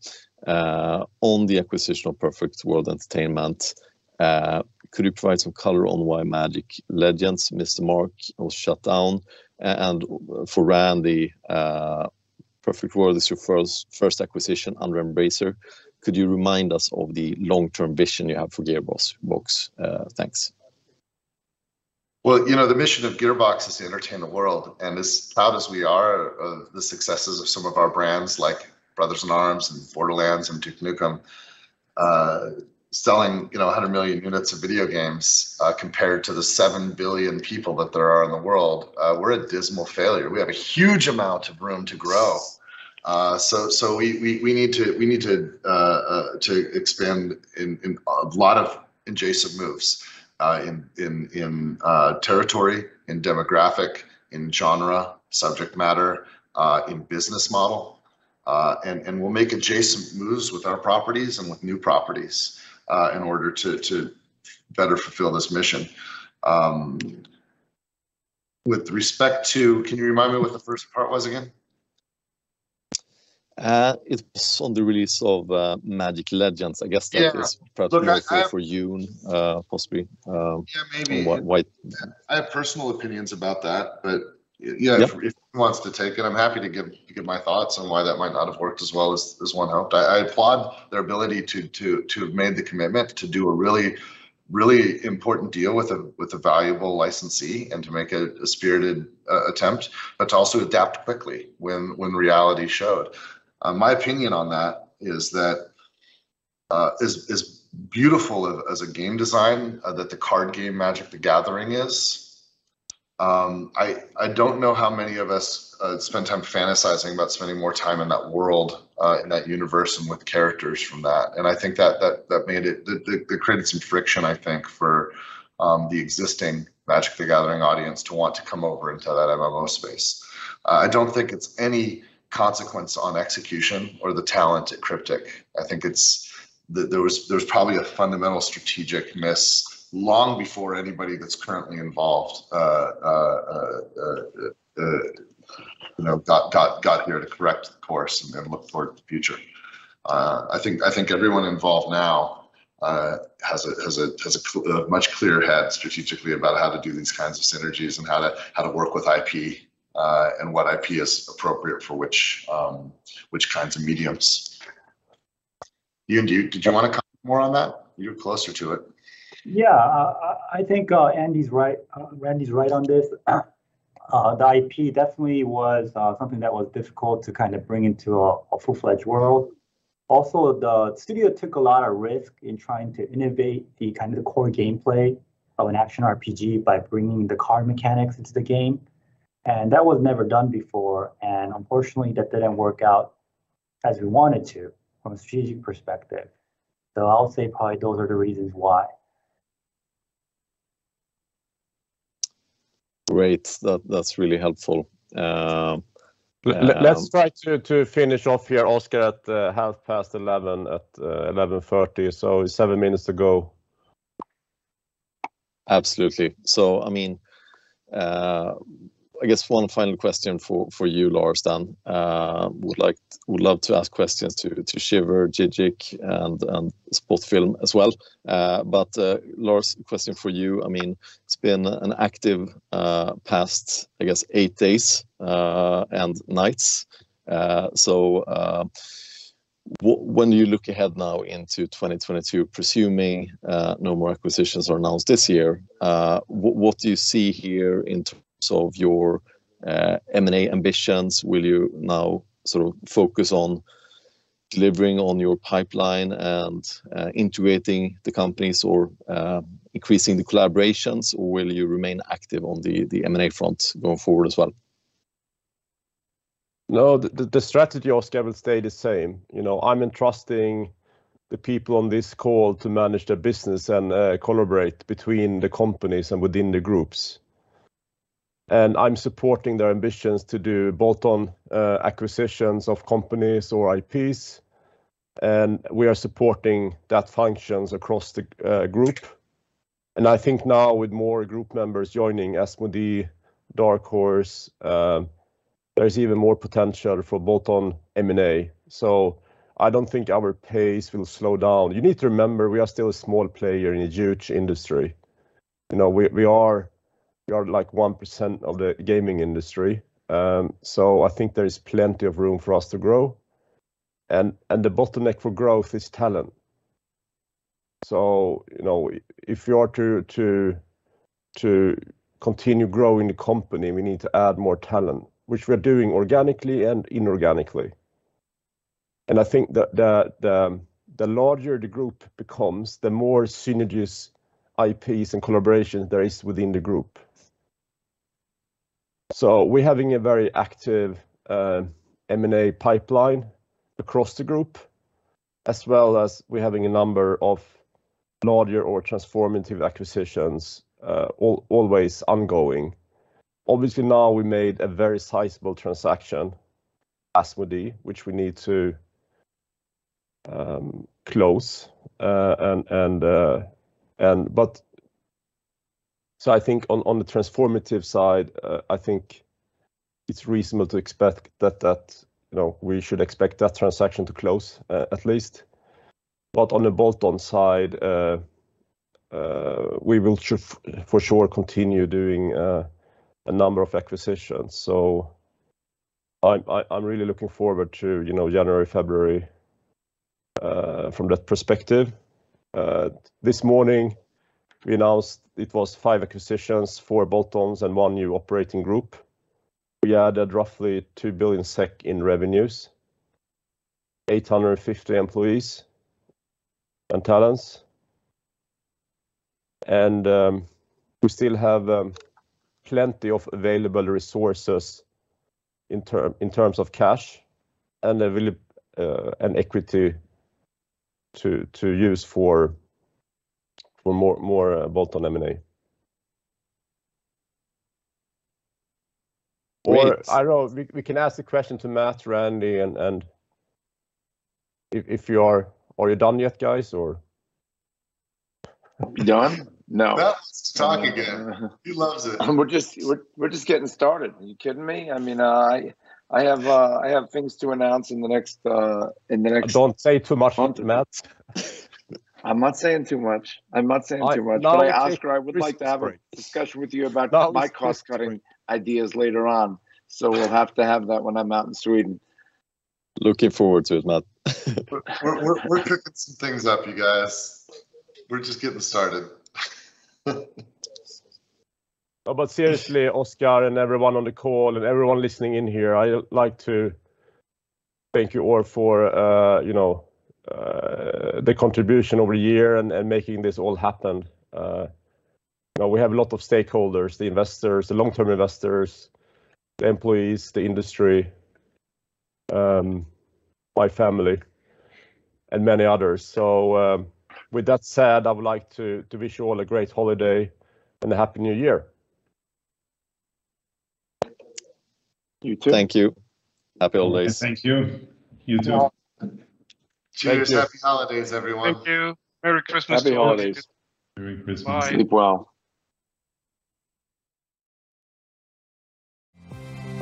[SPEAKER 13] On the acquisition of Perfect World Entertainment, could you provide some color on why Magic: Legends missed the mark or shut down? For Randy, Perfect World is your first acquisition under Embracer. Could you remind us of the long-term vision you have for Gearbox, thanks.
[SPEAKER 3] Well, you know, the mission of Gearbox is to entertain the world, and as proud as we are of the successes of some of our brands, like Brothers in Arms and Borderlands and Duke Nukem, selling, you know, 100 million units of video games, compared to the 7 billion people that there are in the world, we're a dismal failure. We have a huge amount of room to grow. We need to expand in a lot of adjacent moves, in territory, in demographic, in genre, subject matter, in business model. We'll make adjacent moves with our properties and with new properties, in order to better fulfill this mission. With respect to, can you remind me what the first part was again?
[SPEAKER 13] It's on the release of Magic: Legends. I guess that is.
[SPEAKER 3] Yeah. Look,
[SPEAKER 13] Perhaps for June, possibly.
[SPEAKER 3] Yeah, maybe.
[SPEAKER 13] Why, why-
[SPEAKER 3] I have personal opinions about that.
[SPEAKER 13] Yeah...
[SPEAKER 3] if wants to take it, I'm happy to give my thoughts on why that might not have worked as well as one hoped. I applaud their ability to have made the commitment to do a really important deal with a valuable licensee and to make a spirited attempt, but to also adapt quickly when reality showed. My opinion on that is that as beautiful as a game design that the card game Magic: The Gathering is, I don't know how many of us spend time fantasizing about spending more time in that world, in that universe and with characters from that, and I think that made it. They created some friction, I think, for the existing Magic: The Gathering audience to want to come over into that MMO space. I don't think it's of any consequence on execution or the talent at Cryptic. I think there's probably a fundamental strategic miss long before anybody that's currently involved, you know, got here to correct the course and then look forward to the future. I think everyone involved now has a much clearer head strategically about how to do these kinds of synergies and how to work with IP, and what IP is appropriate for which kinds of mediums. Yoon, did you wanna comment more on that? You're closer to it.
[SPEAKER 2] Yeah, I think, Randy's right on this. The IP definitely was something that was difficult to kind of bring into a full-fledged world. Also, the studio took a lot of risk in trying to innovate the core gameplay of an action RPG by bringing the card mechanics into the game, and that was never done before, and unfortunately that didn't work out as we want it to from a strategic perspective. I'll say probably those are the reasons why.
[SPEAKER 1] Great. That's really helpful. Let's try to finish off here, Oscar, at half past 11, at 11:30, so seven minutes to go.
[SPEAKER 13] Absolutely. I mean, I guess one final question for you, Lars, then. I would love to ask questions to Shiver, GGG, and Spotfilm as well. Lars, question for you. I mean, it's been an active past, I guess, 8 days and nights. When you look ahead now into 2022, presuming no more acquisitions are announced this year, what do you see here in terms of your M&A ambitions? Will you now sort of focus on delivering on your pipeline and integrating the companies or increasing the collaborations, or will you remain active on the M&A front going forward as well?
[SPEAKER 1] No, the strategy, Oscar, will stay the same. You know, I'm entrusting the people on this call to manage their business and collaborate between the companies and within the groups, and I'm supporting their ambitions to do bolt-on acquisitions of companies or IPs, and we are supporting those functions across the group. I think now with more group members joining Asmodee, Dark Horse, there's even more potential for bolt-on M&A. I don't think our pace will slow down. You need to remember, we are still a small player in a huge industry. You know, we are like 1% of the gaming industry. I think there is plenty of room for us to grow, and the bottleneck for growth is talent. You know, if you are to continue growing the company, we need to add more talent, which we're doing organically and inorganically. I think that the larger the group becomes, the more synergies, IPs, and collaborations there is within the group. We're having a very active M&A pipeline across the group, as well as we're having a number of larger or transformative acquisitions, always ongoing. Obviously now we made a very sizable transaction, Asmodee, which we need to close. I think on the transformative side, I think it's reasonable to expect that you know, we should expect that transaction to close, at least. On the bolt-on side, we will for sure continue doing a number of acquisitions. I'm really looking forward to, you know, January, February, from that perspective. This morning we announced it was 5 acquisitions, 4 bolt-ons, and 1 new operating group. We added roughly 2 billion SEK in revenues, 850 employees and talents, and we still have plenty of available resources in terms of cash and equity to use for more bolt-on M&A.
[SPEAKER 13] Great.
[SPEAKER 1] I don't know. We can ask the question to Matt, Randy, and. Are you done yet, guys, or?
[SPEAKER 13] Done? No.
[SPEAKER 3] Matt wants to talk again. He loves it.
[SPEAKER 5] We're just getting started. Are you kidding me? I mean, I have things to announce in the next-
[SPEAKER 1] Don't say too much, Matt....
[SPEAKER 5] month. I'm not saying too much.
[SPEAKER 1] No, I think
[SPEAKER 5] Oscar, I would like to have a
[SPEAKER 1] Respectfully
[SPEAKER 5] discussion with you about
[SPEAKER 1] No, respectfully
[SPEAKER 5] my cost-cutting ideas later on. We'll have to have that when I'm out in Sweden.
[SPEAKER 13] Looking forward to it, Matt.
[SPEAKER 3] We're cooking some things up, you guys. We're just getting started.
[SPEAKER 1] Seriously, Oscar, and everyone on the call and everyone listening in here, I would like to thank you all for the contribution over the year and making this all happen. We have a lot of stakeholders, the investors, the long-term investors, the employees, the industry, my family, and many others. With that said, I would like to wish you all a great holiday and a happy New Year.
[SPEAKER 13] You too.
[SPEAKER 5] Thank you. Happy holidays.
[SPEAKER 2] Thank you. You too.
[SPEAKER 3] Cheers. Happy holidays, everyone.
[SPEAKER 10] Thank you. Merry Christmas.
[SPEAKER 1] Happy holidays.
[SPEAKER 8] to all of you.
[SPEAKER 2] Merry Christmas.
[SPEAKER 13] Bye.
[SPEAKER 1] Sleep well.